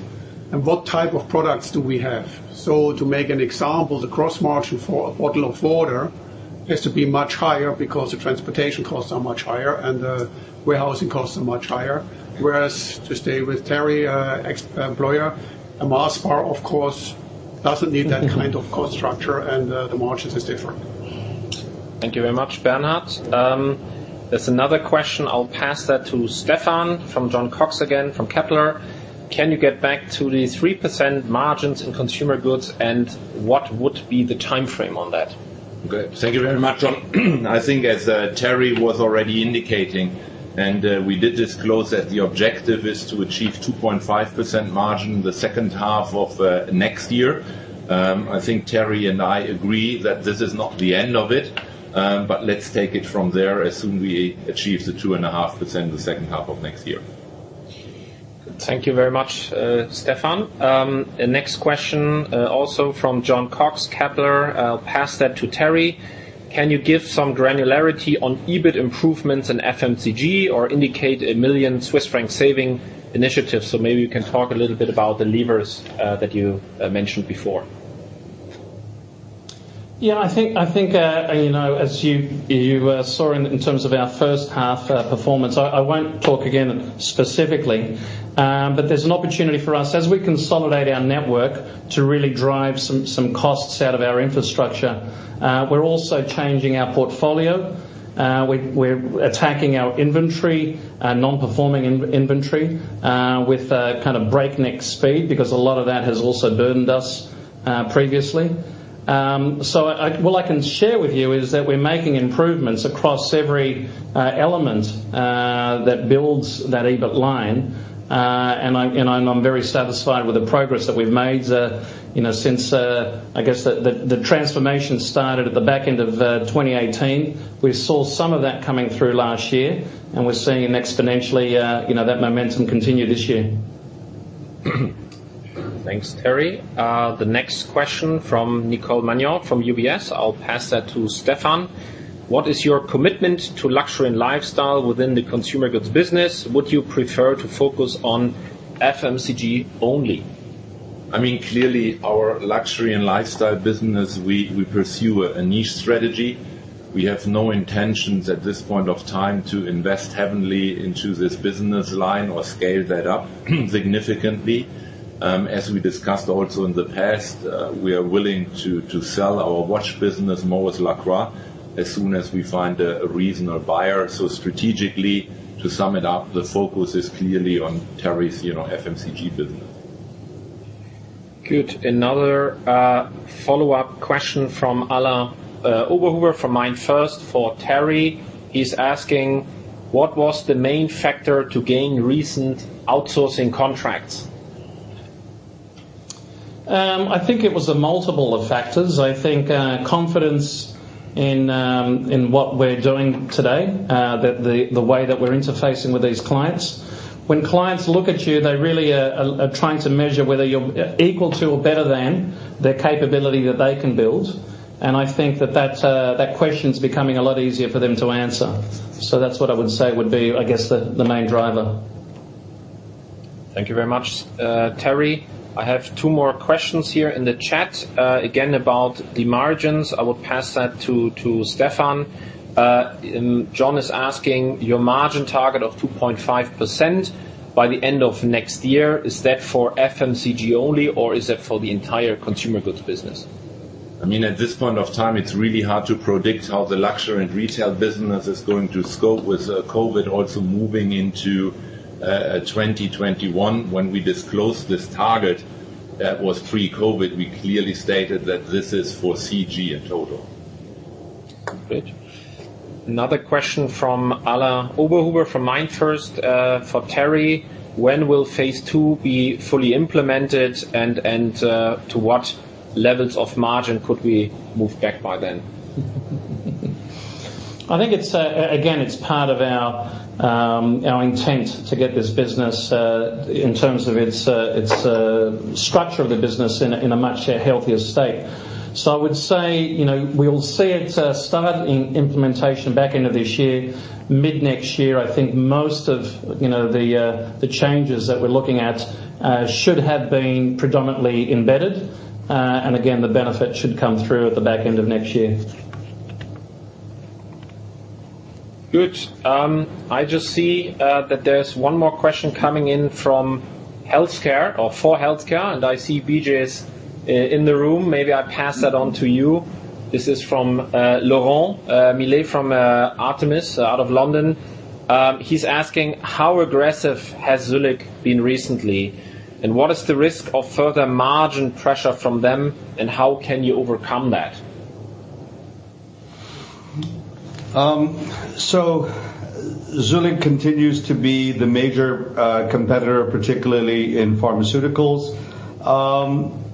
and what type of products do we have? To make an example, the gross margin for a bottle of water has to be much higher because the transportation costs are much higher, and the warehousing costs are much higher. Whereas to stay with Terry, a Mars bar, of course, doesn't need that kind of cost structure, and the margins is different. Thank you very much, Bernhard. There's another question. I will pass that to Stefan from Jon Cox again from Kepler. Can you get back to the 3% margins in Consumer Goods, and what would be the timeframe on that? Good. Thank you very much, Jon. I think as Terry was already indicating, we did disclose that the objective is to achieve 2.5% margin the second half of next year. I think Terry and I agree that this is not the end of it, let's take it from there as soon we achieve the 2.5% the second half of next year. Thank you very much, Stefan. Next question, also from Jon Cox, Kepler. I'll pass that to Terry. Can you give some granularity on EBIT improvements in FMCG or indicate 1 million Swiss franc saving initiatives? Maybe you can talk a little bit about the levers that you mentioned before. Yeah. I think, as you saw in terms of our first half performance, I won't talk again specifically. There's an opportunity for us as we consolidate our network to really drive some costs out of our infrastructure. We're also changing our portfolio. We're attacking our inventory, non-performing inventory, with a breakneck speed because a lot of that has also burdened us previously. What I can share with you is that we're making improvements across every element that builds that EBIT line. I'm very satisfied with the progress that we've made since, I guess, the transformation started at the back end of 2018. We saw some of that coming through last year, and we're seeing exponentially that momentum continue this year. Thanks, Terry. The next question from Nicole Manion from UBS. I'll pass that to Stefan. What is your commitment to luxury and lifestyle within the consumer goods business? Would you prefer to focus on FMCG only? Clearly, our luxury and lifestyle business, we pursue a niche strategy. We have no intentions at this point of time to invest heavily into this business line or scale that up significantly. As we discussed also in the past, we are willing to sell our watch business, Maurice Lacroix, as soon as we find a reasonable buyer. Strategically, to sum it up, the focus is clearly on Terry's FMCG business. Good. Another follow-up question from Alain Oberhuber from MainFirst for Terry. He's asking, what was the main factor to gain recent outsourcing contracts? I think it was a multiple of factors. I think confidence in what we're doing today, the way that we're interfacing with these clients. When clients look at you, they really are trying to measure whether you're equal to or better than the capability that they can build. I think that question is becoming a lot easier for them to answer. That's what I would say would be, I guess, the main driver. Thank you very much, Terry. I have two more questions here in the chat, again, about the margins. I will pass that to Stefan. Jon is asking, your margin target of 2.5% by the end of next year, is that for FMCG only, or is that for the entire consumer goods business? At this point of time, it's really hard to predict how the luxury and retail business is going to cope with COVID also moving into 2021. When we disclosed this target, that was pre-COVID, we clearly stated that this is for CG in total. Great. Another question from Alain Oberhuber from MainFirst for Terry. When will phase II be fully implemented and to what levels of margin could we move back by then? I think, again, it's part of our intent to get this business, in terms of its structure of the business, in a much healthier state. I would say, we'll see it start implementation back end of this year. Mid-next year, I think most of the changes that we're looking at should have been predominantly embedded. Again, the benefit should come through at the back end of next year. Good. I just see that there is one more question coming in from healthcare or for healthcare, and I see Bijay is in the room. Maybe I pass that on to you. This is from Laurent Millet from Artemis out of London. He is asking: How aggressive has Zuellig been recently, and what is the risk of further margin pressure from them, and how can you overcome that? Zuellig continues to be the major competitor, particularly in pharmaceuticals.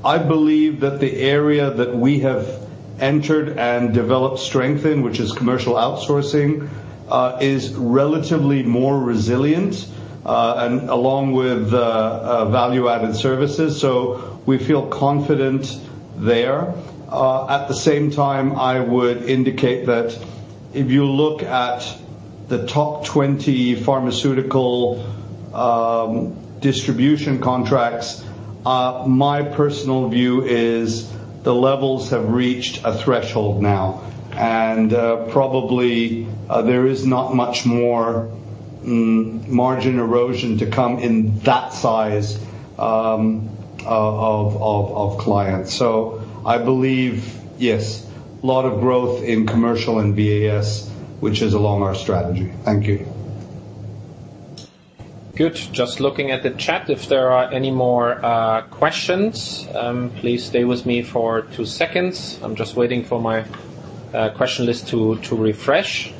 I believe that the area that we have entered and developed strength in, which is commercial outsourcing, is relatively more resilient, and along with value-added services, we feel confident there. At the same time, I would indicate that if you look at the top 20 pharmaceutical distribution contracts, my personal view is the levels have reached a threshold now, and probably there is not much more margin erosion to come in that size of clients. I believe, yes, a lot of growth in commercial and VAS, which is along our strategy. Thank you. Good. Just looking at the chat, if there are any more questions, please stay with me for two seconds. I'm just waiting for my question list to refresh.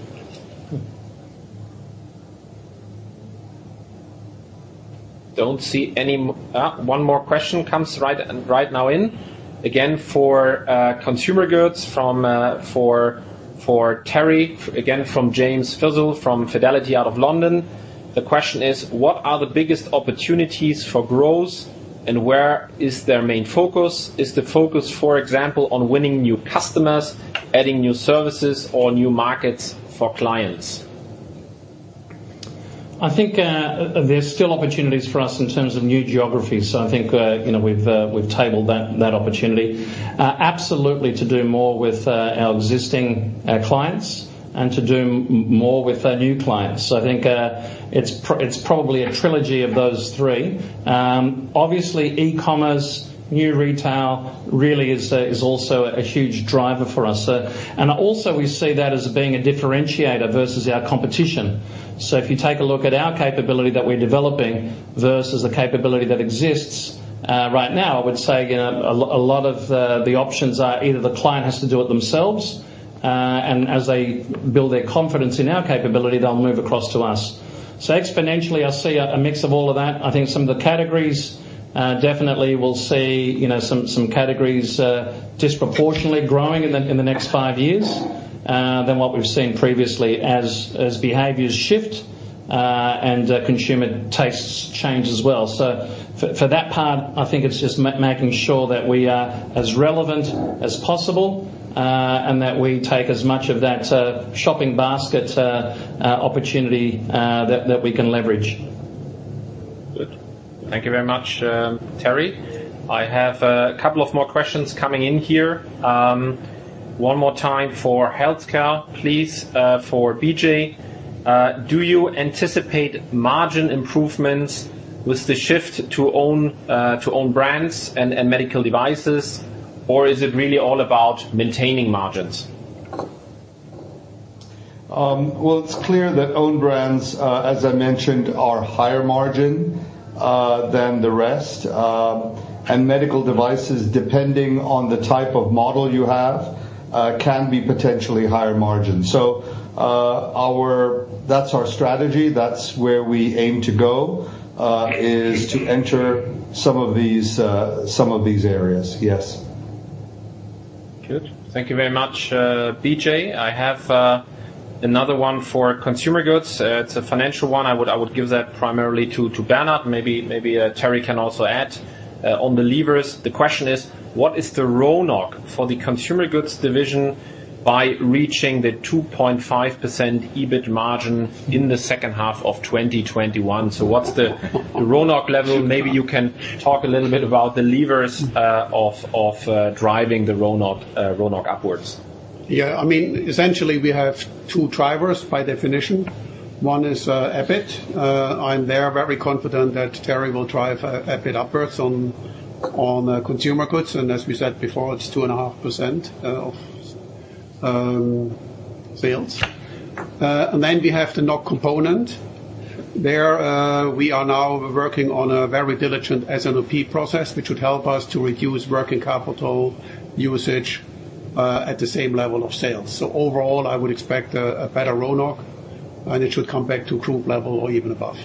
Don't see any one more question comes right now in. Again, for consumer goods for Terry. Again, from James Filsell from Fidelity out of London. The question is: What are the biggest opportunities for growth, and where is their main focus? Is the focus, for example, on winning new customers, adding new services or new markets for clients? I think there's still opportunities for us in terms of new geographies. I think we've tabled that opportunity. Absolutely to do more with our existing clients and to do more with our new clients. I think it's probably a trilogy of those three. Obviously, e-commerce, new retail really is also a huge driver for us. Also, we see that as being a differentiator versus our competition. If you take a look at our capability that we're developing versus the capability that exists right now, I would say a lot of the options are either the client has to do it themselves, and as they build their confidence in our capability, they'll move across to us. Exponentially, I see a mix of all of that. I think some of the categories definitely will see some categories disproportionately growing in the next five years than what we've seen previously as behaviors shift and consumer tastes change as well. For that part, I think it's just making sure that we are as relevant as possible and that we take as much of that shopping basket opportunity that we can leverage. Good. Thank you very much, Terry. I have a couple of more questions coming in here. One more time for healthcare, please, for Bijay. Do you anticipate margin improvements with the shift to own brands and medical devices, or is it really all about maintaining margins? Well, it's clear that own brands, as I mentioned, are higher margin than the rest. Medical devices, depending on the type of model you have, can be potentially higher margin. That's our strategy. That's where we aim to go, is to enter some of these areas. Yes. Good. Thank you very much, Bijay. I have another one for consumer goods. It's a financial one. I would give that primarily to Bernhard. Maybe Terry can also add on the levers. The question is: What is the RONOC for the consumer goods division by reaching the 2.5% EBIT margin in the second half of 2021? What's the RONOC level? Maybe you can talk a little bit about the levers of driving the RONOC upwards. Yeah. Essentially, we have two drivers by definition. One is EBIT. I'm there very confident that Terry will drive EBIT upwards on Consumer Goods, and as we said before, it's 2.5% of sales. We have the NOC component. There we are now working on a very diligent S&OP process, which would help us to reduce working capital usage at the same level of sales. I would expect a better RONOC, and it should come back to group level or even above.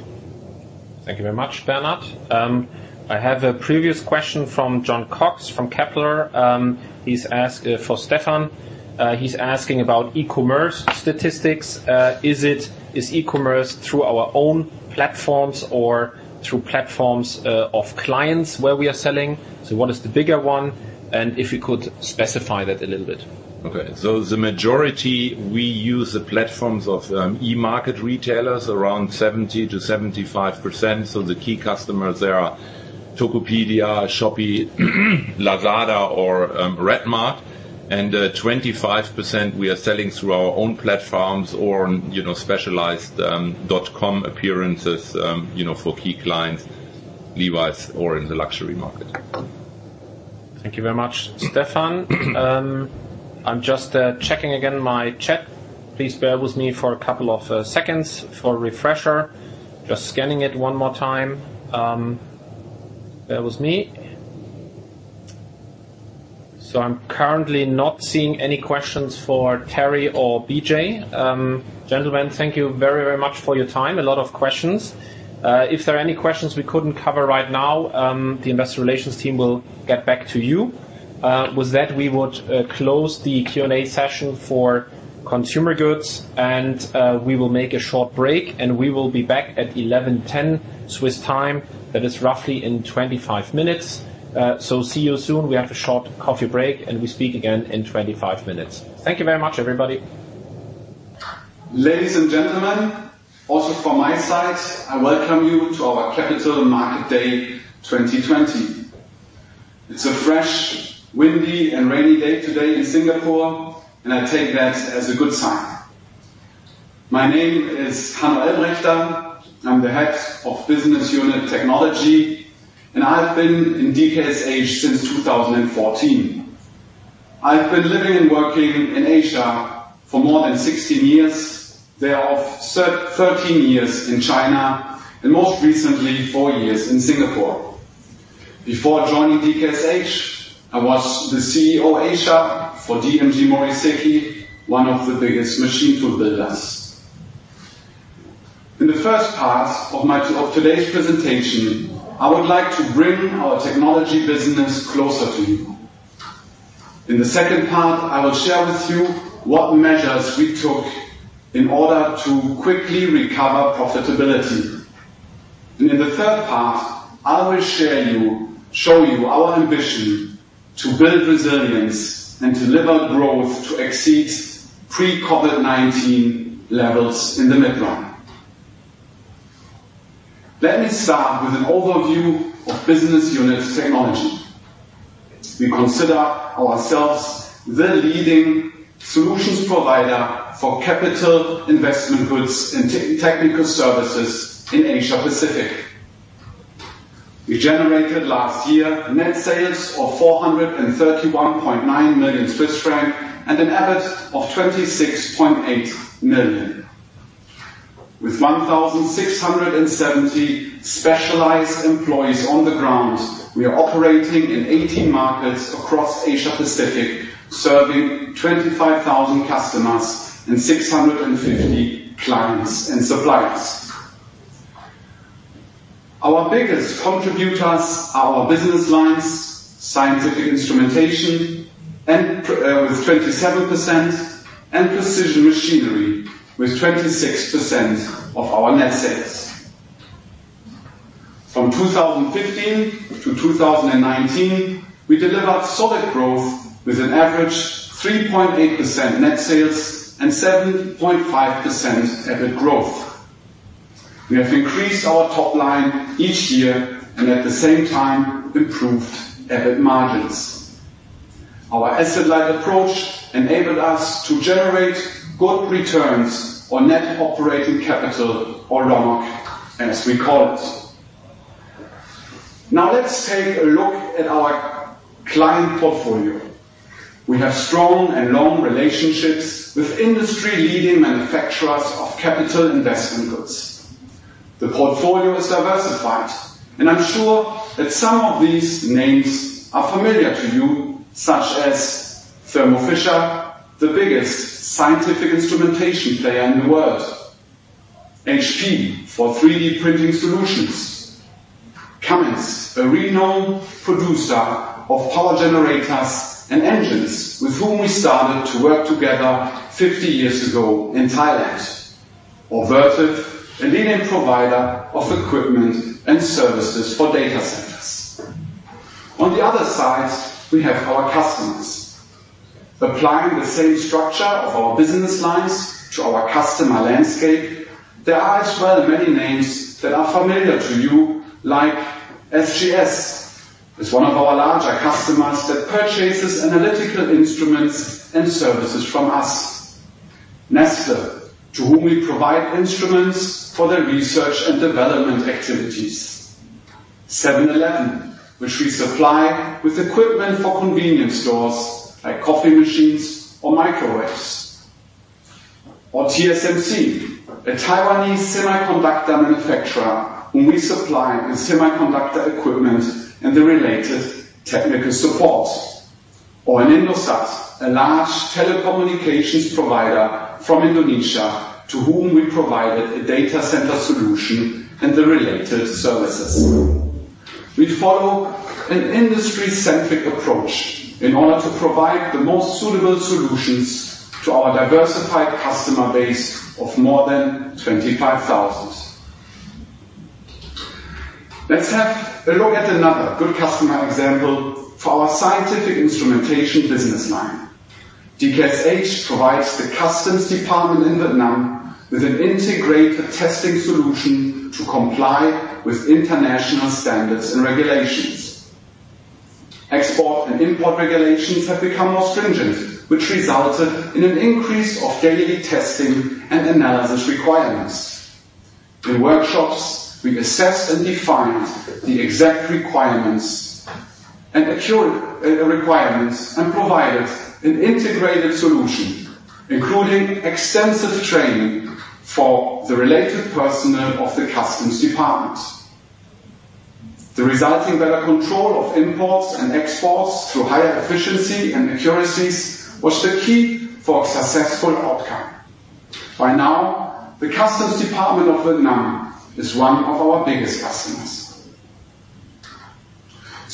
Thank you very much, Bernhard. I have a previous question from Jon Cox from Kepler. He's asked for Stefan. He's asking about e-commerce statistics. Is e-commerce through our own platforms or through platforms of clients where we are selling? What is the bigger one, and if you could specify that a little bit. The majority, we use the platforms of e-market retailers, around 70%-75%. The key customers there are Tokopedia, Shopee, Lazada or RedMart, and 25% we are selling through our own platforms or specialized dot-com appearances for key clients, Levi's or in the luxury market. Thank you very much, Stefan. I'm just checking again my chat. Please bear with me for a couple of seconds for a refresher. Just scanning it one more time. Bear with me. I'm currently not seeing any questions for Terry or Bijay. Gentlemen, thank you very much for your time. A lot of questions. If there are any questions we couldn't cover right now, the investor relations team will get back to you. With that, we would close the Q&A session for Consumer Goods, and we will make a short break, and we will be back at 11:10 A.M. Swiss time. That is roughly in 25 minutes. See you soon. We have a short coffee break, and we speak again in 25 minutes. Thank you very much, everybody. Ladies and gentlemen, also from my side, I welcome you to our Capital Market Day 2020. It's a fresh, windy, and rainy day today in Singapore, and I take that as a good sign. My name is Hanno Elbraechter. I'm the Head of Business Unit Technology, and I've been in DKSH since 2014. I've been living and working in Asia for more than 16 years, thereof 13 years in China, and most recently, four years in Singapore. Before joining DKSH, I was the CEO Asia for DMG Mori Seiki, one of the biggest machine tool builders. In the first part of today's presentation, I would like to bring our technology business closer to you. In the second part, I will share with you what measures we took in order to quickly recover profitability. In the third part, I will show you our ambition to build resilience and deliver growth to exceed pre-COVID-19 levels in the mid-run. Let me start with an overview of Business Unit Technology. We consider ourselves the leading solutions provider for capital investment goods and technical services in Asia-Pacific. We generated last year net sales of 431.9 million Swiss francs and an EBIT of 26.8 million. With 1,670 specialized employees on the ground, we are operating in 80 markets across Asia Pacific, serving 25,000 customers and 650 clients and suppliers. Our biggest contributors are our business lines, scientific instrumentation with 27%, and precision machinery with 26% of our net sales. From 2015 to 2019, we delivered solid growth with an average 3.8% net sales and 7.5% EBIT growth. We have increased our top line each year and at the same time improved EBIT margins. Our asset-light approach enabled us to generate good returns on net operating capital or RONOC, as we call it. Now let's take a look at our client portfolio. We have strong and long relationships with industry-leading manufacturers of capital investment goods. The portfolio is diversified, and I'm sure that some of these names are familiar to you, such as Thermo Fisher, the biggest scientific instrumentation player in the world, HP for 3D printing solutions, Cummins, a renowned producer of power generators and engines with whom we started to work together 50 years ago in Thailand, or Vertiv, a leading provider of equipment and services for data centers. On the other side, we have our customers. Applying the same structure of our business lines to our customer landscape, there are as well many names that are familiar to you, like SGS is one of our larger customers that purchases analytical instruments and services from us. Nestlé, to whom we provide instruments for their research and development activities. 7-Eleven, which we supply with equipment for convenience stores like coffee machines or microwaves. TSMC, a Taiwanese semiconductor manufacturer whom we supply with semiconductor equipment and the related technical support. Indosat, a large telecommunications provider from Indonesia to whom we provided a data center solution and the related services. We follow an industry-centric approach in order to provide the most suitable solutions to our diversified customer base of more than 25,000. Let's have a look at another good customer example for our scientific instrumentation business line. DKSH provides the customs department in Vietnam with an integrated testing solution to comply with international standards and regulations. Export and import regulations have become more stringent, which resulted in an increase of daily testing and analysis requirements. In workshops, we assess and define the exact requirements and provided an integrated solution, including extensive training for the related personnel of the customs department. The resulting better control of imports and exports through higher efficiency and accuracies was the key for a successful outcome. By now, the customs department of Vietnam is one of our biggest customers.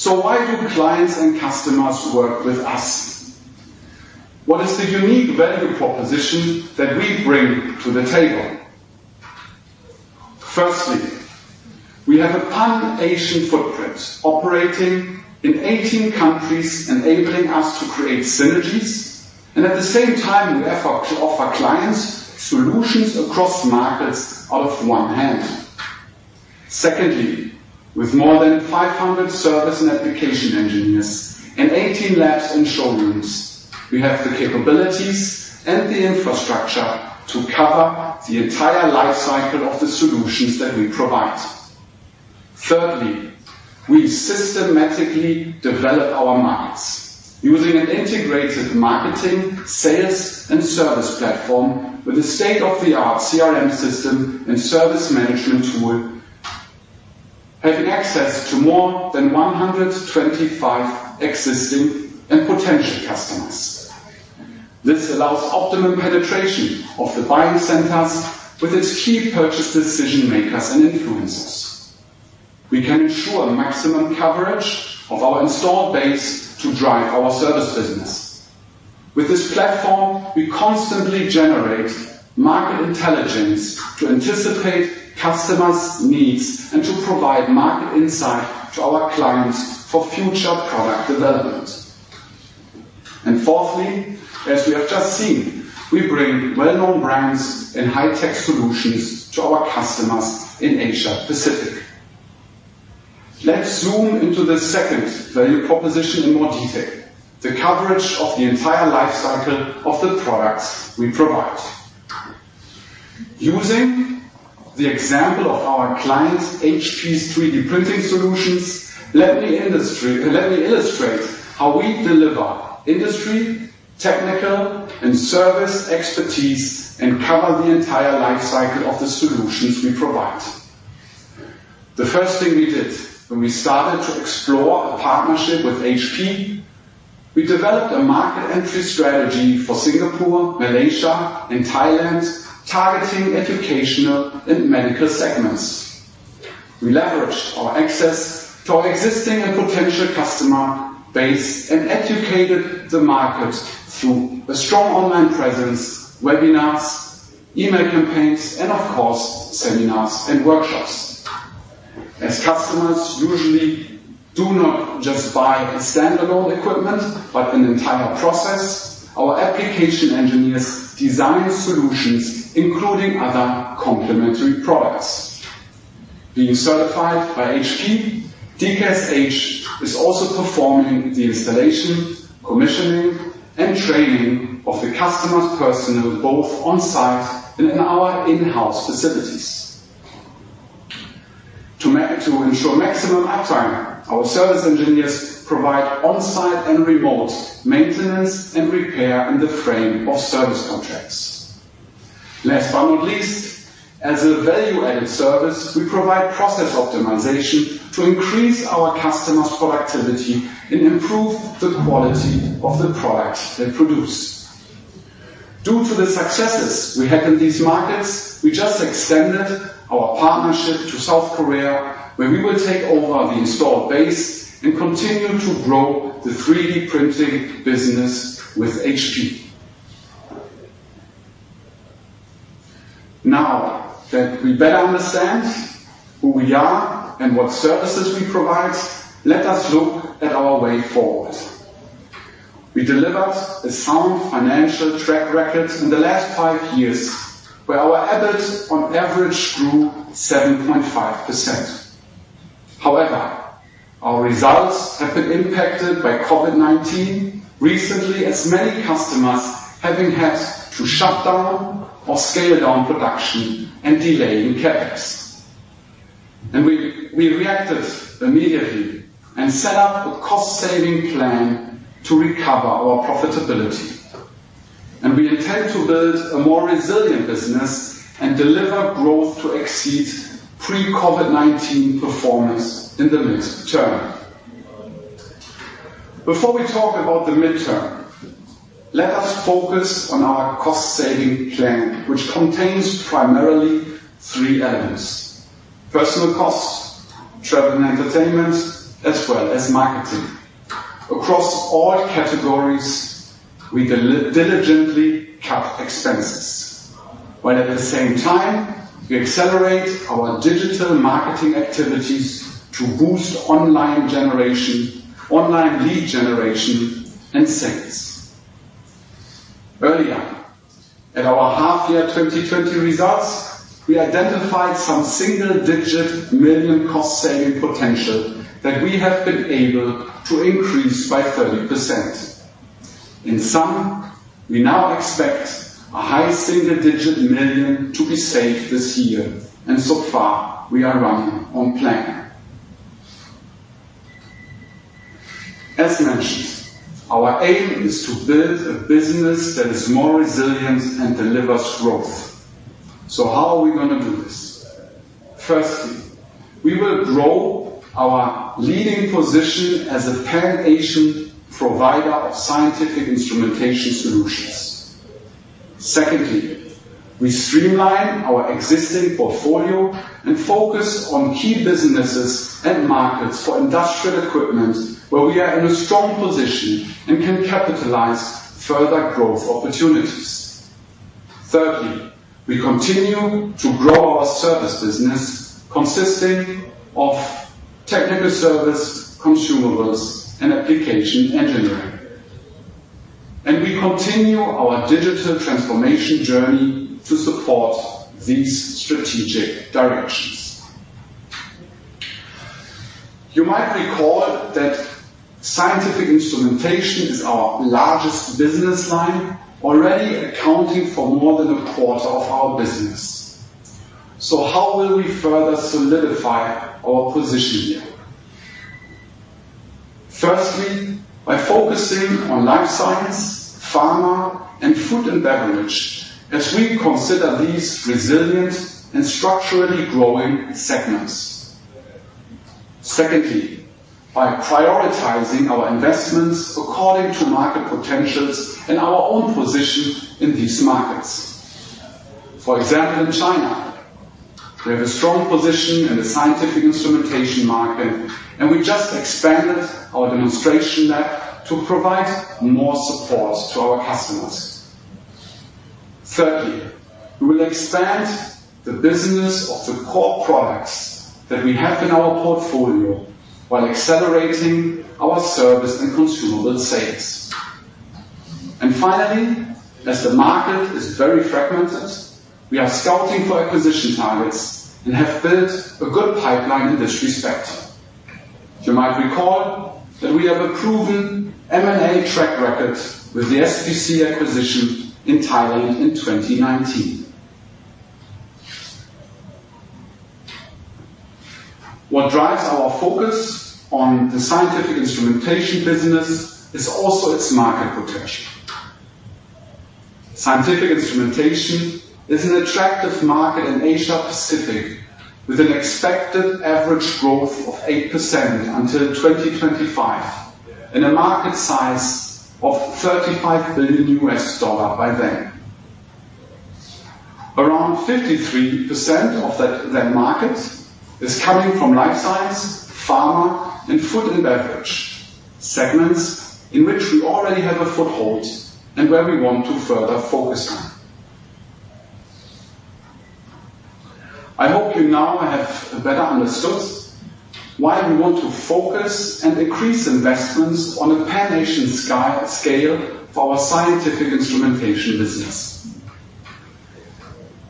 Why do clients and customers work with us? What is the unique value proposition that we bring to the table? Firstly, we have a pan-Asian footprint operating in 18 countries, enabling us to create synergies, and at the same time we offer clients solutions across markets out of one hand. Secondly, with more than 500 service and application engineers and 18 labs and showrooms, we have the capabilities and the infrastructure to cover the entire life cycle of the solutions that we provide. Thirdly, we systematically develop our markets using an integrated marketing, sales, and service platform with a state-of-the-art CRM system and service management tool. Having access to more than 125 existing and potential customers. This allows optimum penetration of the buying centers with its key purchase decision-makers and influencers. We can ensure maximum coverage of our installed base to drive our service business. With this platform, we constantly generate market intelligence to anticipate customers' needs and to provide market insight to our clients for future product development. Fourthly, as we have just seen, we bring well-known brands and high-tech solutions to our customers in Asia-Pacific. Let's zoom into the second value proposition in more detail, the coverage of the entire life cycle of the products we provide. Using the example of our client, HP's 3D printing solutions, let me illustrate how we deliver industry, technical, and service expertise and cover the entire life cycle of the solutions we provide. The first thing we did when we started to explore a partnership with HP, we developed a market entry strategy for Singapore, Malaysia, and Thailand, targeting educational and medical segments. We leveraged our access to our existing and potential customer base and educated the market through a strong online presence, webinars, email campaigns, and of course, seminars and workshops. As customers usually do not just buy standalone equipment, but an entire process, our application engineers design solutions, including other complementary products. Being certified by HP, DKSH is also performing the installation, commissioning, and training of the customer's personnel, both on-site and in our in-house facilities. To ensure maximum uptime, our service engineers provide on-site and remote maintenance and repair in the frame of service contracts. Last but not least, as a value-added service, we provide process optimization to increase our customers' productivity and improve the quality of the products they produce. Due to the successes we had in these markets, we just extended our partnership to South Korea, where we will take over the installed base and continue to grow the 3D printing business with HP. Now that we better understand who we are and what services we provide, let us look at our way forward. We delivered a sound financial track record in the last five years, where our EBIT on average grew 7.5%. However, our results have been impacted by COVID-19 recently, as many customers having had to shut down or scale down production and delay in CapEx. We reacted immediately and set up a cost-saving plan to recover our profitability. We intend to build a more resilient business and deliver growth to exceed pre-COVID-19 performance in the midterm. Before we talk about the midterm, let us focus on our cost-saving plan, which contains primarily three elements, personal costs, travel and entertainment, as well as marketing. Across all categories, we diligently cut expenses, while at the same time, we accelerate our digital marketing activities to boost online lead generation and sales. Earlier, at our half-year 2020 results, we identified some single-digit million cost-saving potential that we have been able to increase by 30%. In sum, we now expect a CHF high single-digit million to be saved this year. So far, we are running on plan. As mentioned, our aim is to build a business that is more resilient and delivers growth. How are we going to do this? Firstly, we will grow our leading position as a Pan-Asian provider of scientific instrumentation solutions. Secondly, we streamline our existing portfolio and focus on key businesses and markets for industrial equipment where we are in a strong position and can capitalize further growth opportunities. Thirdly, we continue to grow our service business, consisting of technical service, consumables, and application engineering. We continue our digital transformation journey to support these strategic directions. You might recall that scientific instrumentation is our largest business line, already accounting for more than a quarter of our business. How will we further solidify our position here? Firstly, by focusing on life science, pharma, and food and beverage, as we consider these resilient and structurally growing segments. Secondly, by prioritizing our investments according to market potentials and our own position in these markets. For example, in China, we have a strong position in the scientific instrumentation market, and we just expanded our demonstration lab to provide more support to our customers. Thirdly, we will expand the business of the core products that we have in our portfolio while accelerating our service and consumable sales. Finally, as the market is very fragmented, we are scouting for acquisition targets and have built a good pipeline in this respect. You might recall that we have a proven M&A track record with the SPC acquisition in Thailand in 2019. What drives our focus on the scientific instrumentation business is also its market potential. Scientific instrumentation is an attractive market in Asia Pacific, with an expected average growth of 8% until 2025 and a market size of $35 billion by then. Around 53% of that market is coming from life science, pharma, and food and beverage, segments in which we already have a foothold and where we want to further focus on. I hope you now have better understood why we want to focus and increase investments on a Pan-Asian scale for our scientific instrumentation business.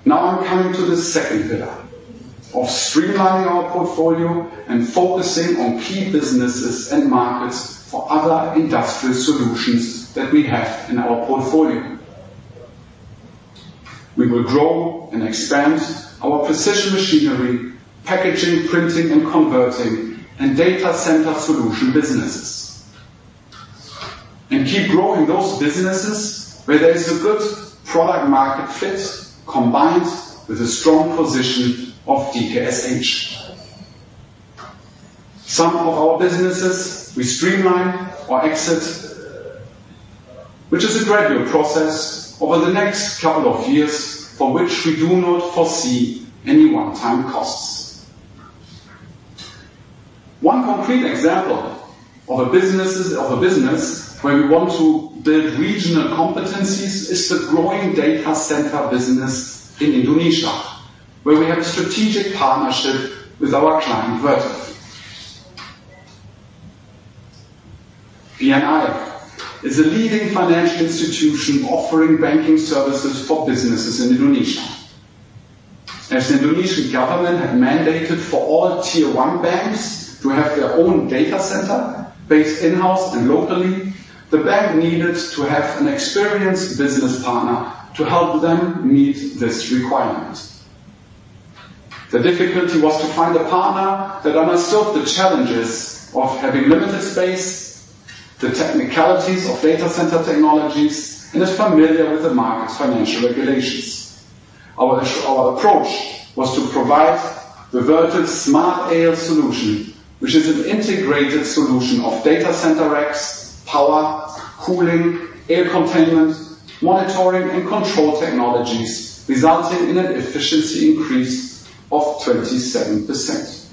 I'm coming to the second pillar of streamlining our portfolio and focusing on key businesses and markets for other industrial solutions that we have in our portfolio. We will grow and expand our precision machinery, packaging, printing and converting, and data center solution businesses. Keep growing those businesses where there is a good product market fit combined with a strong position of DKSH. Some of our businesses we streamline or exit, which is a gradual process over the next couple of years, for which we do not foresee any one-time costs. One concrete example of a business where we want to build regional competencies is the growing data center business in Indonesia, where we have a strategic partnership with our client Vertiv. BNI is a leading financial institution offering banking services for businesses in Indonesia. As the Indonesian government had mandated for all Tier-1 banks to have their own data center based in-house and locally, the bank needed to have an experienced business partner to help them meet this requirement. The difficulty was to find a partner that understood the challenges of having limited space, the technicalities of data center technologies, and is familiar with the market's financial regulations. Our approach was to provide the Vertiv SmartAisle solution, which is an integrated solution of data center racks, power, cooling, air containment, monitoring, and control technologies, resulting in an efficiency increase of 27%.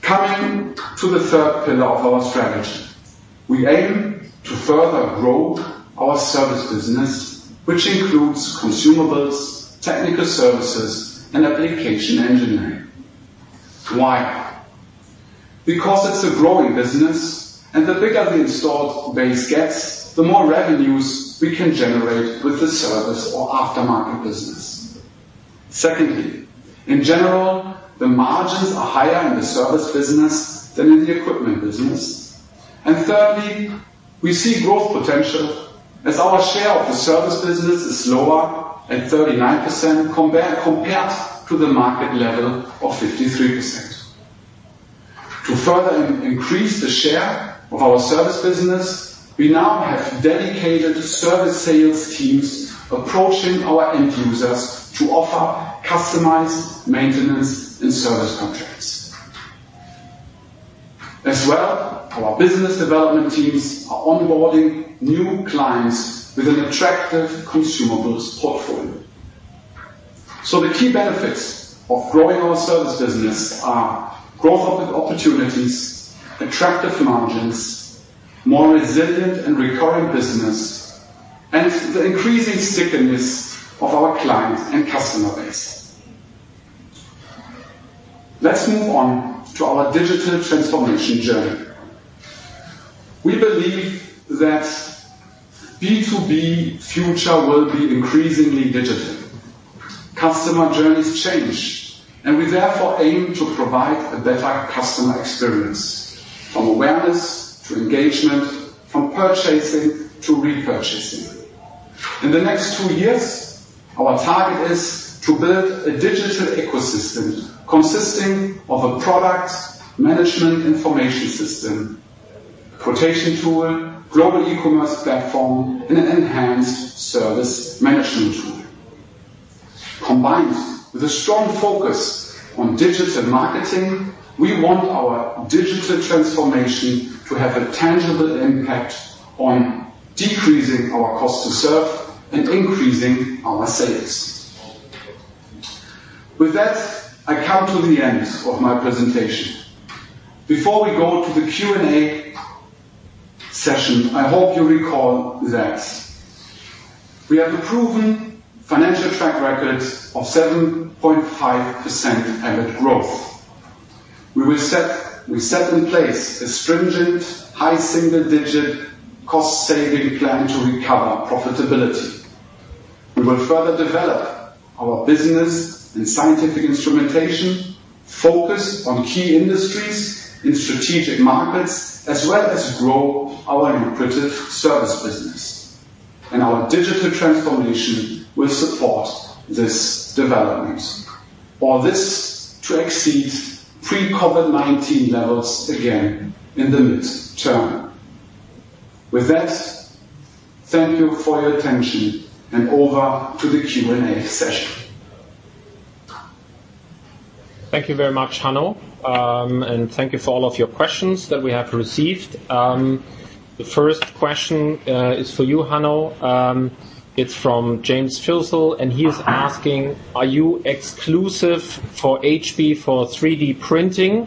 Coming to the third pillar of our strategy, we aim to further grow our service business, which includes consumables, technical services, and application engineering. Why? It's a growing business, and the bigger the installed base gets, the more revenues we can generate with the service or aftermarket business. Secondly, in general, the margins are higher in the service business than in the equipment business. Thirdly, we see growth potential as our share of the service business is lower at 39% compared to the market level of 53%. To further increase the share of our service business, we now have dedicated service sales teams approaching our end users to offer customized maintenance and service contracts. As well, our business development teams are onboarding new clients with an attractive consumables portfolio. The key benefits of growing our service business are growth opportunities, attractive margins, more resilient and recurring business, and the increasing stickiness of our client and customer base. Let's move on to our digital transformation journey. We believe that B2B future will be increasingly digital. Customer journeys change, and we therefore aim to provide a better customer experience, from awareness to engagement, from purchasing to repurchasing. In the next two years, our target is to build a digital ecosystem consisting of a product management information system, quotation tool, global e-commerce platform, and an enhanced service management tool. Combined with a strong focus on digital marketing, we want our digital transformation to have a tangible impact on decreasing our cost to serve and increasing our sales. With that, I come to the end of my presentation. Before we go to the Q&A session, I hope you recall that we have a proven financial track record of 7.5% average growth. We set in place a stringent, high single-digit cost-saving plan to recover profitability. We will further develop our business in scientific instrumentation, focus on key industries in strategic markets, as well as grow our lucrative service business. Our digital transformation will support this development. All this to exceed pre-COVID-19 levels again in the midterm. With that, thank you for your attention, and over to the Q&A session. Thank you very much, Hanno, and thank you for all of your questions that we have received. The first question is for you, Hanno. It is from James Filsell, and he is asking, are you exclusive for HP for 3D printing,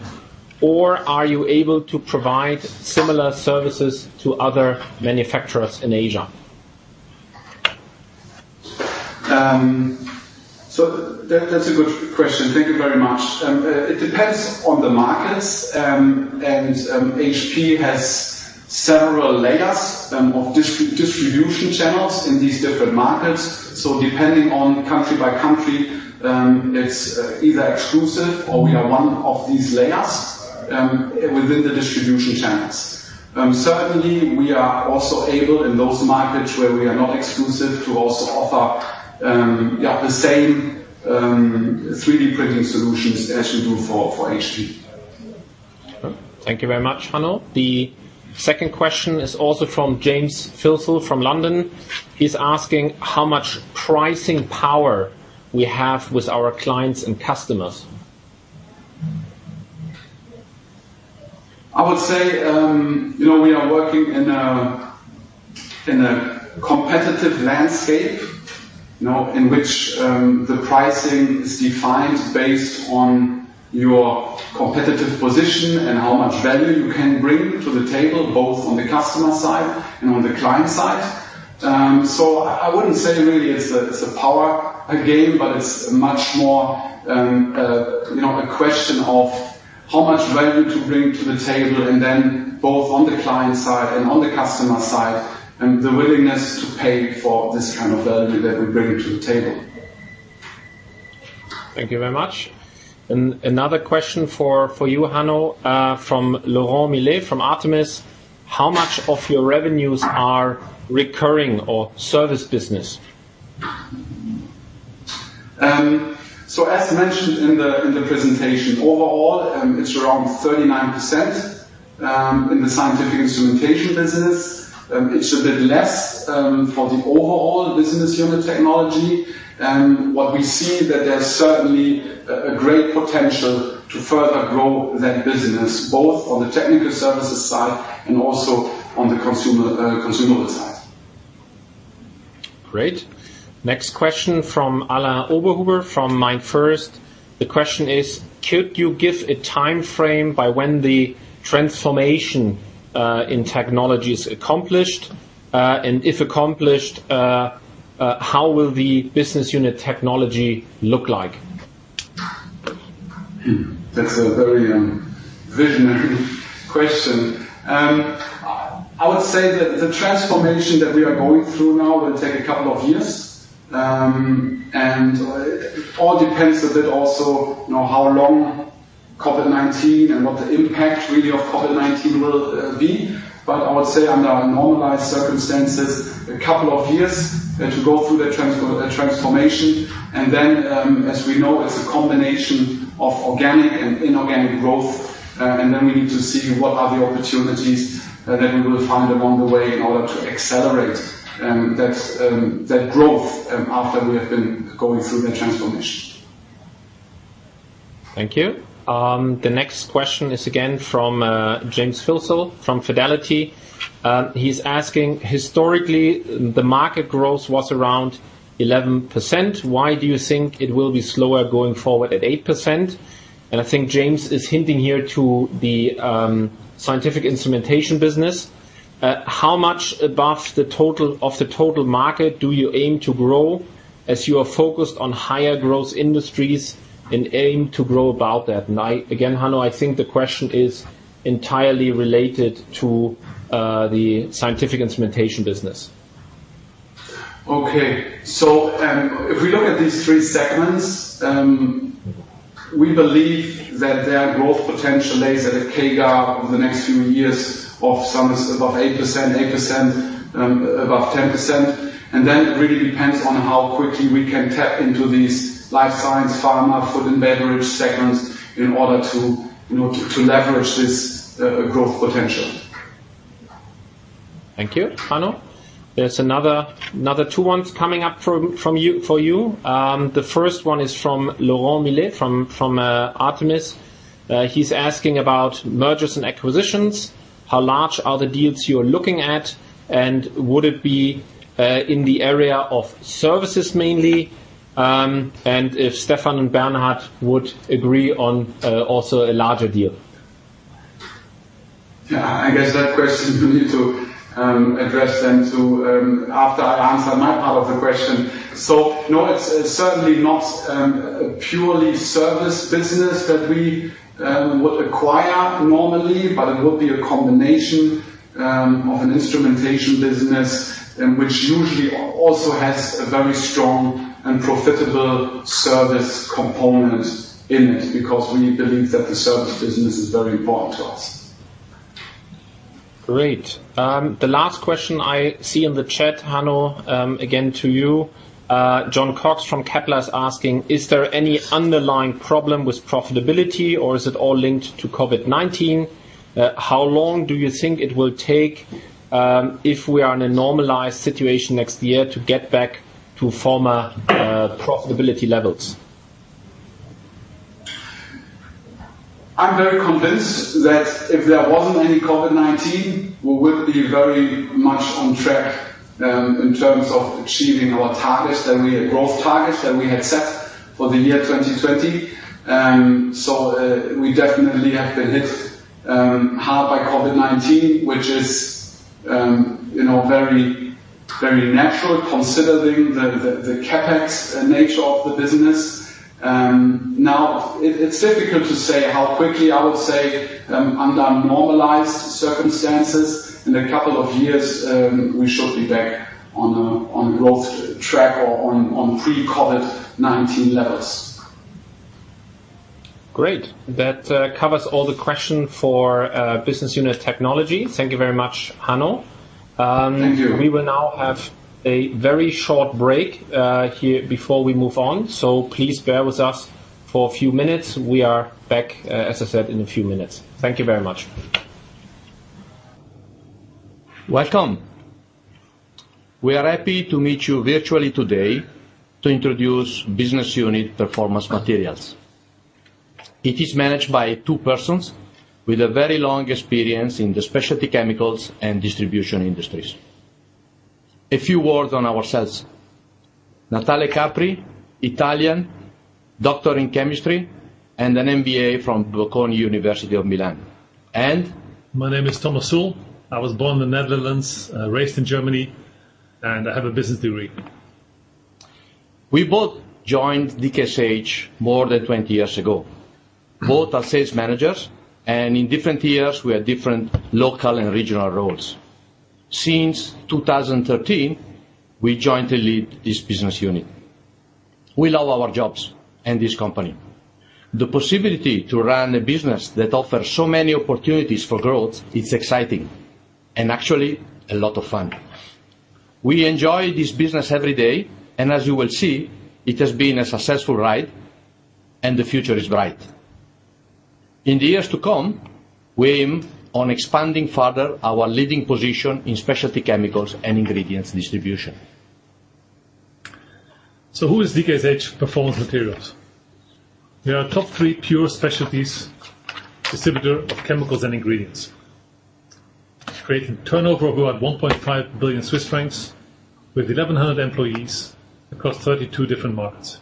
or are you able to provide similar services to other manufacturers in Asia? That's a good question. Thank you very much. It depends on the markets, and HP has several layers of distribution channels in these different markets. Depending on country by country, it's either exclusive or we are one of these layers within the distribution channels. Certainly, we are also able, in those markets where we are not exclusive, to also offer the same 3D printing solutions as we do for HP. Thank you very much, Hanno. The second question is also from James Filsell from London. He's asking how much pricing power we have with our clients and customers. I would say, we are working in a competitive landscape in which the pricing is defined based on your competitive position and how much value you can bring to the table, both on the customer side and on the client side. I wouldn't say really it's a power game, but it's much more a question of how much value to bring to the table, and then both on the client side and on the customer side, and the willingness to pay for this kind of value that we're bringing to the table. Thank you very much. Another question for you, Hanno, from Laurent Millet from Artemis. How much of your revenues are recurring or service business? As mentioned in the presentation, overall, it's around 39% in the scientific instrumentation business. It's a bit less for the overall Business Unit Technology. What we see that there's certainly a great potential to further grow that business, both on the technical services side and also on the consumer side. Great. Next question from Alain Oberhuber from MainFirst. The question is: could you give a timeframe by when the transformation in Technology is accomplished? If accomplished, how will the Business Unit Technology look like? That's a very visionary question. I would say that the transformation that we are going through now will take a couple of years. It all depends a bit also how long COVID-19 and what the impact really of COVID-19 will be. I would say under normalized circumstances, a couple of years to go through that transformation. As we know, it's a combination of organic and inorganic growth. We need to see what are the opportunities that we will find along the way in order to accelerate that growth after we have been going through that transformation. Thank you. The next question is again from James Filsell from Fidelity. He's asking, historically, the market growth was around 11%. Why do you think it will be slower going forward at 8%? I think James is hinting here to the scientific instrumentation business. How much above of the total market do you aim to grow as you are focused on higher growth industries and aim to grow about that? Again, Hanno, I think the question is entirely related to the scientific instrumentation business. Okay. If we look at these three segments, we believe that their growth potential lies at a CAGR over the next few years of some above 8%, above 10%. It really depends on how quickly we can tap into these life science, pharma, food and beverage segments in order to leverage this growth potential. Thank you, Hanno. There's another two ones coming up for you. The first one is from Laurent Millet from Artemis. He's asking about mergers and acquisitions. How large are the deals you're looking at, and would it be in the area of services mainly? If Stefan and Bernhard would agree on also a larger deal? I guess that question we need to address then too after I answer my part of the question. No, it's certainly not purely service business that we would acquire normally, but it will be a combination of an instrumentation business and which usually also has a very strong and profitable service component in it because we believe that the service business is very important to us. Great. The last question I see in the chat, Hanno, again to you. Jon Cox from Capital is asking, is there any underlying problem with profitability or is it all linked to COVID-19? How long do you think it will take, if we are in a normalized situation next year, to get back to former profitability levels? I'm very convinced that if there wasn't any COVID-19, we would be very much on track in terms of achieving our growth targets that we had set for the year 2020. We definitely have been hit hard by COVID-19, which is very natural considering the CapEx nature of the business. It's difficult to say how quickly. I would say, under normalized circumstances, in a couple of years, we should be back on growth track or on pre-COVID-19 levels. Great. That covers all the question for Business Unit Technology. Thank you very much, Hanno. Thank you. We will now have a very short break here before we move on. Please bear with us for a few minutes. We are back, as I said, in a few minutes. Thank you very much. Welcome. We are happy to meet you virtually today to introduce Business Unit Performance Materials. It is managed by two persons with a very long experience in the specialty chemicals and distribution industries. A few words on ourselves. Natale Capri, Italian, doctor in chemistry, and an MBA from Bocconi University of Milan. My name is Thomas Sul. I was born in the Netherlands, raised in Germany. I have a business degree. We both joined DKSH more than 20 years ago. Both are sales managers, and in different years, we had different local and regional roles. Since 2013, we jointly lead this business unit. We love our jobs and this company. The possibility to run a business that offers so many opportunities for growth, it's exciting and actually a lot of fun. We enjoy this business every day. As you will see, it has been a successful ride and the future is bright. In the years to come, we aim on expanding further our leading position in specialty chemicals and ingredients distribution. Who is DKSH Performance Materials? We are a top three pure specialties distributor of chemicals and ingredients, creating turnover of about 1.5 billion Swiss francs with 1,100 employees across 32 different markets.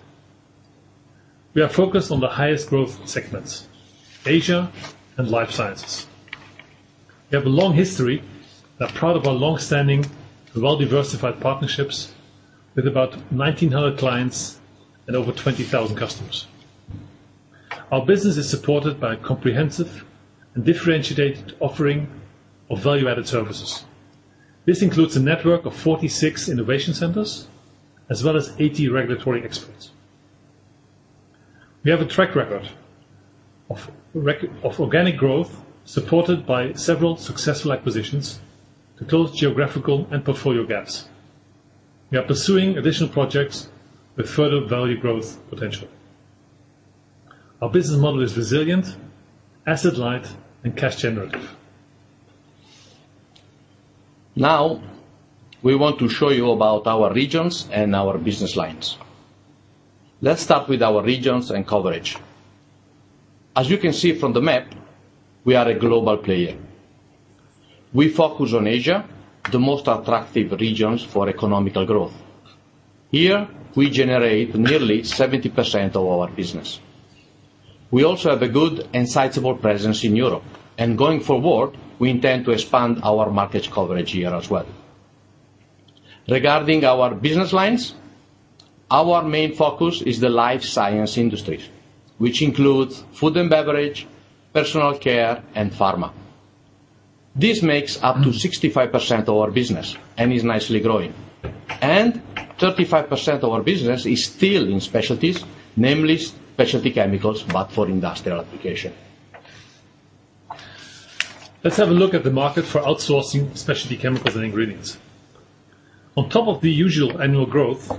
We are focused on the highest growth segments, Asia and life sciences. We have a long history and are proud of our long-standing and well-diversified partnerships with about 1,900 clients and over 20,000 customers. Our business is supported by a comprehensive and differentiated offering of value-added services. This includes a network of 46 innovation centers as well as 80 regulatory experts. We have a track record of organic growth supported by several successful acquisitions to close geographical and portfolio gaps. We are pursuing additional projects with further value growth potential. Our business model is resilient, asset-light, and cash generative. We want to show you about our regions and our business lines. Let's start with our regions and coverage. As you can see from the map, we are a global player. We focus on Asia, the most attractive regions for economic growth. Here, we generate nearly 70% of our business. We also have a good and sizable presence in Europe. Going forward, we intend to expand our market coverage here as well. Regarding our business lines, our main focus is the life science industry, which includes food and beverage, personal care, and pharma. This makes up to 65% of our business and is nicely growing. 35% of our business is still in specialties, namely specialty chemicals, but for industrial application. Let's have a look at the market for outsourcing specialty chemicals and ingredients. On top of the usual annual growth,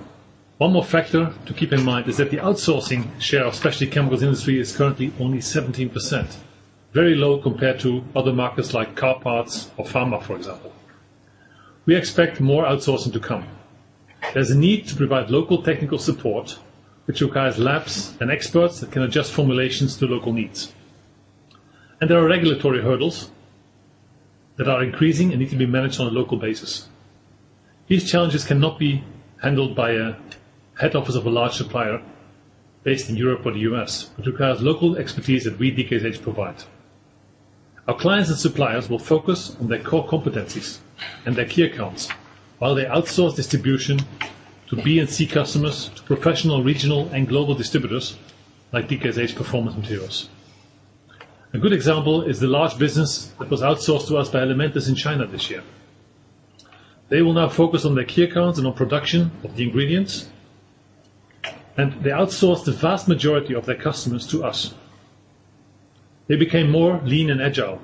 one more factor to keep in mind is that the outsourcing share of specialty chemicals industry is currently only 17%, very low compared to other markets like car parts or pharma, for example. We expect more outsourcing to come. There's a need to provide local technical support, which requires labs and experts that can adjust formulations to local needs. There are regulatory hurdles that are increasing and need to be managed on a local basis. These challenges cannot be handled by a head office of a large supplier based in Europe or the U.S. It requires local expertise that we, DKSH, provide. Our clients and suppliers will focus on their core competencies and their key accounts while they outsource distribution to B and C customers, to professional, regional, and global distributors like DKSH Performance Materials. A good example is the large business that was outsourced to us by Elementis in China this year. They will now focus on their key accounts and on production of the ingredients, and they outsourced the vast majority of their customers to us. They became more lean and agile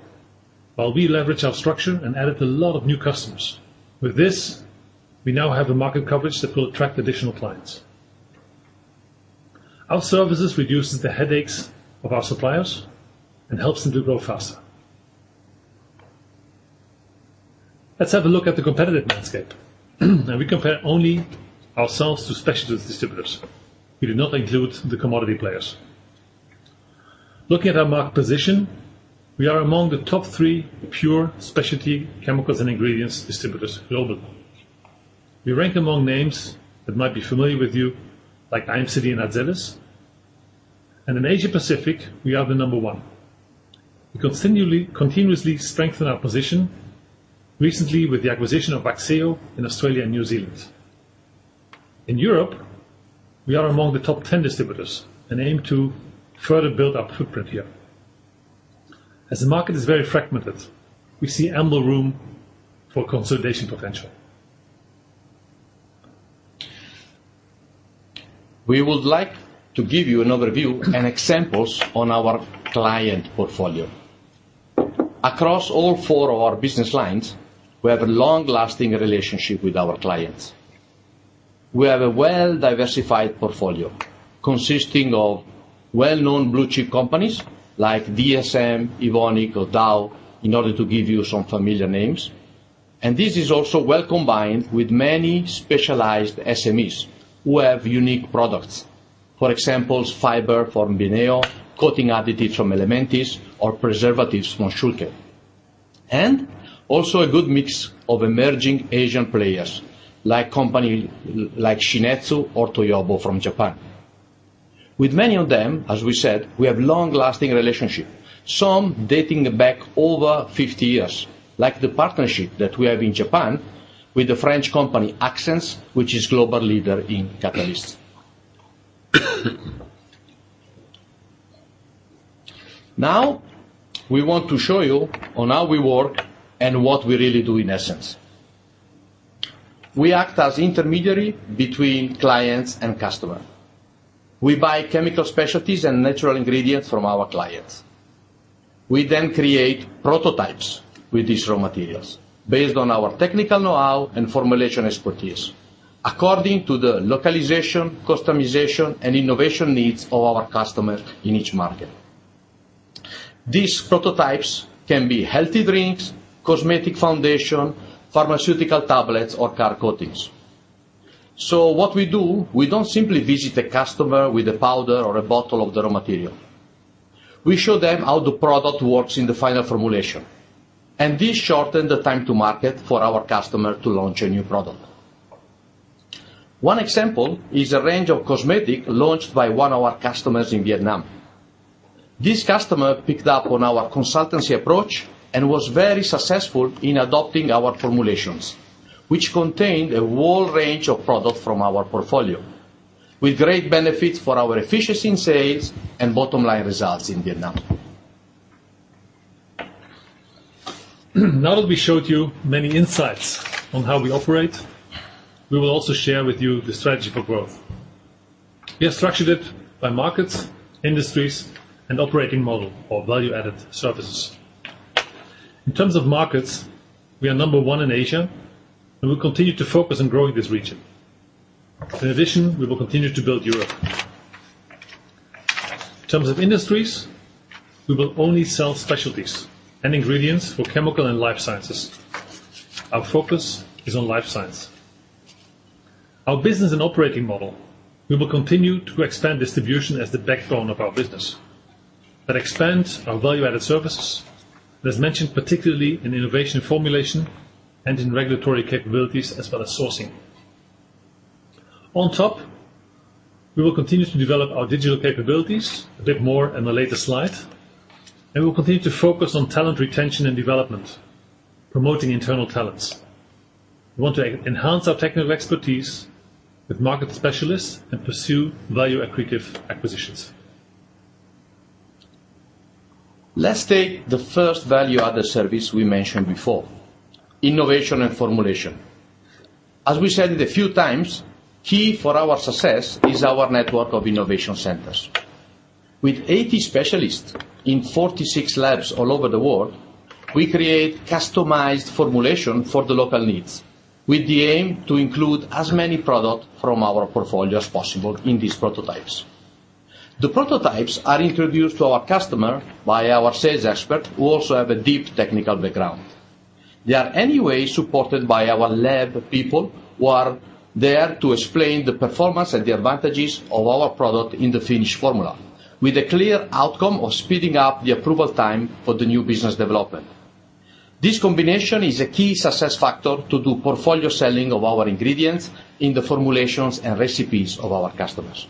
while we leveraged our structure and added a lot of new customers. With this, we now have a market coverage that will attract additional clients. Our services reduces the headaches of our suppliers and helps them to grow faster. Let's have a look at the competitive landscape. Now, we compare only ourselves to specialties distributors. We do not include the commodity players. Looking at our market position, we are among the top three pure specialty chemicals and ingredients distributors globally. We rank among names that might be familiar with you, like IMCD and Azelis, and in Asia Pacific, we are the number one. We continuously strengthen our position, recently with the acquisition of Axieo in Australia and New Zealand. In Europe, we are among the top 10 distributors and aim to further build our footprint here. The market is very fragmented, we see ample room for consolidation potential. We would like to give you an overview and examples on our client portfolio. Across all four of our business lines, we have a long-lasting relationship with our clients. We have a well-diversified portfolio consisting of well-known blue-chip companies like DSM, Evonik, or Dow, in order to give you some familiar names. This is also well combined with many specialized SMEs who have unique products. For example, fiber from Beneo, coating additives from Elementis, or preservatives from Schülke. Also a good mix of emerging Asian players like company like Shin-Etsu or Toyobo from Japan. With many of them, as we said, we have long-lasting relationship, some dating back over 50 years, like the partnership that we have in Japan with the French company, Axens, which is global leader in catalysts. We want to show you on how we work and what we really do in essence. We act as intermediary between clients and customer. We buy chemical specialties and natural ingredients from our clients. We create prototypes with these raw materials based on our technical know-how and formulation expertise according to the localization, customization, and innovation needs of our customer in each market. These prototypes can be healthy drinks, cosmetic foundation, pharmaceutical tablets, or car coatings. What we do, we don't simply visit a customer with a powder or a bottle of the raw material. We show them how the product works in the final formulation, and this shorten the time to market for our customer to launch a new product. One example is a range of cosmetic launched by one of our customers in Vietnam. This customer picked up on our consultancy approach and was very successful in adopting our formulations, which contained a whole range of product from our portfolio with great benefits for our efficiency in sales and bottom-line results in Vietnam. Now that we showed you many insights on how we operate, we will also share with you the strategy for growth. We have structured it by markets, industries, and operating model or value-added services. In terms of markets, we are number one in Asia, and we'll continue to focus on growing this region. We will continue to build Europe. In terms of industries, we will only sell specialties and ingredients for chemical and life sciences. Our focus is on life science. Our business and operating model, we will continue to expand distribution as the backbone of our business. That expands our value-added services, as mentioned, particularly in innovation formulation and in regulatory capabilities, as well as sourcing. We will continue to develop our digital capabilities, a bit more in a later slide, and we'll continue to focus on talent retention and development, promoting internal talents. We want to enhance our technical expertise with market specialists and pursue value-accretive acquisitions. Let's take the first value-added service we mentioned before, innovation and formulation. We said it a few times, key for our success is our network of innovation centers. With 80 specialists in 46 labs all over the world, we create customized formulation for the local needs with the aim to include as many product from our portfolio as possible in these prototypes. The prototypes are introduced to our customer by our sales expert, who also have a deep technical background. They are anyway supported by our lab people who are there to explain the performance and the advantages of our product in the finished formula, with a clear outcome of speeding up the approval time for the new business development. This combination is a key success factor to do portfolio selling of our ingredients in the formulations and recipes of our customers.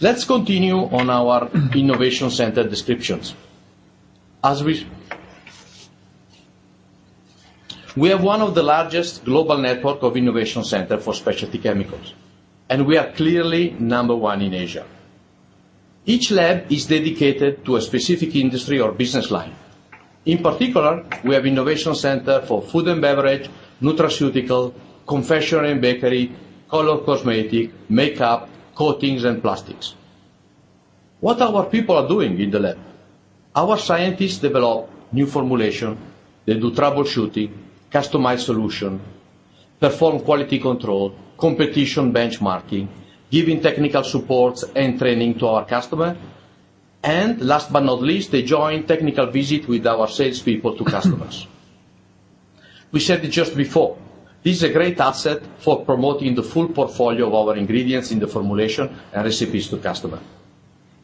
Let's continue on our innovation center descriptions. We have one of the largest global network of innovation center for specialty chemicals, and we are clearly number one in Asia. Each lab is dedicated to a specific industry or business line. In particular, we have innovation center for food and beverage, nutraceutical, confection and bakery, color cosmetic, makeup, coatings, and plastics. What our people are doing in the lab? Our scientists develop new formulation, they do troubleshooting, customized solution, perform quality control, competition benchmarking, giving technical supports and training to our customer, and last but not least, they join technical visit with our salespeople to customers. We said it just before, this is a great asset for promoting the full portfolio of our ingredients in the formulation and recipes to customer.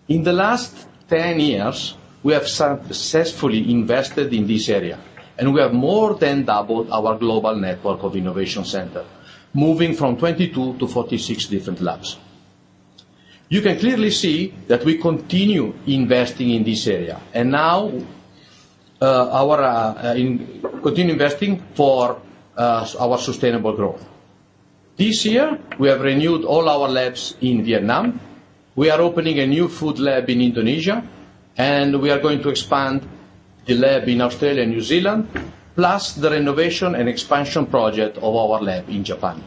In the last 10 years, we have successfully invested in this area, and we have more than doubled our global network of innovation center, moving from 22 to 46 different labs. You can clearly see that we continue investing in this area and now continue investing for our sustainable growth. This year, we have renewed all our labs in Vietnam. We are opening a new food lab in Indonesia, and we are going to expand the lab in Australia and New Zealand, plus the renovation and expansion project of our lab in Japan.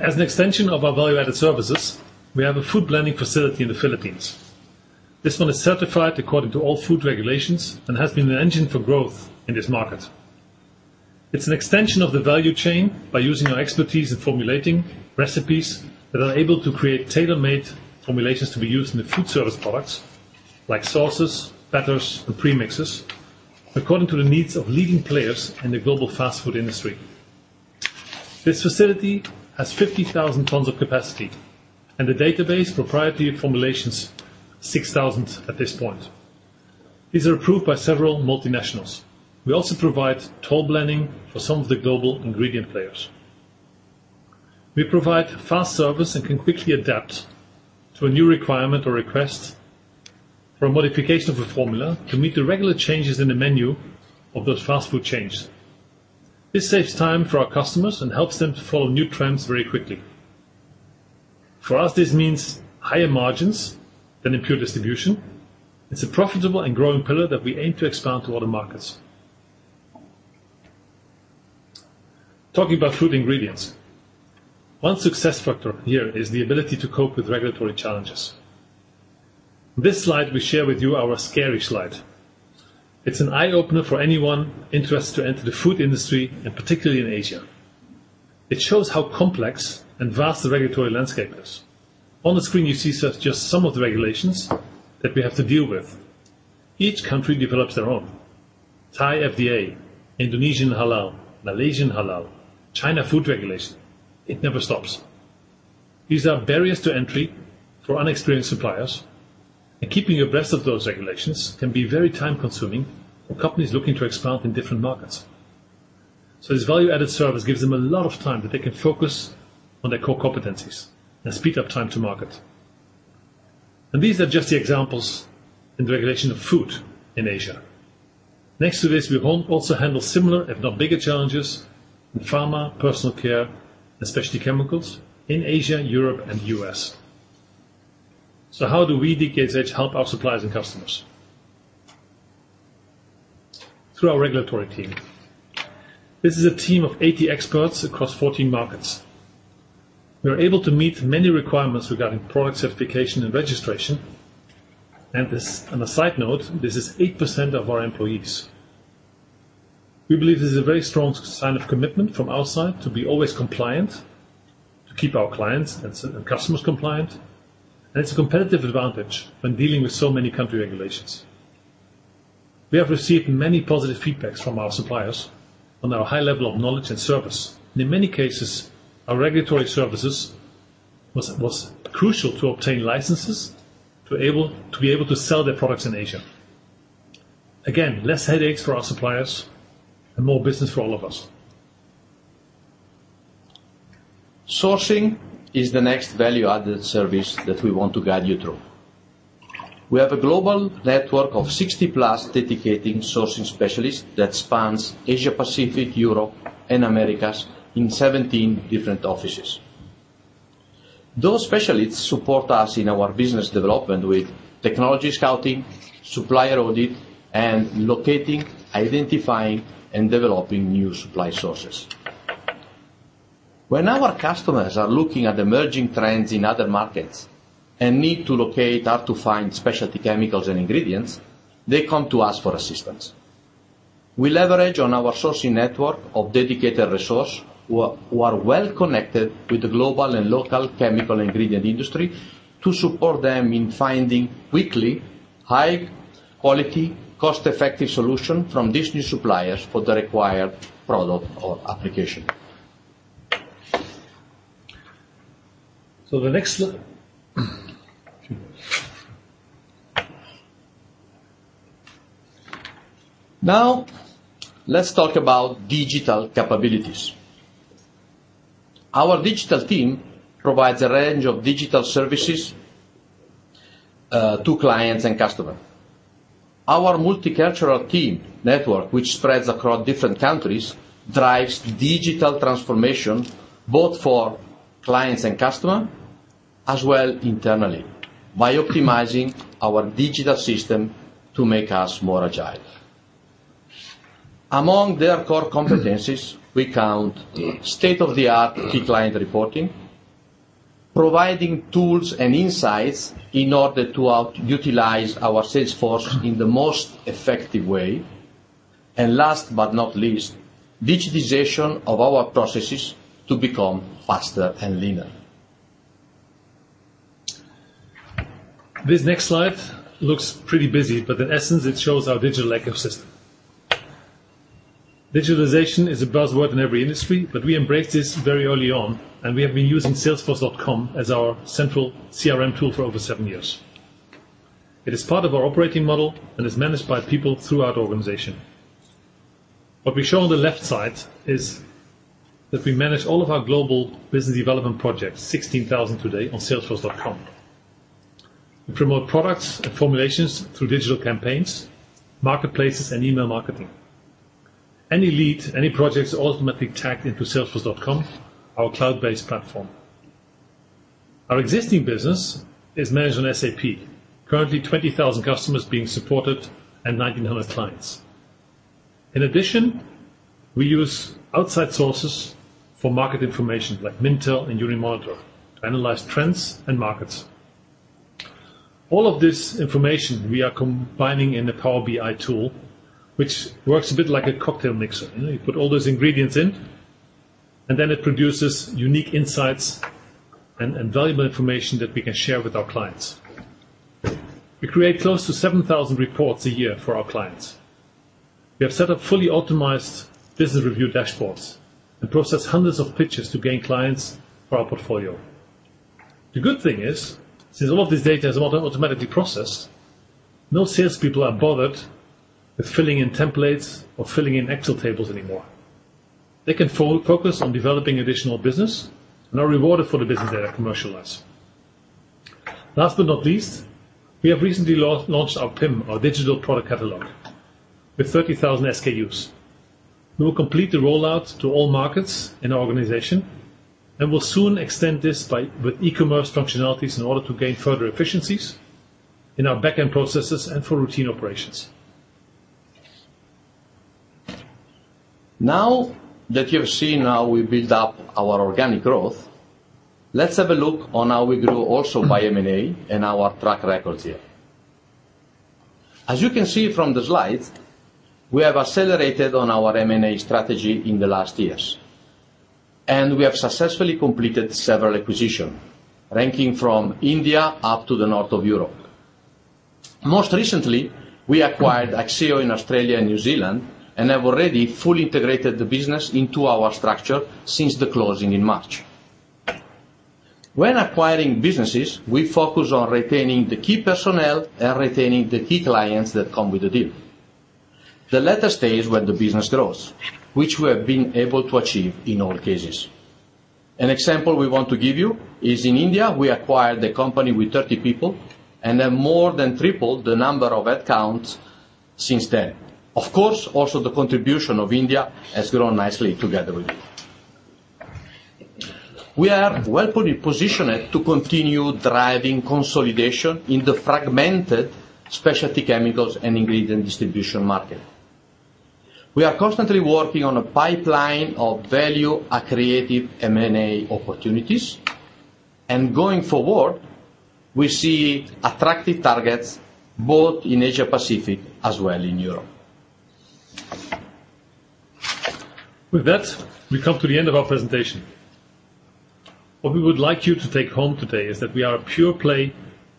As an extension of our value-added services, we have a food blending facility in the Philippines. This one is certified according to all food regulations and has been an engine for growth in this market. It's an extension of the value chain by using our expertise in formulating recipes that are able to create tailor-made formulations to be used in the food service products, like sauces, batters, and premixes, according to the needs of leading players in the global fast food industry. This facility has 50,000 tons of capacity and the database proprietary formulations, 6,000 at this point. These are approved by several multinationals. We also provide toll blending for some of the global ingredient players. We provide fast service and can quickly adapt to a new requirement or request for a modification of a formula to meet the regular changes in the menu of those fast food chains. This saves time for our customers and helps them to follow new trends very quickly. For us, this means higher margins than in pure distribution. It's a profitable and growing pillar that we aim to expand to other markets. Talking about food ingredients. One success factor here is the ability to cope with regulatory challenges. This slide we share with you, our scary slide. It's an eye-opener for anyone interested to enter the food industry, and particularly in Asia. It shows how complex and vast the regulatory landscape is. On the screen, you see just some of the regulations that we have to deal with. Each country develops their own. Thai FDA, Indonesian Halal, Malaysian Halal, China food regulation. It never stops. These are barriers to entry for inexperienced suppliers, and keeping abreast of those regulations can be very time-consuming for companies looking to expand in different markets. This value-added service gives them a lot of time that they can focus on their core competencies and speed up time to market. These are just the examples in the regulation of food in Asia. Next to this, we also handle similar, if not bigger, challenges in pharma, personal care, and specialty chemicals in Asia, Europe, and U.S. How do we at DKSH help our suppliers and customers? Through our regulatory team. This is a team of 80 experts across 14 markets. We are able to meet many requirements regarding product certification and registration. On a side note, this is 8% of our employees. We believe this is a very strong sign of commitment from our side to be always compliant, to keep our clients and customers compliant, it's a competitive advantage when dealing with so many country regulations. We have received many positive feedbacks from our suppliers on our high level of knowledge and service. In many cases, our regulatory services was crucial to obtain licenses to be able to sell their products in Asia. Again, less headaches for our suppliers and more business for all of us. Sourcing is the next value-added service that we want to guide you through. We have a global network of 60+ dedicated sourcing specialists that spans Asia, Pacific, Europe, and Americas in 17 different offices. Those specialists support us in our business development with technology scouting, supplier audit, and locating, identifying, and developing new supply sources. When our customers are looking at emerging trends in other markets and need to locate how to find specialty chemicals and ingredients, they come to us for assistance. We leverage on our sourcing network of dedicated resource who are well connected with the global and local chemical ingredient industry to support them in finding weekly high quality, cost-effective solution from these new suppliers for the required product or application. Now, let's talk about digital capabilities. Our digital team provides a range of digital services to clients and customer. Our multicultural team network, which spreads across different countries, drives digital transformation both for clients and customer, as well internally, by optimizing our digital system to make us more agile. Among their core competencies, we count state-of-the-art key client reporting, providing tools and insights in order to utilize our sales force in the most effective way, and last but not least, digitization of our processes to become faster and leaner. This next slide looks pretty busy, but in essence, it shows our digital ecosystem. Digitalization is a buzzword in every industry, but we embraced this very early on, and we have been using salesforce.com as our central CRM tool for over seven years. It is part of our operating model and is managed by people through our organization. What we show on the left side is that we manage all of our global business development projects, 16,000 today, on salesforce.com. We promote products and formulations through digital campaigns, marketplaces, and email marketing. Any lead, any project is automatically tagged into salesforce.com, our cloud-based platform. Our existing business is managed on SAP. Currently, 20,000 customers being supported and 1,900 clients. In addition, we use outside sources for market information like Mintel and Euromonitor to analyze trends and markets. All of this information we are combining in the Power BI tool, which works a bit like a cocktail mixer. You put all those ingredients in, and then it produces unique insights and valuable information that we can share with our clients. We create close to 7,000 reports a year for our clients. We have set up fully optimized business review dashboards and process hundreds of pitches to gain clients for our portfolio. The good thing is, since all of this data is automatically processed, no salespeople are bothered with filling in templates or filling in Excel tables anymore. They can focus on developing additional business and are rewarded for the business they commercialize. Last but not least, we have recently launched our PIM, our digital product catalog, with 30,000 SKUs. We will complete the rollout to all markets in our organization, and will soon extend this with e-commerce functionalities in order to gain further efficiencies in our back-end processes and for routine operations. Now that you have seen how we build up our organic growth, let's have a look on how we grow also by M&A and our track records here. As you can see from the slide, we have accelerated on our M&A strategy in the last years, and we have successfully completed several acquisition, ranking from India up to the north of Europe. Most recently, we acquired Axieo in Australia and New Zealand and have already fully integrated the business into our structure since the closing in March. When acquiring businesses, we focus on retaining the key personnel and retaining the key clients that come with the deal. The latter stays when the business grows, which we have been able to achieve in all cases. An example we want to give you is in India, we acquired a company with 30 people and have more than tripled the number of headcounts since then. Of course, also the contribution of India has grown nicely together with it. We are well-positioned to continue driving consolidation in the fragmented specialty chemicals and ingredient distribution market. We are constantly working on a pipeline of value accretive M&A opportunities, and going forward, we see attractive targets both in Asia Pacific as well in Europe. With that, we come to the end of our presentation. What we would like you to take home today is that we are a pure-play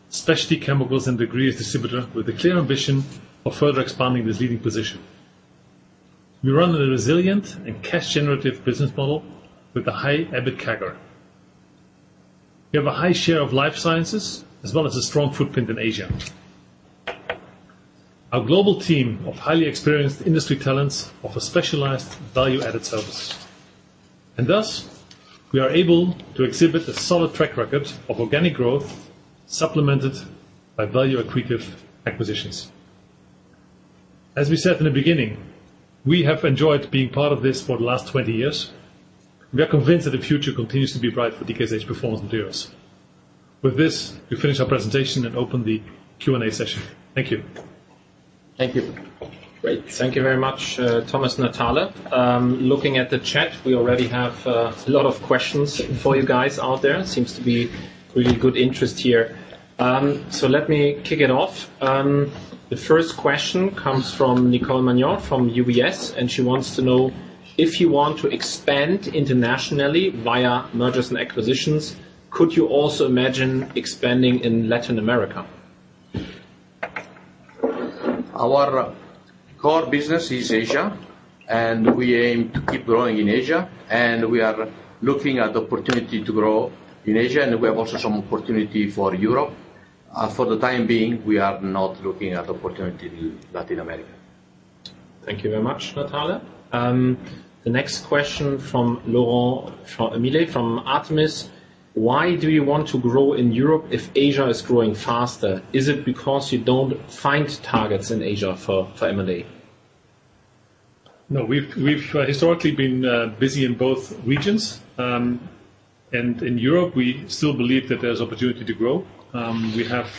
specialty chemicals and ingredients distributor with a clear ambition of further expanding this leading position. We run a resilient and cash generative business model with a high EBIT CAGR. We have a high share of life sciences as well as a strong footprint in Asia. Our global team of highly experienced industry talents offer specialized value-added service. And thus, we are able to exhibit a solid track record of organic growth supplemented by value-accretive acquisitions. As we said in the beginning, we have enjoyed being part of this for the last 20 years. We are convinced that the future continues to be bright for DKSH Performance Materials. With this, we finish our presentation and open the Q&A session. Thank you. Thank you. Great. Thank you very much, Thomas and Natale. Looking at the chat, we already have a lot of questions for you guys out there. Seems to be really good interest here. Let me kick it off. The first question comes from Nicole Manion from UBS, and she wants to know: If you want to expand internationally via mergers and acquisitions, could you also imagine expanding in Latin America? Our core business is Asia. We aim to keep growing in Asia. We are looking at the opportunity to grow in Asia. We have also some opportunity for Europe. For the time being, we are not looking at opportunity in Latin America. Thank you very much, Natale. The next question from Laurent Millet from Artemis: Why do you want to grow in Europe if Asia is growing faster? Is it because you don't find targets in Asia for M&A? No. We've historically been busy in both regions. In Europe, we still believe that there's opportunity to grow. We have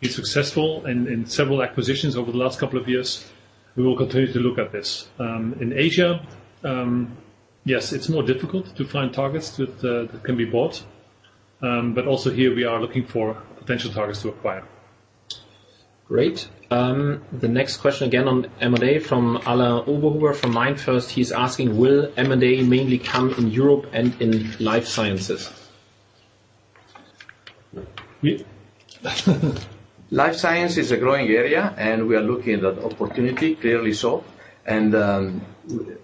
been successful in several acquisitions over the last couple of years. We will continue to look at this. In Asia, yes, it's more difficult to find targets that can be bought. Also here we are looking for potential targets to acquire. Great. The next question again on M&A from Alain Oberhuber from MainFirst, he's asking, will M&A mainly come in Europe and in life sciences? Life science is a growing area, and we are looking at opportunity, clearly so.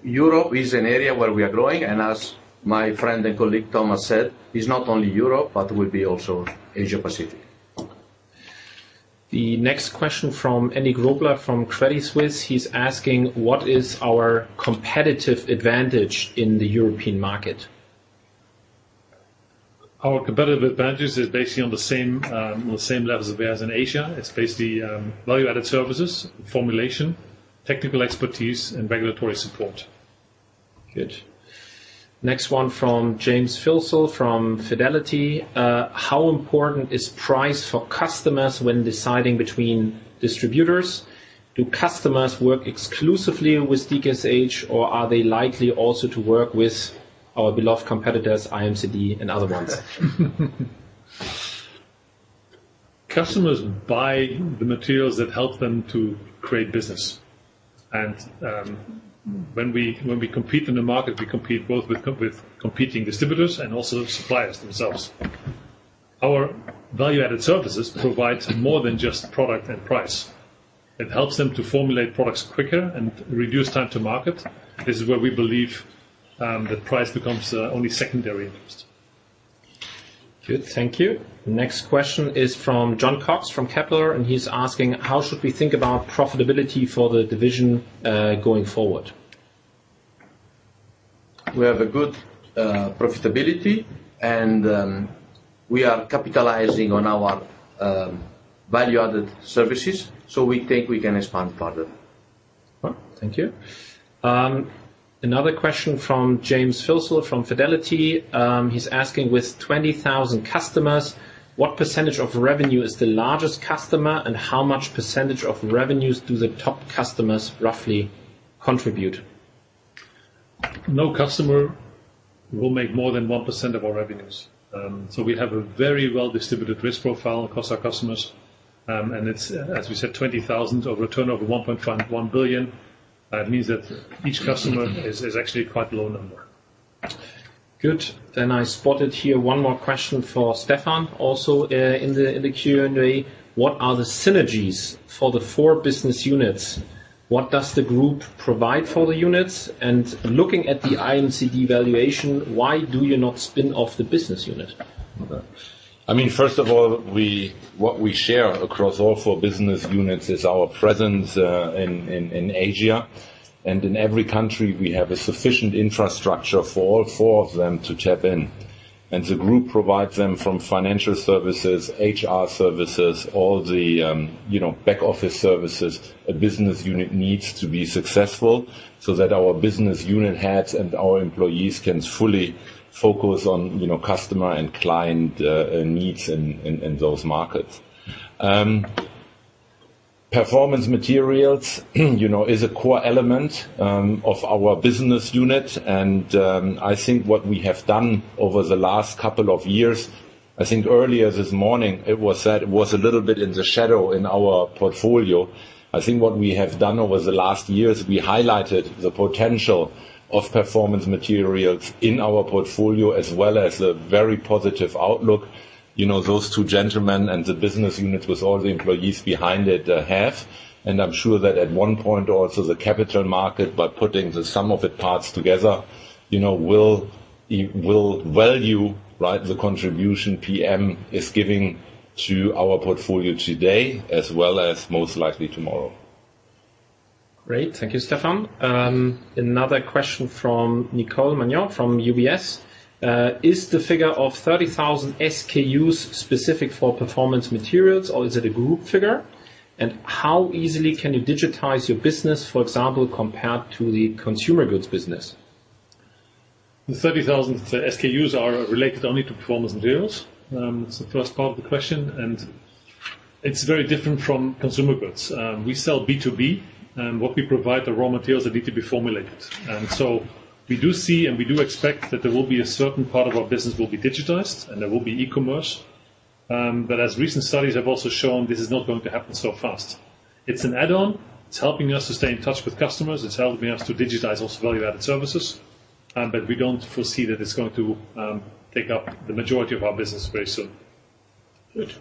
Europe is an area where we are growing, and as my friend and colleague Thomas said, it's not only Europe, but will be also Asia-Pacific. The next question from Andy Grobler from Credit Suisse. He's asking, what is our competitive advantage in the European market? Our competitive advantage is basically on the same levels as in Asia. It's basically value-added services, formulation, technical expertise, and regulatory support. Good. Next one from James Filsell from Fidelity: How important is price for customers when deciding between distributors? Do customers work exclusively with DKSH, or are they likely also to work with our beloved competitors, IMCD and other ones? Customers buy the materials that help them to create business. When we compete in the market, we compete both with competing distributors and also suppliers themselves. Our value-added services provide more than just product and price. It helps them to formulate products quicker and reduce time to market. This is where we believe that price becomes only secondary interest. Good. Thank you. Next question is from Jon Cox from Kepler. He's asking, how should we think about profitability for the division going forward? We have a good profitability, and we are capitalizing on our value-added services, so we think we can expand further. Thank you. Another question from James Filsell from Fidelity. He's asking, with 20,000 customers, what percentage of revenue is the largest customer, how much percentage of revenues do the top customers roughly contribute? No customer will make more than 1% of our revenues. We have a very well-distributed risk profile across our customers, and it's, as we said, 20,000 of turnover 1.5 billion. It means that each customer is actually quite low number. Good. I spotted here one more question for Stefan, also in the Q&A. What are the synergies for the four business units? What does the group provide for the units? Looking at the IMCD valuation, why do you not spin off the business unit? Okay. First of all, what we share across all four business units is our presence in Asia. In every country, we have a sufficient infrastructure for all four of them to tap in. The group provides them from financial services, HR services, all the back office services a business unit needs to be successful so that our business unit heads and our employees can fully focus on customer and client needs in those markets. Performance Materials is a core element of our business unit, and I think what we have done over the last couple of years, I think earlier this morning it was said, was a little bit in the shadow in our portfolio. I think what we have done over the last years, we highlighted the potential of Performance Materials in our portfolio, as well as a very positive outlook. Those two gentlemen and the business unit with all the employees behind it have. I'm sure that at one point also, the capital market, by putting the sum of the parts together, will value the contribution PM is giving to our portfolio today, as well as most likely tomorrow. Great. Thank you, Stefan. Another question from Nicole Manion from UBS. Is the figure of 30,000 SKUs specific for Performance Materials, or is it a group figure? How easily can you digitize your business, for example, compared to the Consumer Goods business? The 30,000 SKUs are related only to performance materials. That's the first part of the question. It's very different from consumer goods. We sell B2B, and what we provide are raw materials that need to be formulated. We do see and we do expect that there will be a certain part of our business will be digitized and there will be e-commerce. As recent studies have also shown, this is not going to happen so fast. It's an add-on. It's helping us to stay in touch with customers. It's helping us to digitize also value-added services. We don't foresee that it's going to take up the majority of our business very soon. Good.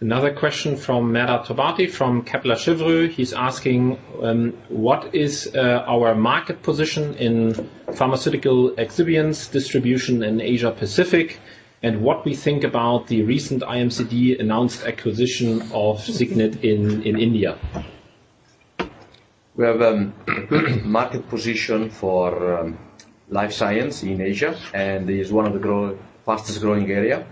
Another question from Mera Tabati from Kepler Cheuvreux. He's asking, what is our market position in pharmaceutical excipients distribution in Asia Pacific, and what we think about the recent IMCD announced acquisition of Signet in India. We have a market position for life science in Asia and is one of the fastest-growing area.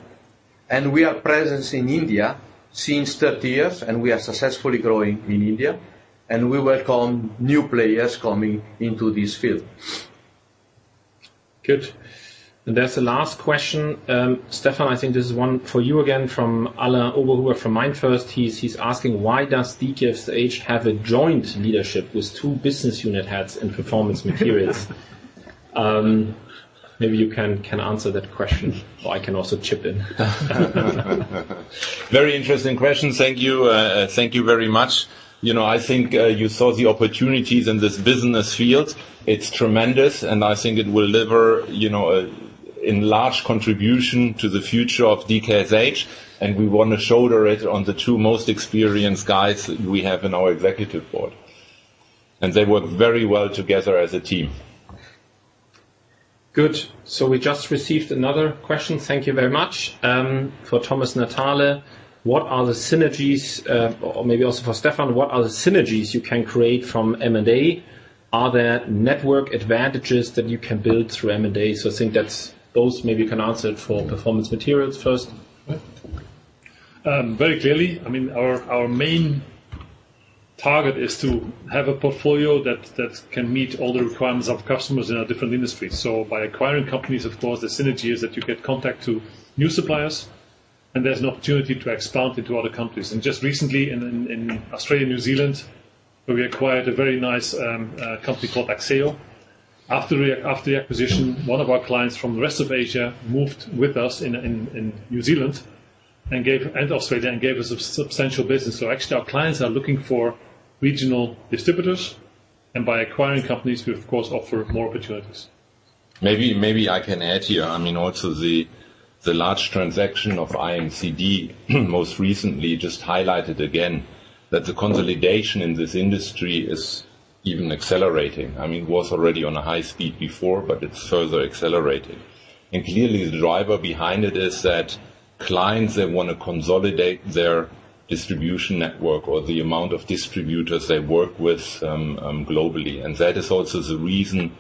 We are present in India since 30 years, and we are successfully growing in India, and we welcome new players coming into this field. Good. That's the last question. Stefan, I think this is one for you again from Alain Oberhuber from MainFirst. He's asking, why does DKSH have a joint leadership with two Business Unit Heads in Performance Materials? Maybe you can answer that question, or I can also chip in. Very interesting question. Thank you. Thank you very much. I think you saw the opportunities in this business field. It's tremendous, and I think it will deliver a large contribution to the future of DKSH, and we want to shoulder it on the two most experienced guys that we have in our executive board. They work very well together as a team. Good. We just received another question. Thank you very much. For Thomas and Natale, what are the synergies, or maybe also for Stefan, what are the synergies you can create from M&A? Are there network advantages that you can build through M&A? I think that those maybe you can answer it for Performance Materials first. Very clearly. Our main target is to have a portfolio that can meet all the requirements of customers in our different industries. By acquiring companies, of course, the synergy is that you get contact to new suppliers, and there's an opportunity to expand into other countries. Just recently in Australia, New Zealand, we acquired a very nice company called Axieo. After the acquisition, one of our clients from the rest of Asia moved with us in New Zealand and Australia, and gave us substantial business. Actually our clients are looking for regional distributors, and by acquiring companies, we of course offer more opportunities. Maybe I can add here. The large transaction of IMCD most recently just highlighted again that the consolidation in this industry is even accelerating. It was already on a high speed before, it further accelerated. Clearly the driver behind it is that clients that want to consolidate their distribution network or the amount of distributors they work with globally. That is also the reason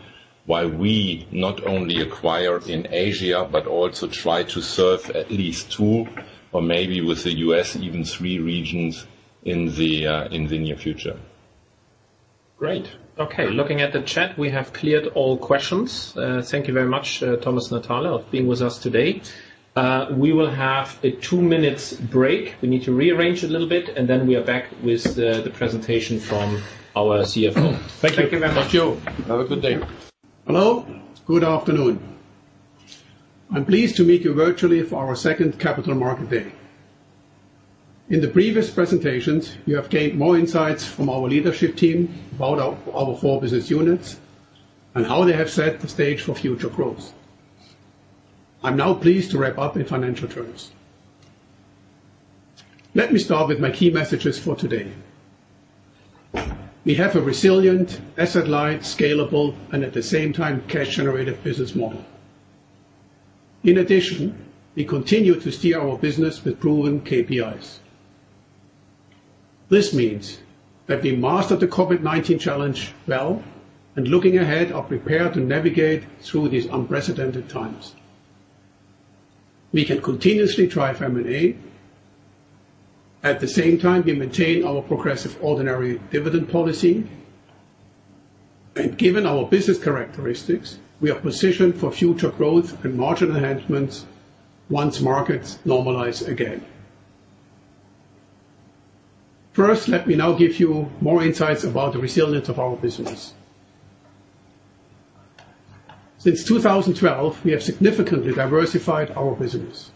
why we not only acquire in Asia, but also try to serve at least two or maybe with the U.S., even three regions in the near future. Great. Okay. Looking at the chat, we have cleared all questions. Thank you very much, Thomas and Natale for being with us today. We will have a two minutes break. We need to rearrange a little bit, and then we are back with the presentation from our CFO. Thank you. Thank you very much. Thank you. Have a good day. Hello. Good afternoon. I'm pleased to meet you virtually for our second Capital Market Day. In the previous presentations, you have gained more insights from our leadership team about our four business units and how they have set the stage for future growth. I'm now pleased to wrap up in financial terms. Let me start with my key messages for today. We have a resilient, asset-light, scalable, and at the same time, cash-generative business model. In addition, we continue to steer our business with proven KPIs. This means that we mastered the COVID-19 challenge well, and looking ahead are prepared to navigate through these unprecedented times. We can continuously drive M&A. At the same time, we maintain our progressive ordinary dividend policy. Given our business characteristics, we are positioned for future growth and margin enhancements once markets normalize again. First, let me now give you more insights about the resilience of our business. Since 2012, we have significantly diversified our business.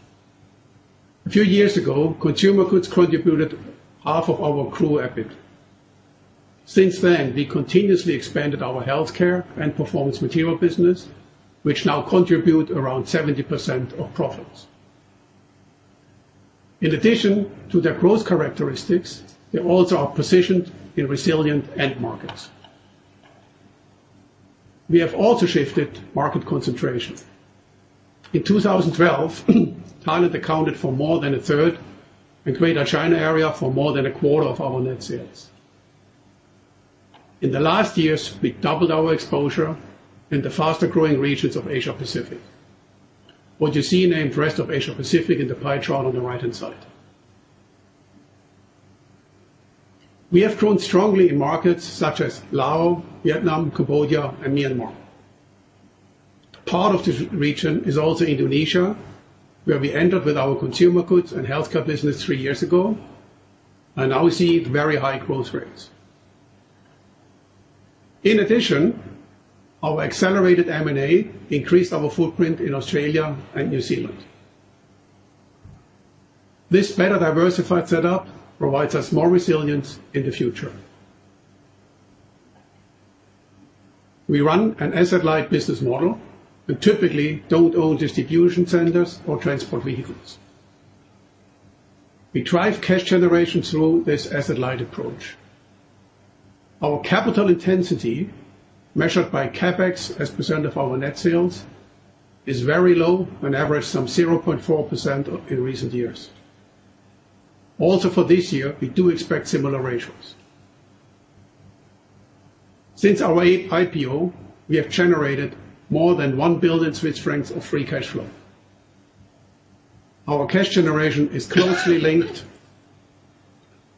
A few years ago, consumer goods contributed half of our group EBIT. Since then, we continuously expanded our healthcare and performance material business, which now contribute around 70% of profits. In addition to their growth characteristics, they also are positioned in resilient end markets. We have also shifted market concentration. In 2012, Thailand accounted for more than a third, and Greater China area for more than a quarter of our net sales. In the last years, we doubled our exposure in the faster-growing regions of Asia-Pacific. What you see named Rest of Asia-Pacific in the pie chart on the right-hand side. We have grown strongly in markets such as Laos, Vietnam, Cambodia, and Myanmar. Part of this region is also Indonesia, where we entered with our consumer goods and healthcare business three years ago. Now we see very high growth rates. In addition, our accelerated M&A increased our footprint in Australia and New Zealand. This better diversified setup provides us more resilience in the future. We run an asset-light business model and typically don't own distribution centers or transport vehicles. We drive cash generation through this asset-light approach. Our capital intensity, measured by CapEx as percentage of our net sales, is very low on average some 0.4% in recent years. Also for this year, we do expect similar ratios. Since our IPO, we have generated more than 1 billion Swiss francs of free cash flow. Our cash generation is closely linked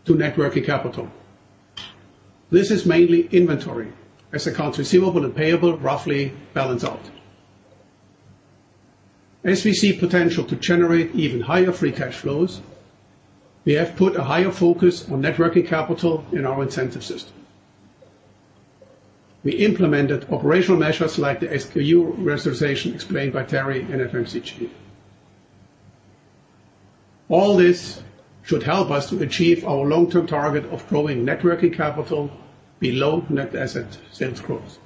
to net working capital. This is mainly inventory, as accounts receivable and payable roughly balance out. As we see potential to generate even higher free cash flows, we have put a higher focus on net working capital in our incentive system. We implemented operational measures like the SKU rationalization explained by Terry in FMCG. All this should help us to achieve our long-term target of growing net working capital below net asset sales growth.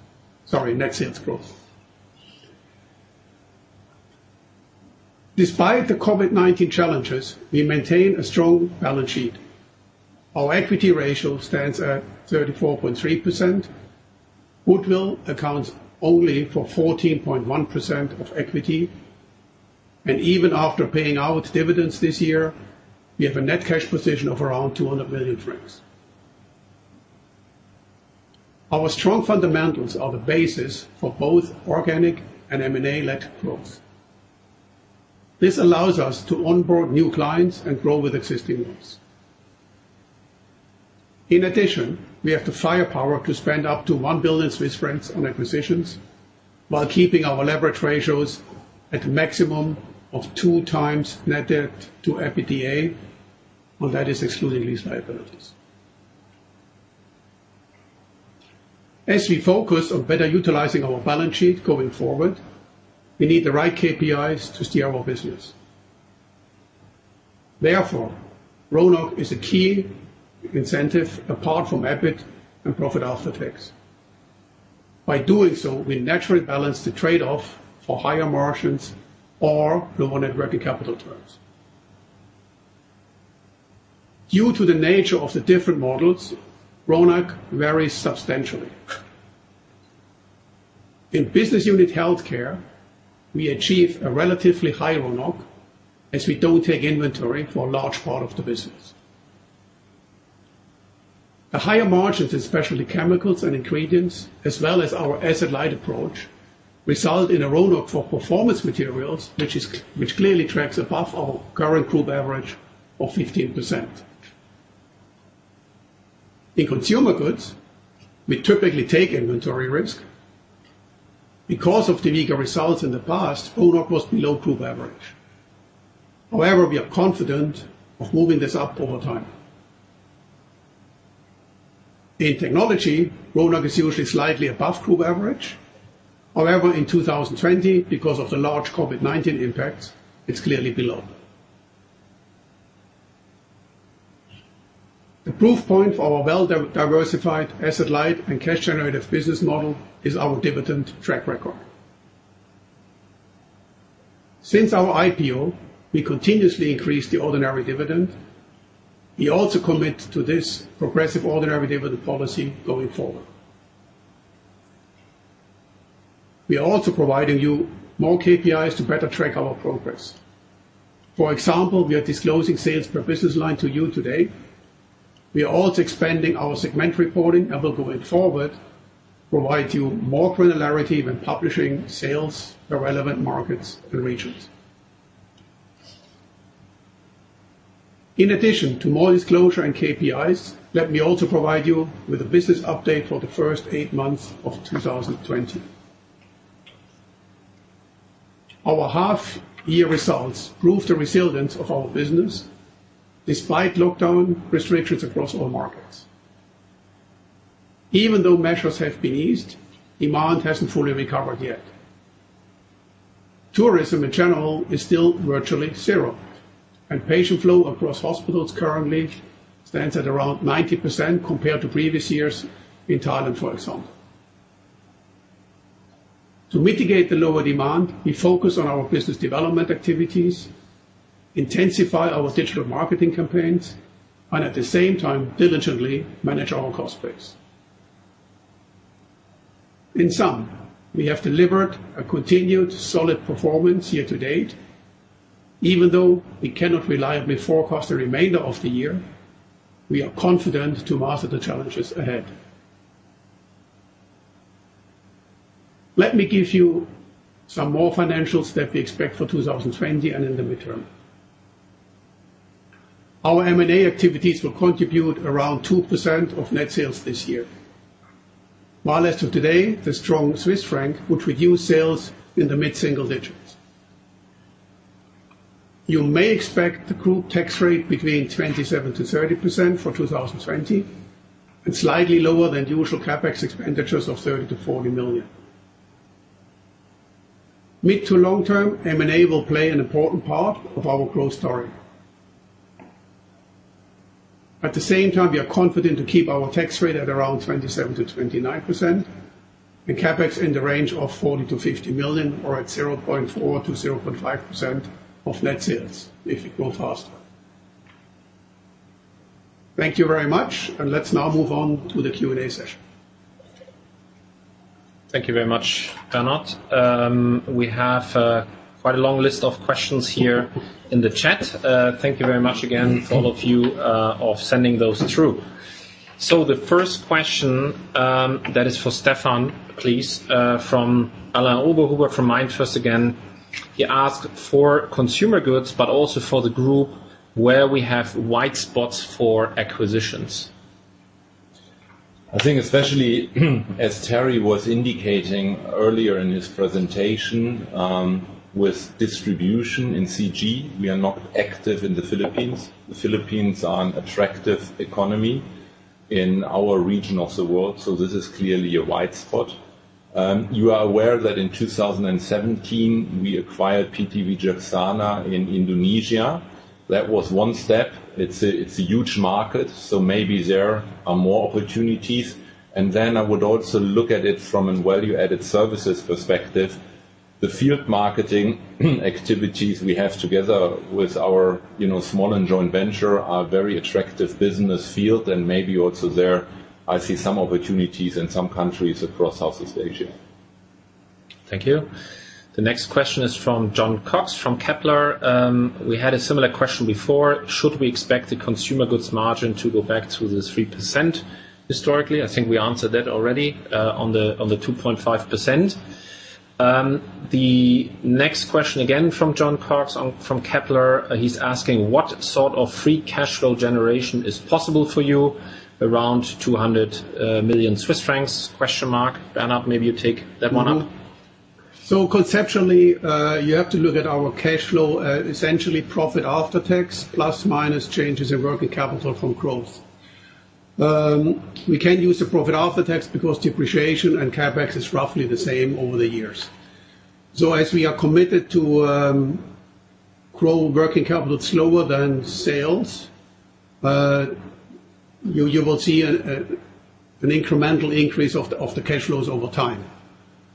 Sorry, net sales growth. Despite the COVID-19 challenges, we maintain a strong balance sheet. Our equity ratio stands at 34.3%. Goodwill accounts only for 14.1% of equity. Even after paying out dividends this year, we have a net cash position of around 200 million francs. Our strong fundamentals are the basis for both organic and M&A-led growth. This allows us to onboard new clients and grow with existing ones. In addition, we have the firepower to spend up to 1 billion Swiss francs on acquisitions while keeping our leverage ratios at a maximum of 2x net debt to EBITDA, and that is excluding lease liabilities. As we focus on better utilizing our balance sheet going forward, we need the right KPIs to steer our business. Therefore, RONOC is a key incentive apart from EBIT and profit after tax. By doing so, we naturally balance the trade-off for higher margins or lower net working capital terms. Due to the nature of the different models, RONOC varies substantially. In Business Unit Healthcare, we achieve a relatively high RONOC as we don't take inventory for a large part of the business. The higher margins, especially chemicals and ingredients, as well as our asset-light approach, result in a RONOC for Performance Materials, which clearly tracks above our current group average of 15%. In consumer goods, we typically take inventory risk. Because of the weaker results in the past, RONOC was below group average. However, we are confident of moving this up over time. In technology, RONOC is usually slightly above group average. However, in 2020, because of the large COVID-19 impact, it's clearly below. The proof point for our well-diversified asset light and cash-generative business model is our dividend track record. Since our IPO, we continuously increase the ordinary dividend. We also commit to this progressive ordinary dividend policy going forward. We are also providing you more KPIs to better track our progress. For example, we are disclosing sales per business line to you today. We are also expanding our segment reporting and will going forward provide you more granularity when publishing sales for relevant markets and regions. In addition to more disclosure and KPIs, let me also provide you with a business update for the first eight months of 2020. Our half year results prove the resilience of our business despite lockdown restrictions across all markets. Measures have been eased, demand hasn't fully recovered yet. Tourism in general is still virtually zero. Patient flow across hospitals currently stands at around 90% compared to previous years in Thailand, for example. To mitigate the lower demand, we focus on our business development activities, intensify our digital marketing campaigns, and at the same time diligently manage our cost base. In sum, we have delivered a continued solid performance year to date. We cannot reliably forecast the remainder of the year, we are confident to master the challenges ahead. Let me give you some more financials that we expect for 2020 and in the midterm. Our M&A activities will contribute around 2% of net sales this year. As of today, the strong Swiss Franc would reduce sales in the mid-single digits. You may expect the group tax rate between 27%-30% for 2020, and slightly lower than usual CapEx expenditures of 30 million-40 million. Mid to long term, M&A will play an important part of our growth story. At the same time, we are confident to keep our tax rate at around 27%-29%, and CapEx in the range of 40 million-50 million or at 0.4%-0.5% of net sales if it grows faster. Thank you very much, and let's now move on to the Q&A session. Thank you very much, Bernhard. We have quite a long list of questions here in the chat. Thank you very much again to all of you of sending those through. The first question that is for Stefan, please, from Alain Oberhuber from MainFirst again. He asked for consumer goods, but also for the group where we have white spots for acquisitions. I think especially as Terry was indicating earlier in his presentation, with distribution in CG, we are not active in the Philippines. The Philippines are an attractive economy in our region of the world, so this is clearly a white spot. You are aware that in 2017, we acquired PT Wicaksana in Indonesia. That was one step. It's a huge market, so maybe there are more opportunities. I would also look at it from a value-added services perspective. The field marketing activities we have together with our small and joint venture are very attractive business field, and maybe also there I see some opportunities in some countries across Southeast Asia. Thank you. The next question is from Jon Cox from Kepler. We had a similar question before. Should we expect the consumer goods margin to go back to the 3% historically? I think we answered that already on the 2.5%. The next question again from Jon Cox from Kepler. He's asking, What sort of free cash flow generation is possible for you around 200 million Swiss francs? Bernhard, maybe you take that one up. Conceptually, you have to look at our cash flow, essentially profit after tax, plus minus changes in working capital from growth. We can use the profit after tax because depreciation and CapEx is roughly the same over the years. As we are committed to grow working capital slower than sales, you will see an incremental increase of the cash flows over time.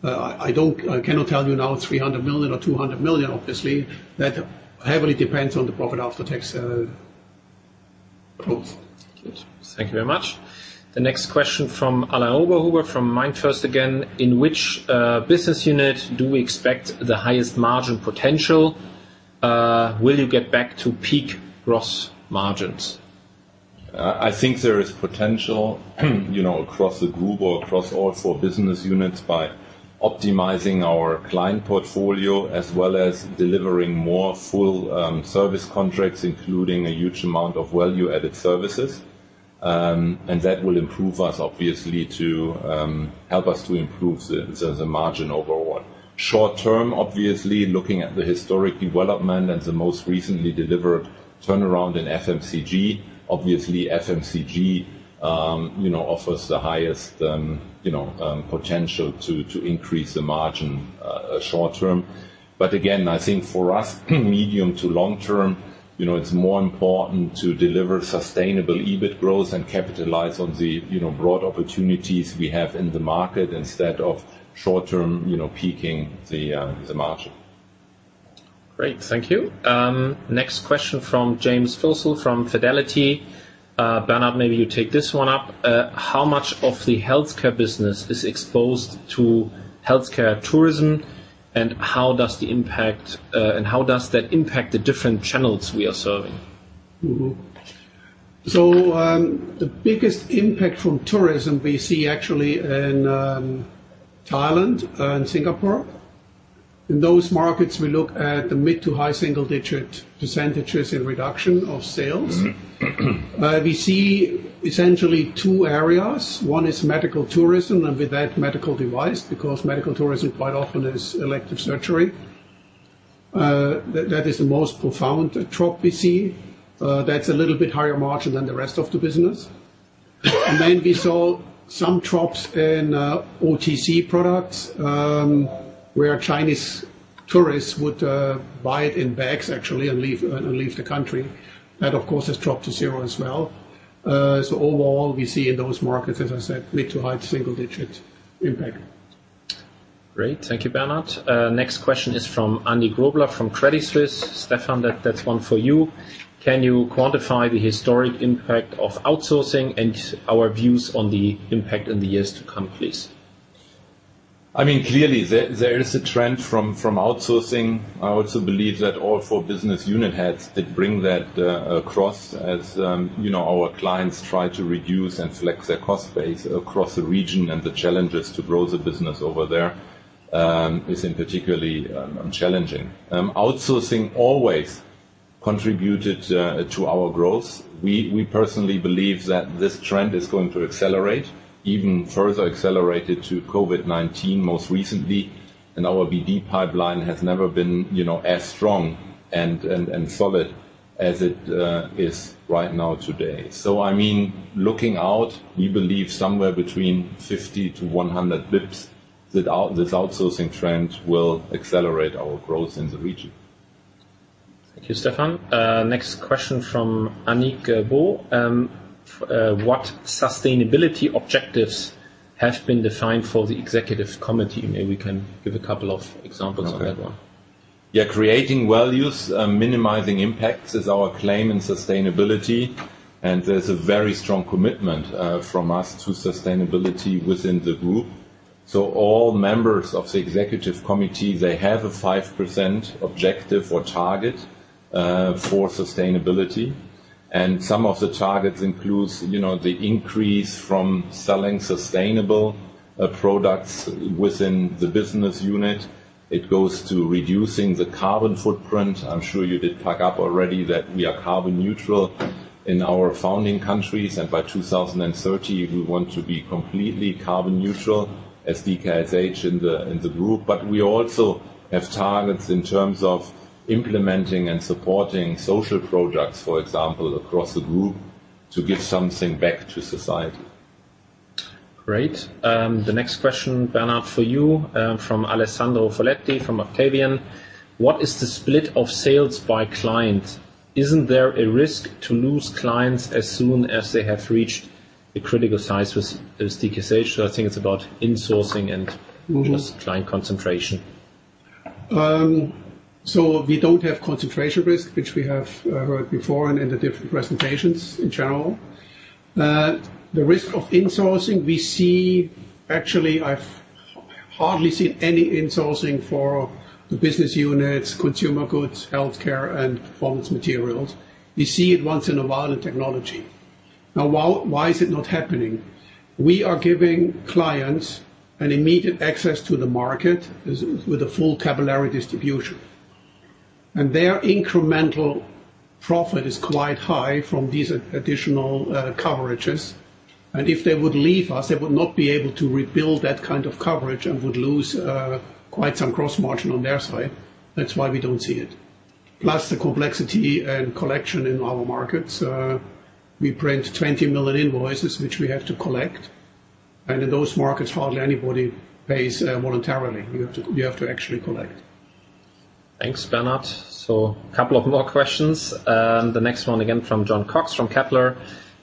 I cannot tell you now 300 million or 200 million, obviously, that heavily depends on the profit after tax growth. Thank you very much. The next question from Alain Oberhuber from MainFirst again. In which business unit do we expect the highest margin potential? Will you get back to peak gross margins? I think there is potential across the group or across all four business units by optimizing our client portfolio, as well as delivering more full service contracts, including a huge amount of value-added services. That will improve us, obviously, to help us to improve the margin overall. Short-term, obviously, looking at the historic development and the most recently delivered turnaround in FMCG, obviously FMCG offers the highest potential to increase the margin short-term. Again, I think for us, medium to long term, it's more important to deliver sustainable EBIT growth and capitalize on the broad opportunities we have in the market instead of short-term peaking the margin. Great. Thank you. Next question from James Filsell from Fidelity. Bernhard, maybe you take this one up. How much of the healthcare business is exposed to healthcare tourism, and how does that impact the different channels we are serving? The biggest impact from tourism we see actually in Thailand and Singapore. In those markets, we look at the mid to high single-digit % in reduction of sales. We see essentially two areas. One is medical tourism, with that medical device, because medical tourism quite often is elective surgery. That is the most profound drop we see. That's a little bit higher margin than the rest of the business. Then we saw some drops in OTC products, where Chinese tourists would buy it in bags actually, and leave the country. That, of course, has dropped to zero as well. Overall, we see in those markets, as I said, mid to high single digit impact. Great. Thank you, Bernhard. Next question is from Andy Grobler from Credit Suisse. Stefan, that's one for you. Can you quantify the historic impact of outsourcing and our views on the impact in the years to come, please? Clearly, there is a trend from outsourcing. I also believe that all four business unit heads did bring that across as our clients try to reduce and flex their cost base across the region and the challenges to grow the business over there is particularly challenging. Outsourcing always contributed to our growth. We personally believe that this trend is going to accelerate, even further accelerated to COVID-19 most recently, and our BD pipeline has never been as strong and solid as it is right now today. Looking out, we believe somewhere between 50-100 basis points, this outsourcing trend will accelerate our growth in the region. Thank you, Stefan. Next question from Anik Boll. What sustainability objectives have been defined for the executive committee? Maybe you can give a couple of examples on that one. Okay. Yeah, creating values, minimizing impacts is our claim in sustainability. There's a very strong commitment from us to sustainability within the group. All members of the executive committee, they have a 5% objective or target for sustainability. Some of the targets includes the increase from selling sustainable products within the business unit. It goes to reducing the carbon footprint. I'm sure you did pick up already that we are carbon neutral in our founding countries, and by 2030, we want to be completely carbon neutral as DKSH in the group. We also have targets in terms of implementing and supporting social projects, for example, across the group to give something back to society. Great. The next question, Bernhard, for you, from Alessandro Faletti from Octavian. What is the split of sales by client? Isn't there a risk to lose clients as soon as they have reached the critical size with DKSH? I think it's about insourcing and just client concentration. We don't have concentration risk, which we have heard before and in the different presentations in general. The risk of insourcing we see actually, I've hardly seen any insourcing for the Business Units Consumer Goods, Healthcare, and Performance Materials. We see it once in a while in Technology. Why is it not happening? We are giving clients an immediate access to the market with a full capillary distribution. Their incremental profit is quite high from these additional coverages. If they would leave us, they would not be able to rebuild that kind of coverage and would lose quite some gross margin on their side. That's why we don't see it. The complexity and collection in our markets. We print 20 million invoices, which we have to collect. In those markets, hardly anybody pays voluntarily. You have to actually collect. Thanks, Bernhard. A couple of more questions. The next one again from Jon Cox from Kepler.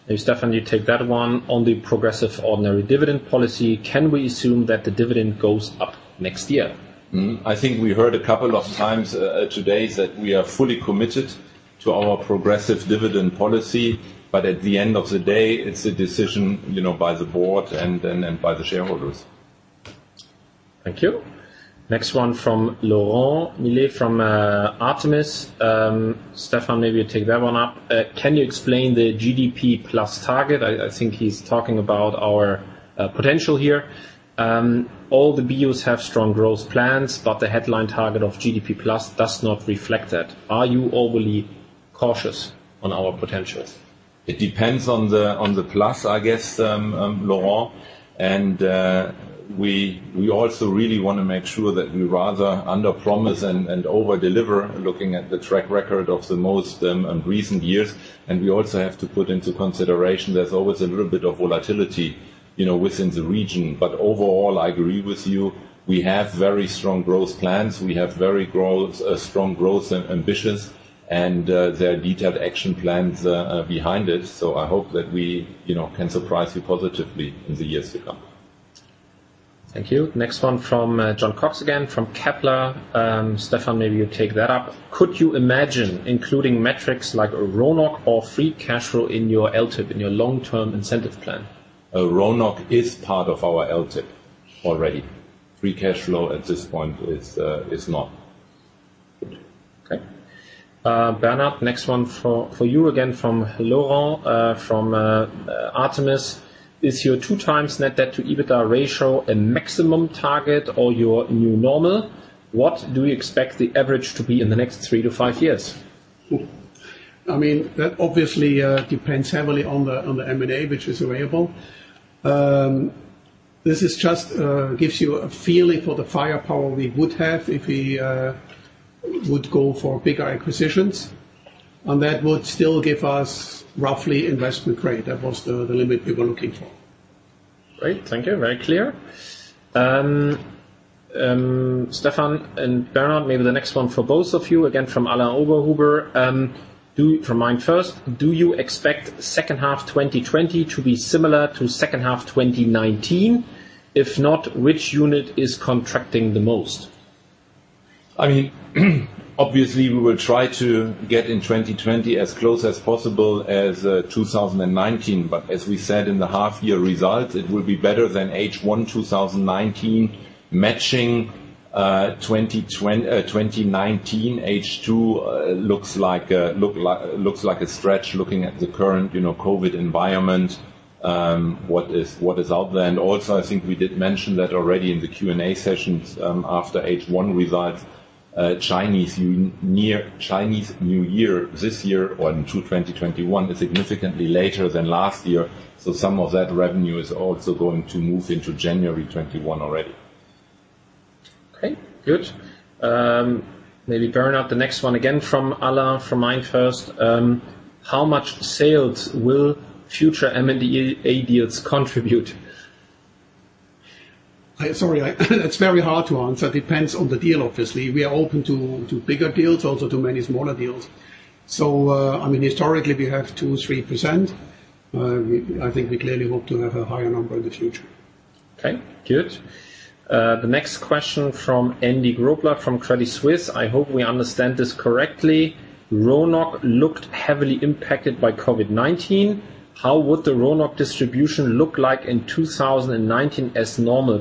Maybe Stefan, you take that one. On the progressive ordinary dividend policy, can we assume that the dividend goes up next year? I think we heard a couple of times today that we are fully committed to our progressive dividend policy. At the end of the day, it's a decision by the board and then by the shareholders. Thank you. Next one from Laurent Millet from Artemis. Stefan, maybe you take that one up. Can you explain the GDP plus target? I think he's talking about our potential here. All the BUs have strong growth plans, but the headline target of GDP plus does not reflect that. Are you overly cautious on our potentials? It depends on the plus, I guess, Laurent. We also really want to make sure that we rather under promise and over deliver, looking at the track record of the most recent years. We also have to put into consideration there's always a little bit of volatility within the region. Overall, I agree with you. We have very strong growth plans. We have very strong growth ambitions, and there are detailed action plans behind it. I hope that we can surprise you positively in the years to come. Thank you. Next one from Jon Cox again from Kepler. Stefan, maybe you take that up. Could you imagine including metrics like RONOC or free cash flow in your LTIP, in your long-term incentive plan? RONOC is part of our LTIP already. Free cash flow at this point is not. Good. Okay. Bernhard, next one for you again from Laurent from Artemis. Is your 2x net debt to EBITDA ratio a maximum target or your new normal? What do you expect the average to be in the next three to five years? That obviously depends heavily on the M&A which is available. This just gives you a feeling for the firepower we would have if we would go for bigger acquisitions. That would still give us roughly investment grade. That was the limit we were looking for. Great. Thank you. Very clear. Stefan and Bernhard, maybe the next one for both of you, again from Alain Oberhuber. From MainFirst. Do you expect second half 2020 to be similar to second half 2019? If not, which unit is contracting the most? Obviously, we will try to get in 2020 as close as possible as 2019. As we said in the half year results, it will be better than H1 2019 matching 2019 H2 looks like a stretch looking at the current COVID environment, what is out there. I think we did mention that already in the Q&A sessions after H1 results. Chinese New Year this year or into 2021 is significantly later than last year. Some of that revenue is also going to move into January 2021 already. Okay, good. Maybe Bernhard, the next one again from Alain from MainFirst. How much sales will future M&A deals contribute? Sorry, it is very hard to answer. Depends on the deal, obviously. We are open to bigger deals, also to many smaller deals. Historically, we have 2%, 3%. We clearly hope to have a higher number in the future. Okay, good. The next question from Andy Grobler from Credit Suisse. I hope we understand this correctly. RONOC looked heavily impacted by COVID-19. How would the RONOC distribution look like in 2019 as normal?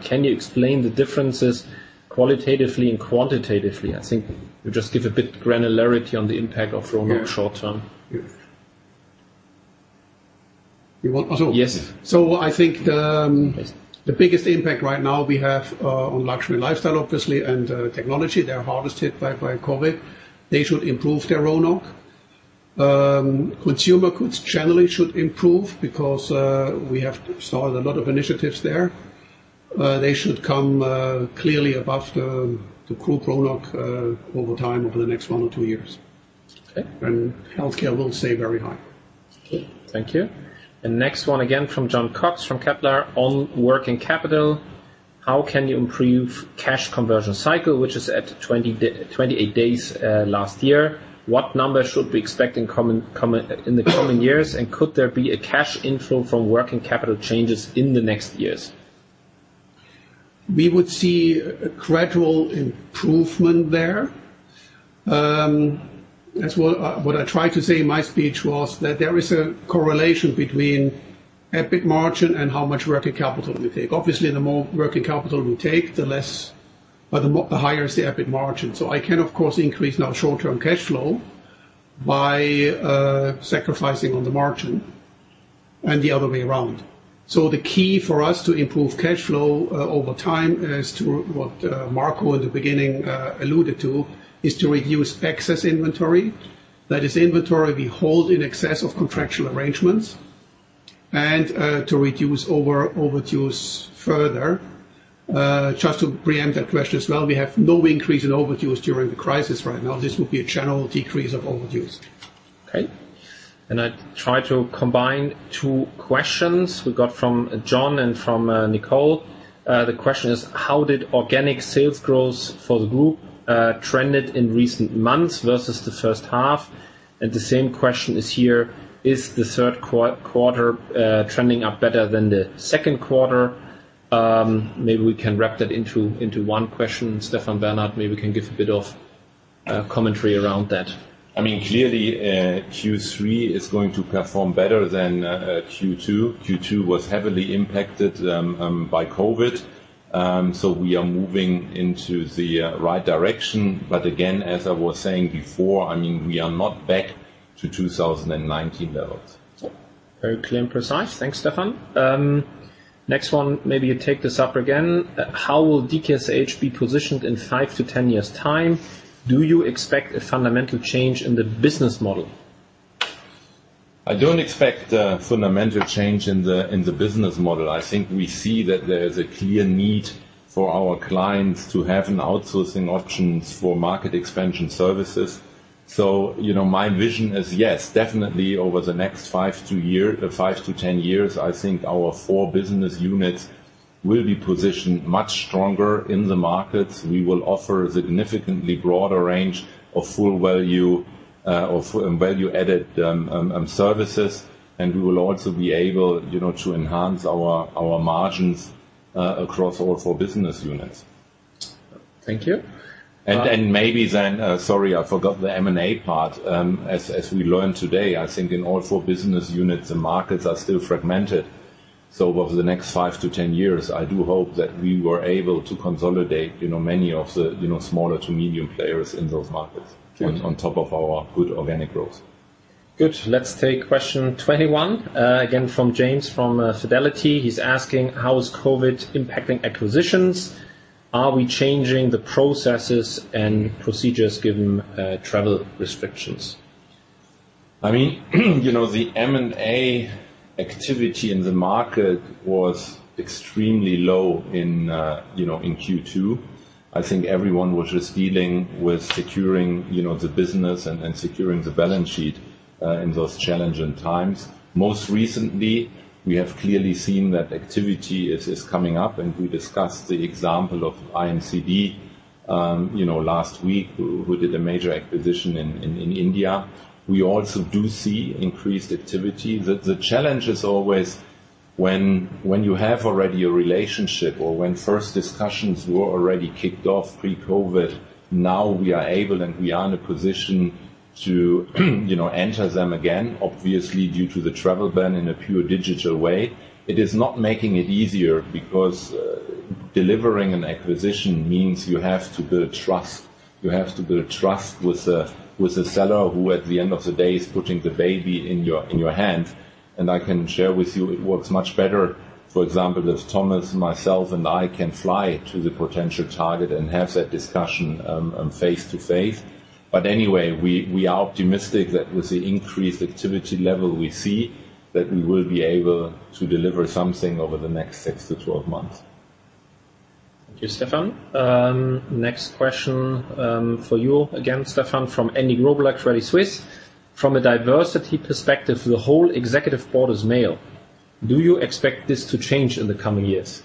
Can you explain the differences qualitatively and quantitatively? I think you just give a bit granularity on the impact of RONOC short term. You want also? Yes. I think the biggest impact right now we have on luxury lifestyle, obviously, and technology. They are hardest hit by COVID. They should improve their RONOC. Consumer goods generally should improve because we have started a lot of initiatives there. They should come clearly above the group RONOC over time over the next one or two years. Okay. Healthcare will stay very high. Okay. Thank you. Next one again from Jon Cox from Kepler on working capital. How can you improve cash conversion cycle, which is at 28 days last year? What number should we expect in the coming years? Could there be a cash inflow from working capital changes in the next years? We would see a gradual improvement there. What I tried to say in my speech was that there is a correlation between EBIT margin and how much working capital we take. Obviously, the more working capital we take, the higher is the EBIT margin. I can, of course, increase now short-term cash flow by sacrificing on the margin. The other way around. The key for us to improve cash flow over time as to what Marco in the beginning alluded to, is to reduce excess inventory. That is inventory we hold in excess of contractual arrangements and to reduce overdues further. Just to preempt that question as well, we have no increase in overdues during the crisis right now. This will be a general decrease of overdues. Okay. I try to combine two questions we got from Jon and from Nicole. The question is, how did organic sales growth for the group trend in recent months versus the first half? The same question is here, is the third quarter trending up better than the second quarter? Maybe we can wrap that into one question. Stefan Butz, maybe can give a bit of commentary around that. Clearly, Q3 is going to perform better than Q2. Q2 was heavily impacted by COVID. We are moving into the right direction. Again, as I was saying before, we are not back to 2019 levels. Very clear and precise. Thanks, Stefan. Next one, maybe you take this up again. How will DKSH be positioned in five to 10 years' time? Do you expect a fundamental change in the business model? I don't expect a fundamental change in the business model. I think we see that there is a clear need for our clients to have an outsourcing option for Market Expansion Services. My vision is, yes, definitely over the next five to 10 years, I think our four business units will be positioned much stronger in the markets. We will offer a significantly broader range of full value-added services, and we will also be able to enhance our margins across all four business units. Thank you. Sorry, I forgot the M&A part. As we learned today, I think in all four business units, the markets are still fragmented. Over the next five to 10 years, I do hope that we were able to consolidate many of the smaller to medium players in those markets. Great On top of our good organic growth. Good. Let's take question 21, again, from James from Fidelity. He's asking, how is COVID impacting acquisitions? Are we changing the processes and procedures given travel restrictions? The M&A activity in the market was extremely low in Q2. I think everyone was just dealing with securing the business and securing the balance sheet in those challenging times. Most recently, we have clearly seen that activity is coming up. We discussed the example of IMCD last week, who did a major acquisition in India. We also do see increased activity. The challenge is always when you have already a relationship or when first discussions were already kicked off pre-COVID, now we are able and we are in a position to enter them again, obviously, due to the travel ban in a pure digital way. It is not making it easier because delivering an acquisition means you have to build trust. You have to build trust with the seller who at the end of the day is putting the baby in your hand. I can share with you it works much better, for example, if Thomas, myself and I can fly to the potential target and have that discussion face-to-face. Anyway, we are optimistic that with the increased activity level we see, that we will be able to deliver something over the next six to 12 months. Thank you, Stefan. Next question for you again, Stefan, from Andy Groebli, Credit Suisse. From a diversity perspective, the whole Executive Board is male. Do you expect this to change in the coming years?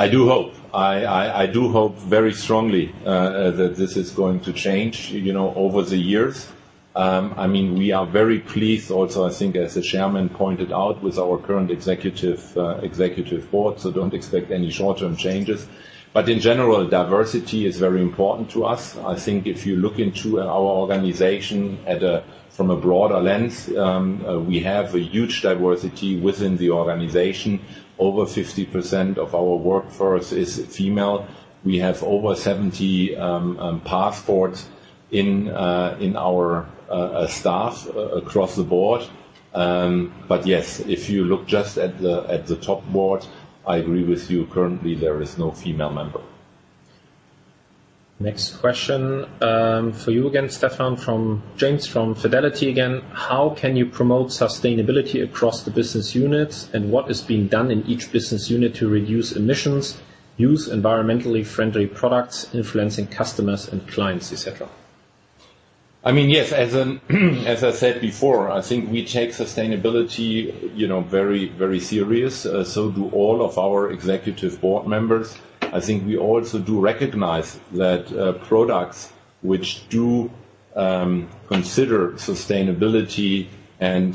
I do hope. I do hope very strongly that this is going to change over the years. We are very pleased also, I think as the Chairman pointed out, with our current Executive Board. Don't expect any short-term changes. In general, diversity is very important to us. I think if you look into our organization from a broader lens, we have a huge diversity within the organization. Over 50% of our workforce is female. We have over 70 passports in our staff across the board. Yes, if you look just at the top board, I agree with you, currently, there is no female member. Next question for you again, Stefan, from James from Fidelity again. How can you promote sustainability across the business units, what is being done in each business unit to reduce emissions, use environmentally friendly products, influencing customers and clients, et cetera? Yes. As I said before, I think we take sustainability very serious, so do all of our Executive Board members. We also do recognize that products which do consider sustainability and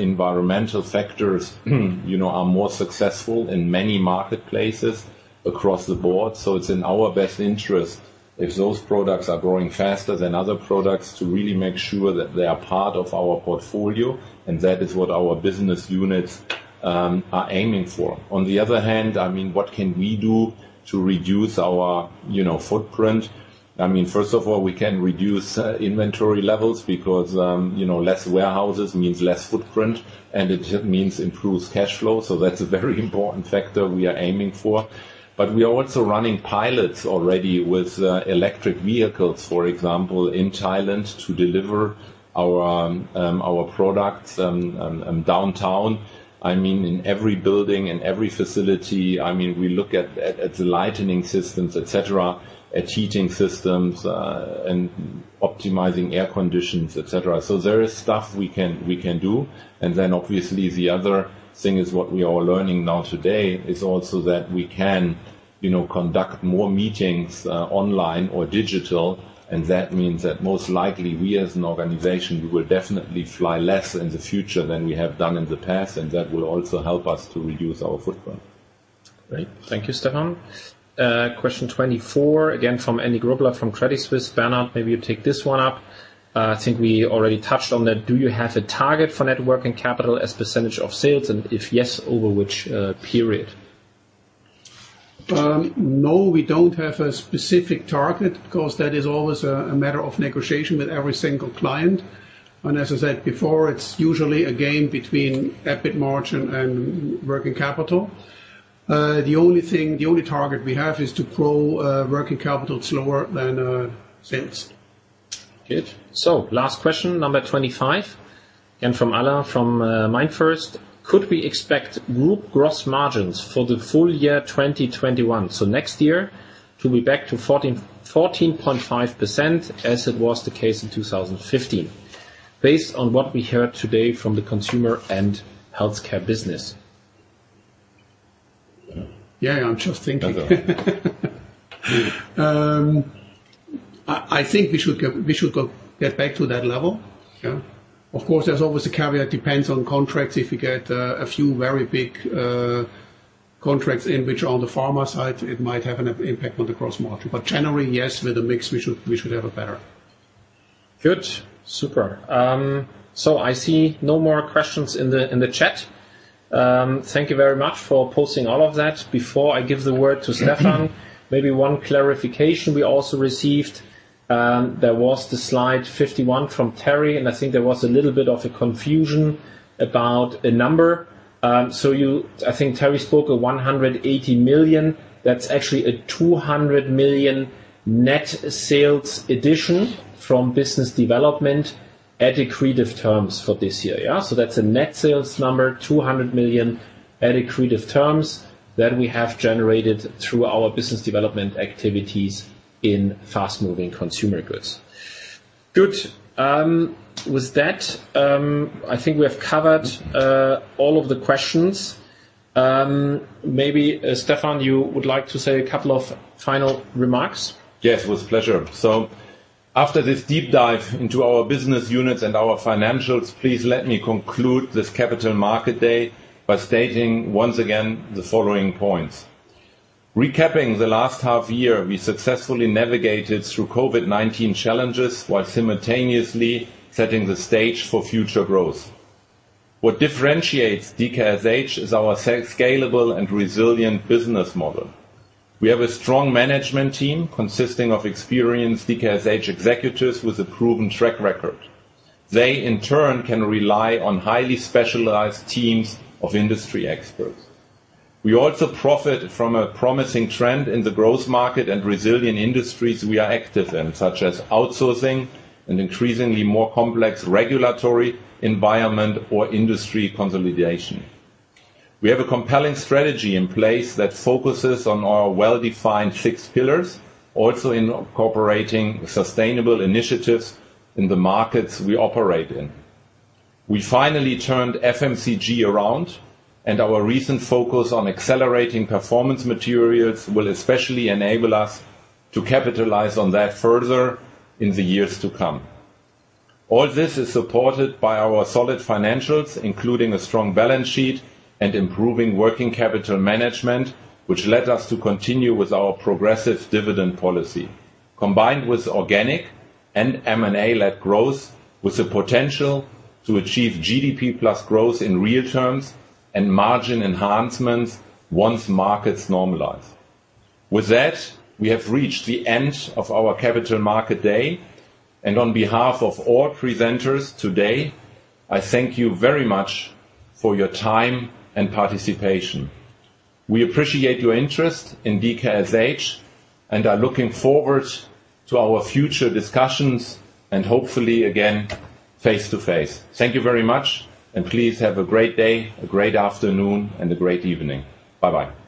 environmental factors are more successful in many marketplaces across the board. It's in our best interest if those products are growing faster than other products to really make sure that they are part of our portfolio, and that is what our business units are aiming for. On the other hand, what can we do to reduce our footprint? I mean, first of all, we can reduce inventory levels because less warehouses means less footprint, and it means improves cash flow. That's a very important factor we are aiming for. We are also running pilots already with electric vehicles, for example, in Thailand to deliver our products downtown. In every building, in every facility, we look at the lighting systems, et cetera, at heating systems, and optimizing air conditions, et cetera. There is stuff we can do. Obviously the other thing is what we are learning now today is also that we can conduct more meetings online or digital, and that means that most likely we as an organization, we will definitely fly less in the future than we have done in the past, and that will also help us to reduce our footprint. Great. Thank you, Stefan. Question 24, again from Andy Grobler from Credit Suisse. Bernhard, maybe you take this one up. I think we already touched on that. Do you have a target for net working capital as percentage of sales? If yes, over which period? No, we don't have a specific target because that is always a matter of negotiation with every single client. As I said before, it's usually a game between EBIT margin and working capital. The only target we have is to grow working capital slower than sales. Good. Last question, number 25. Again from Alain from MainFirst. Could we expect group gross margins for the full year 2021? Next year, to be back to 14.5% as it was the case in 2015. Based on what we heard today from the consumer and healthcare business. Yeah, I'm just thinking. I think we should get back to that level. Yeah. Of course, there's always a caveat, depends on contracts. If you get a few very big contracts in which are on the pharma side, it might have an impact on the gross margin. Generally, yes, with the mix, we should have it better. Good. Super. I see no more questions in the chat. Thank you very much for posting all of that. Before I give the word to Stefan, maybe one clarification we also received. There was the slide 51 from Terry, and I think there was a little bit of a confusion about a number. I think Terry spoke of 180 million. That's actually a 200 million net sales addition from business development at accretive terms for this year. Yeah? That's a net sales number, 200 million at accretive terms that we have generated through our business development activities in fast-moving consumer goods. Good. With that, I think we have covered all of the questions. Maybe Stefan, you would like to say a couple of final remarks? Yes, with pleasure. After this deep dive into our business units and our financials, please let me conclude this Capital Market Day by stating once again the following points. Recapping the last half year, we successfully navigated through COVID-19 challenges while simultaneously setting the stage for future growth. What differentiates DKSH is our scalable and resilient business model. We have a strong management team consisting of experienced DKSH executives with a proven track record. They in turn, can rely on highly specialized teams of industry experts. We also profit from a promising trend in the growth market and resilient industries we are active in, such as outsourcing and increasingly more complex regulatory environment or industry consolidation. We have a compelling strategy in place that focuses on our well-defined six pillars, also incorporating sustainable initiatives in the markets we operate in. We finally turned FMCG around, and our recent focus on accelerating performance materials will especially enable us to capitalize on that further in the years to come. All this is supported by our solid financials, including a strong balance sheet and improving working capital management, which led us to continue with our progressive dividend policy, combined with organic and M&A-led growth with the potential to achieve GDP plus growth in real terms and margin enhancements once markets normalize. With that, we have reached the end of our capital market day, and on behalf of all presenters today, I thank you very much for your time and participation. We appreciate your interest in DKSH and are looking forward to our future discussions and hopefully again, face-to-face. Thank you very much, and please have a great day, a great afternoon, and a great evening. Bye-bye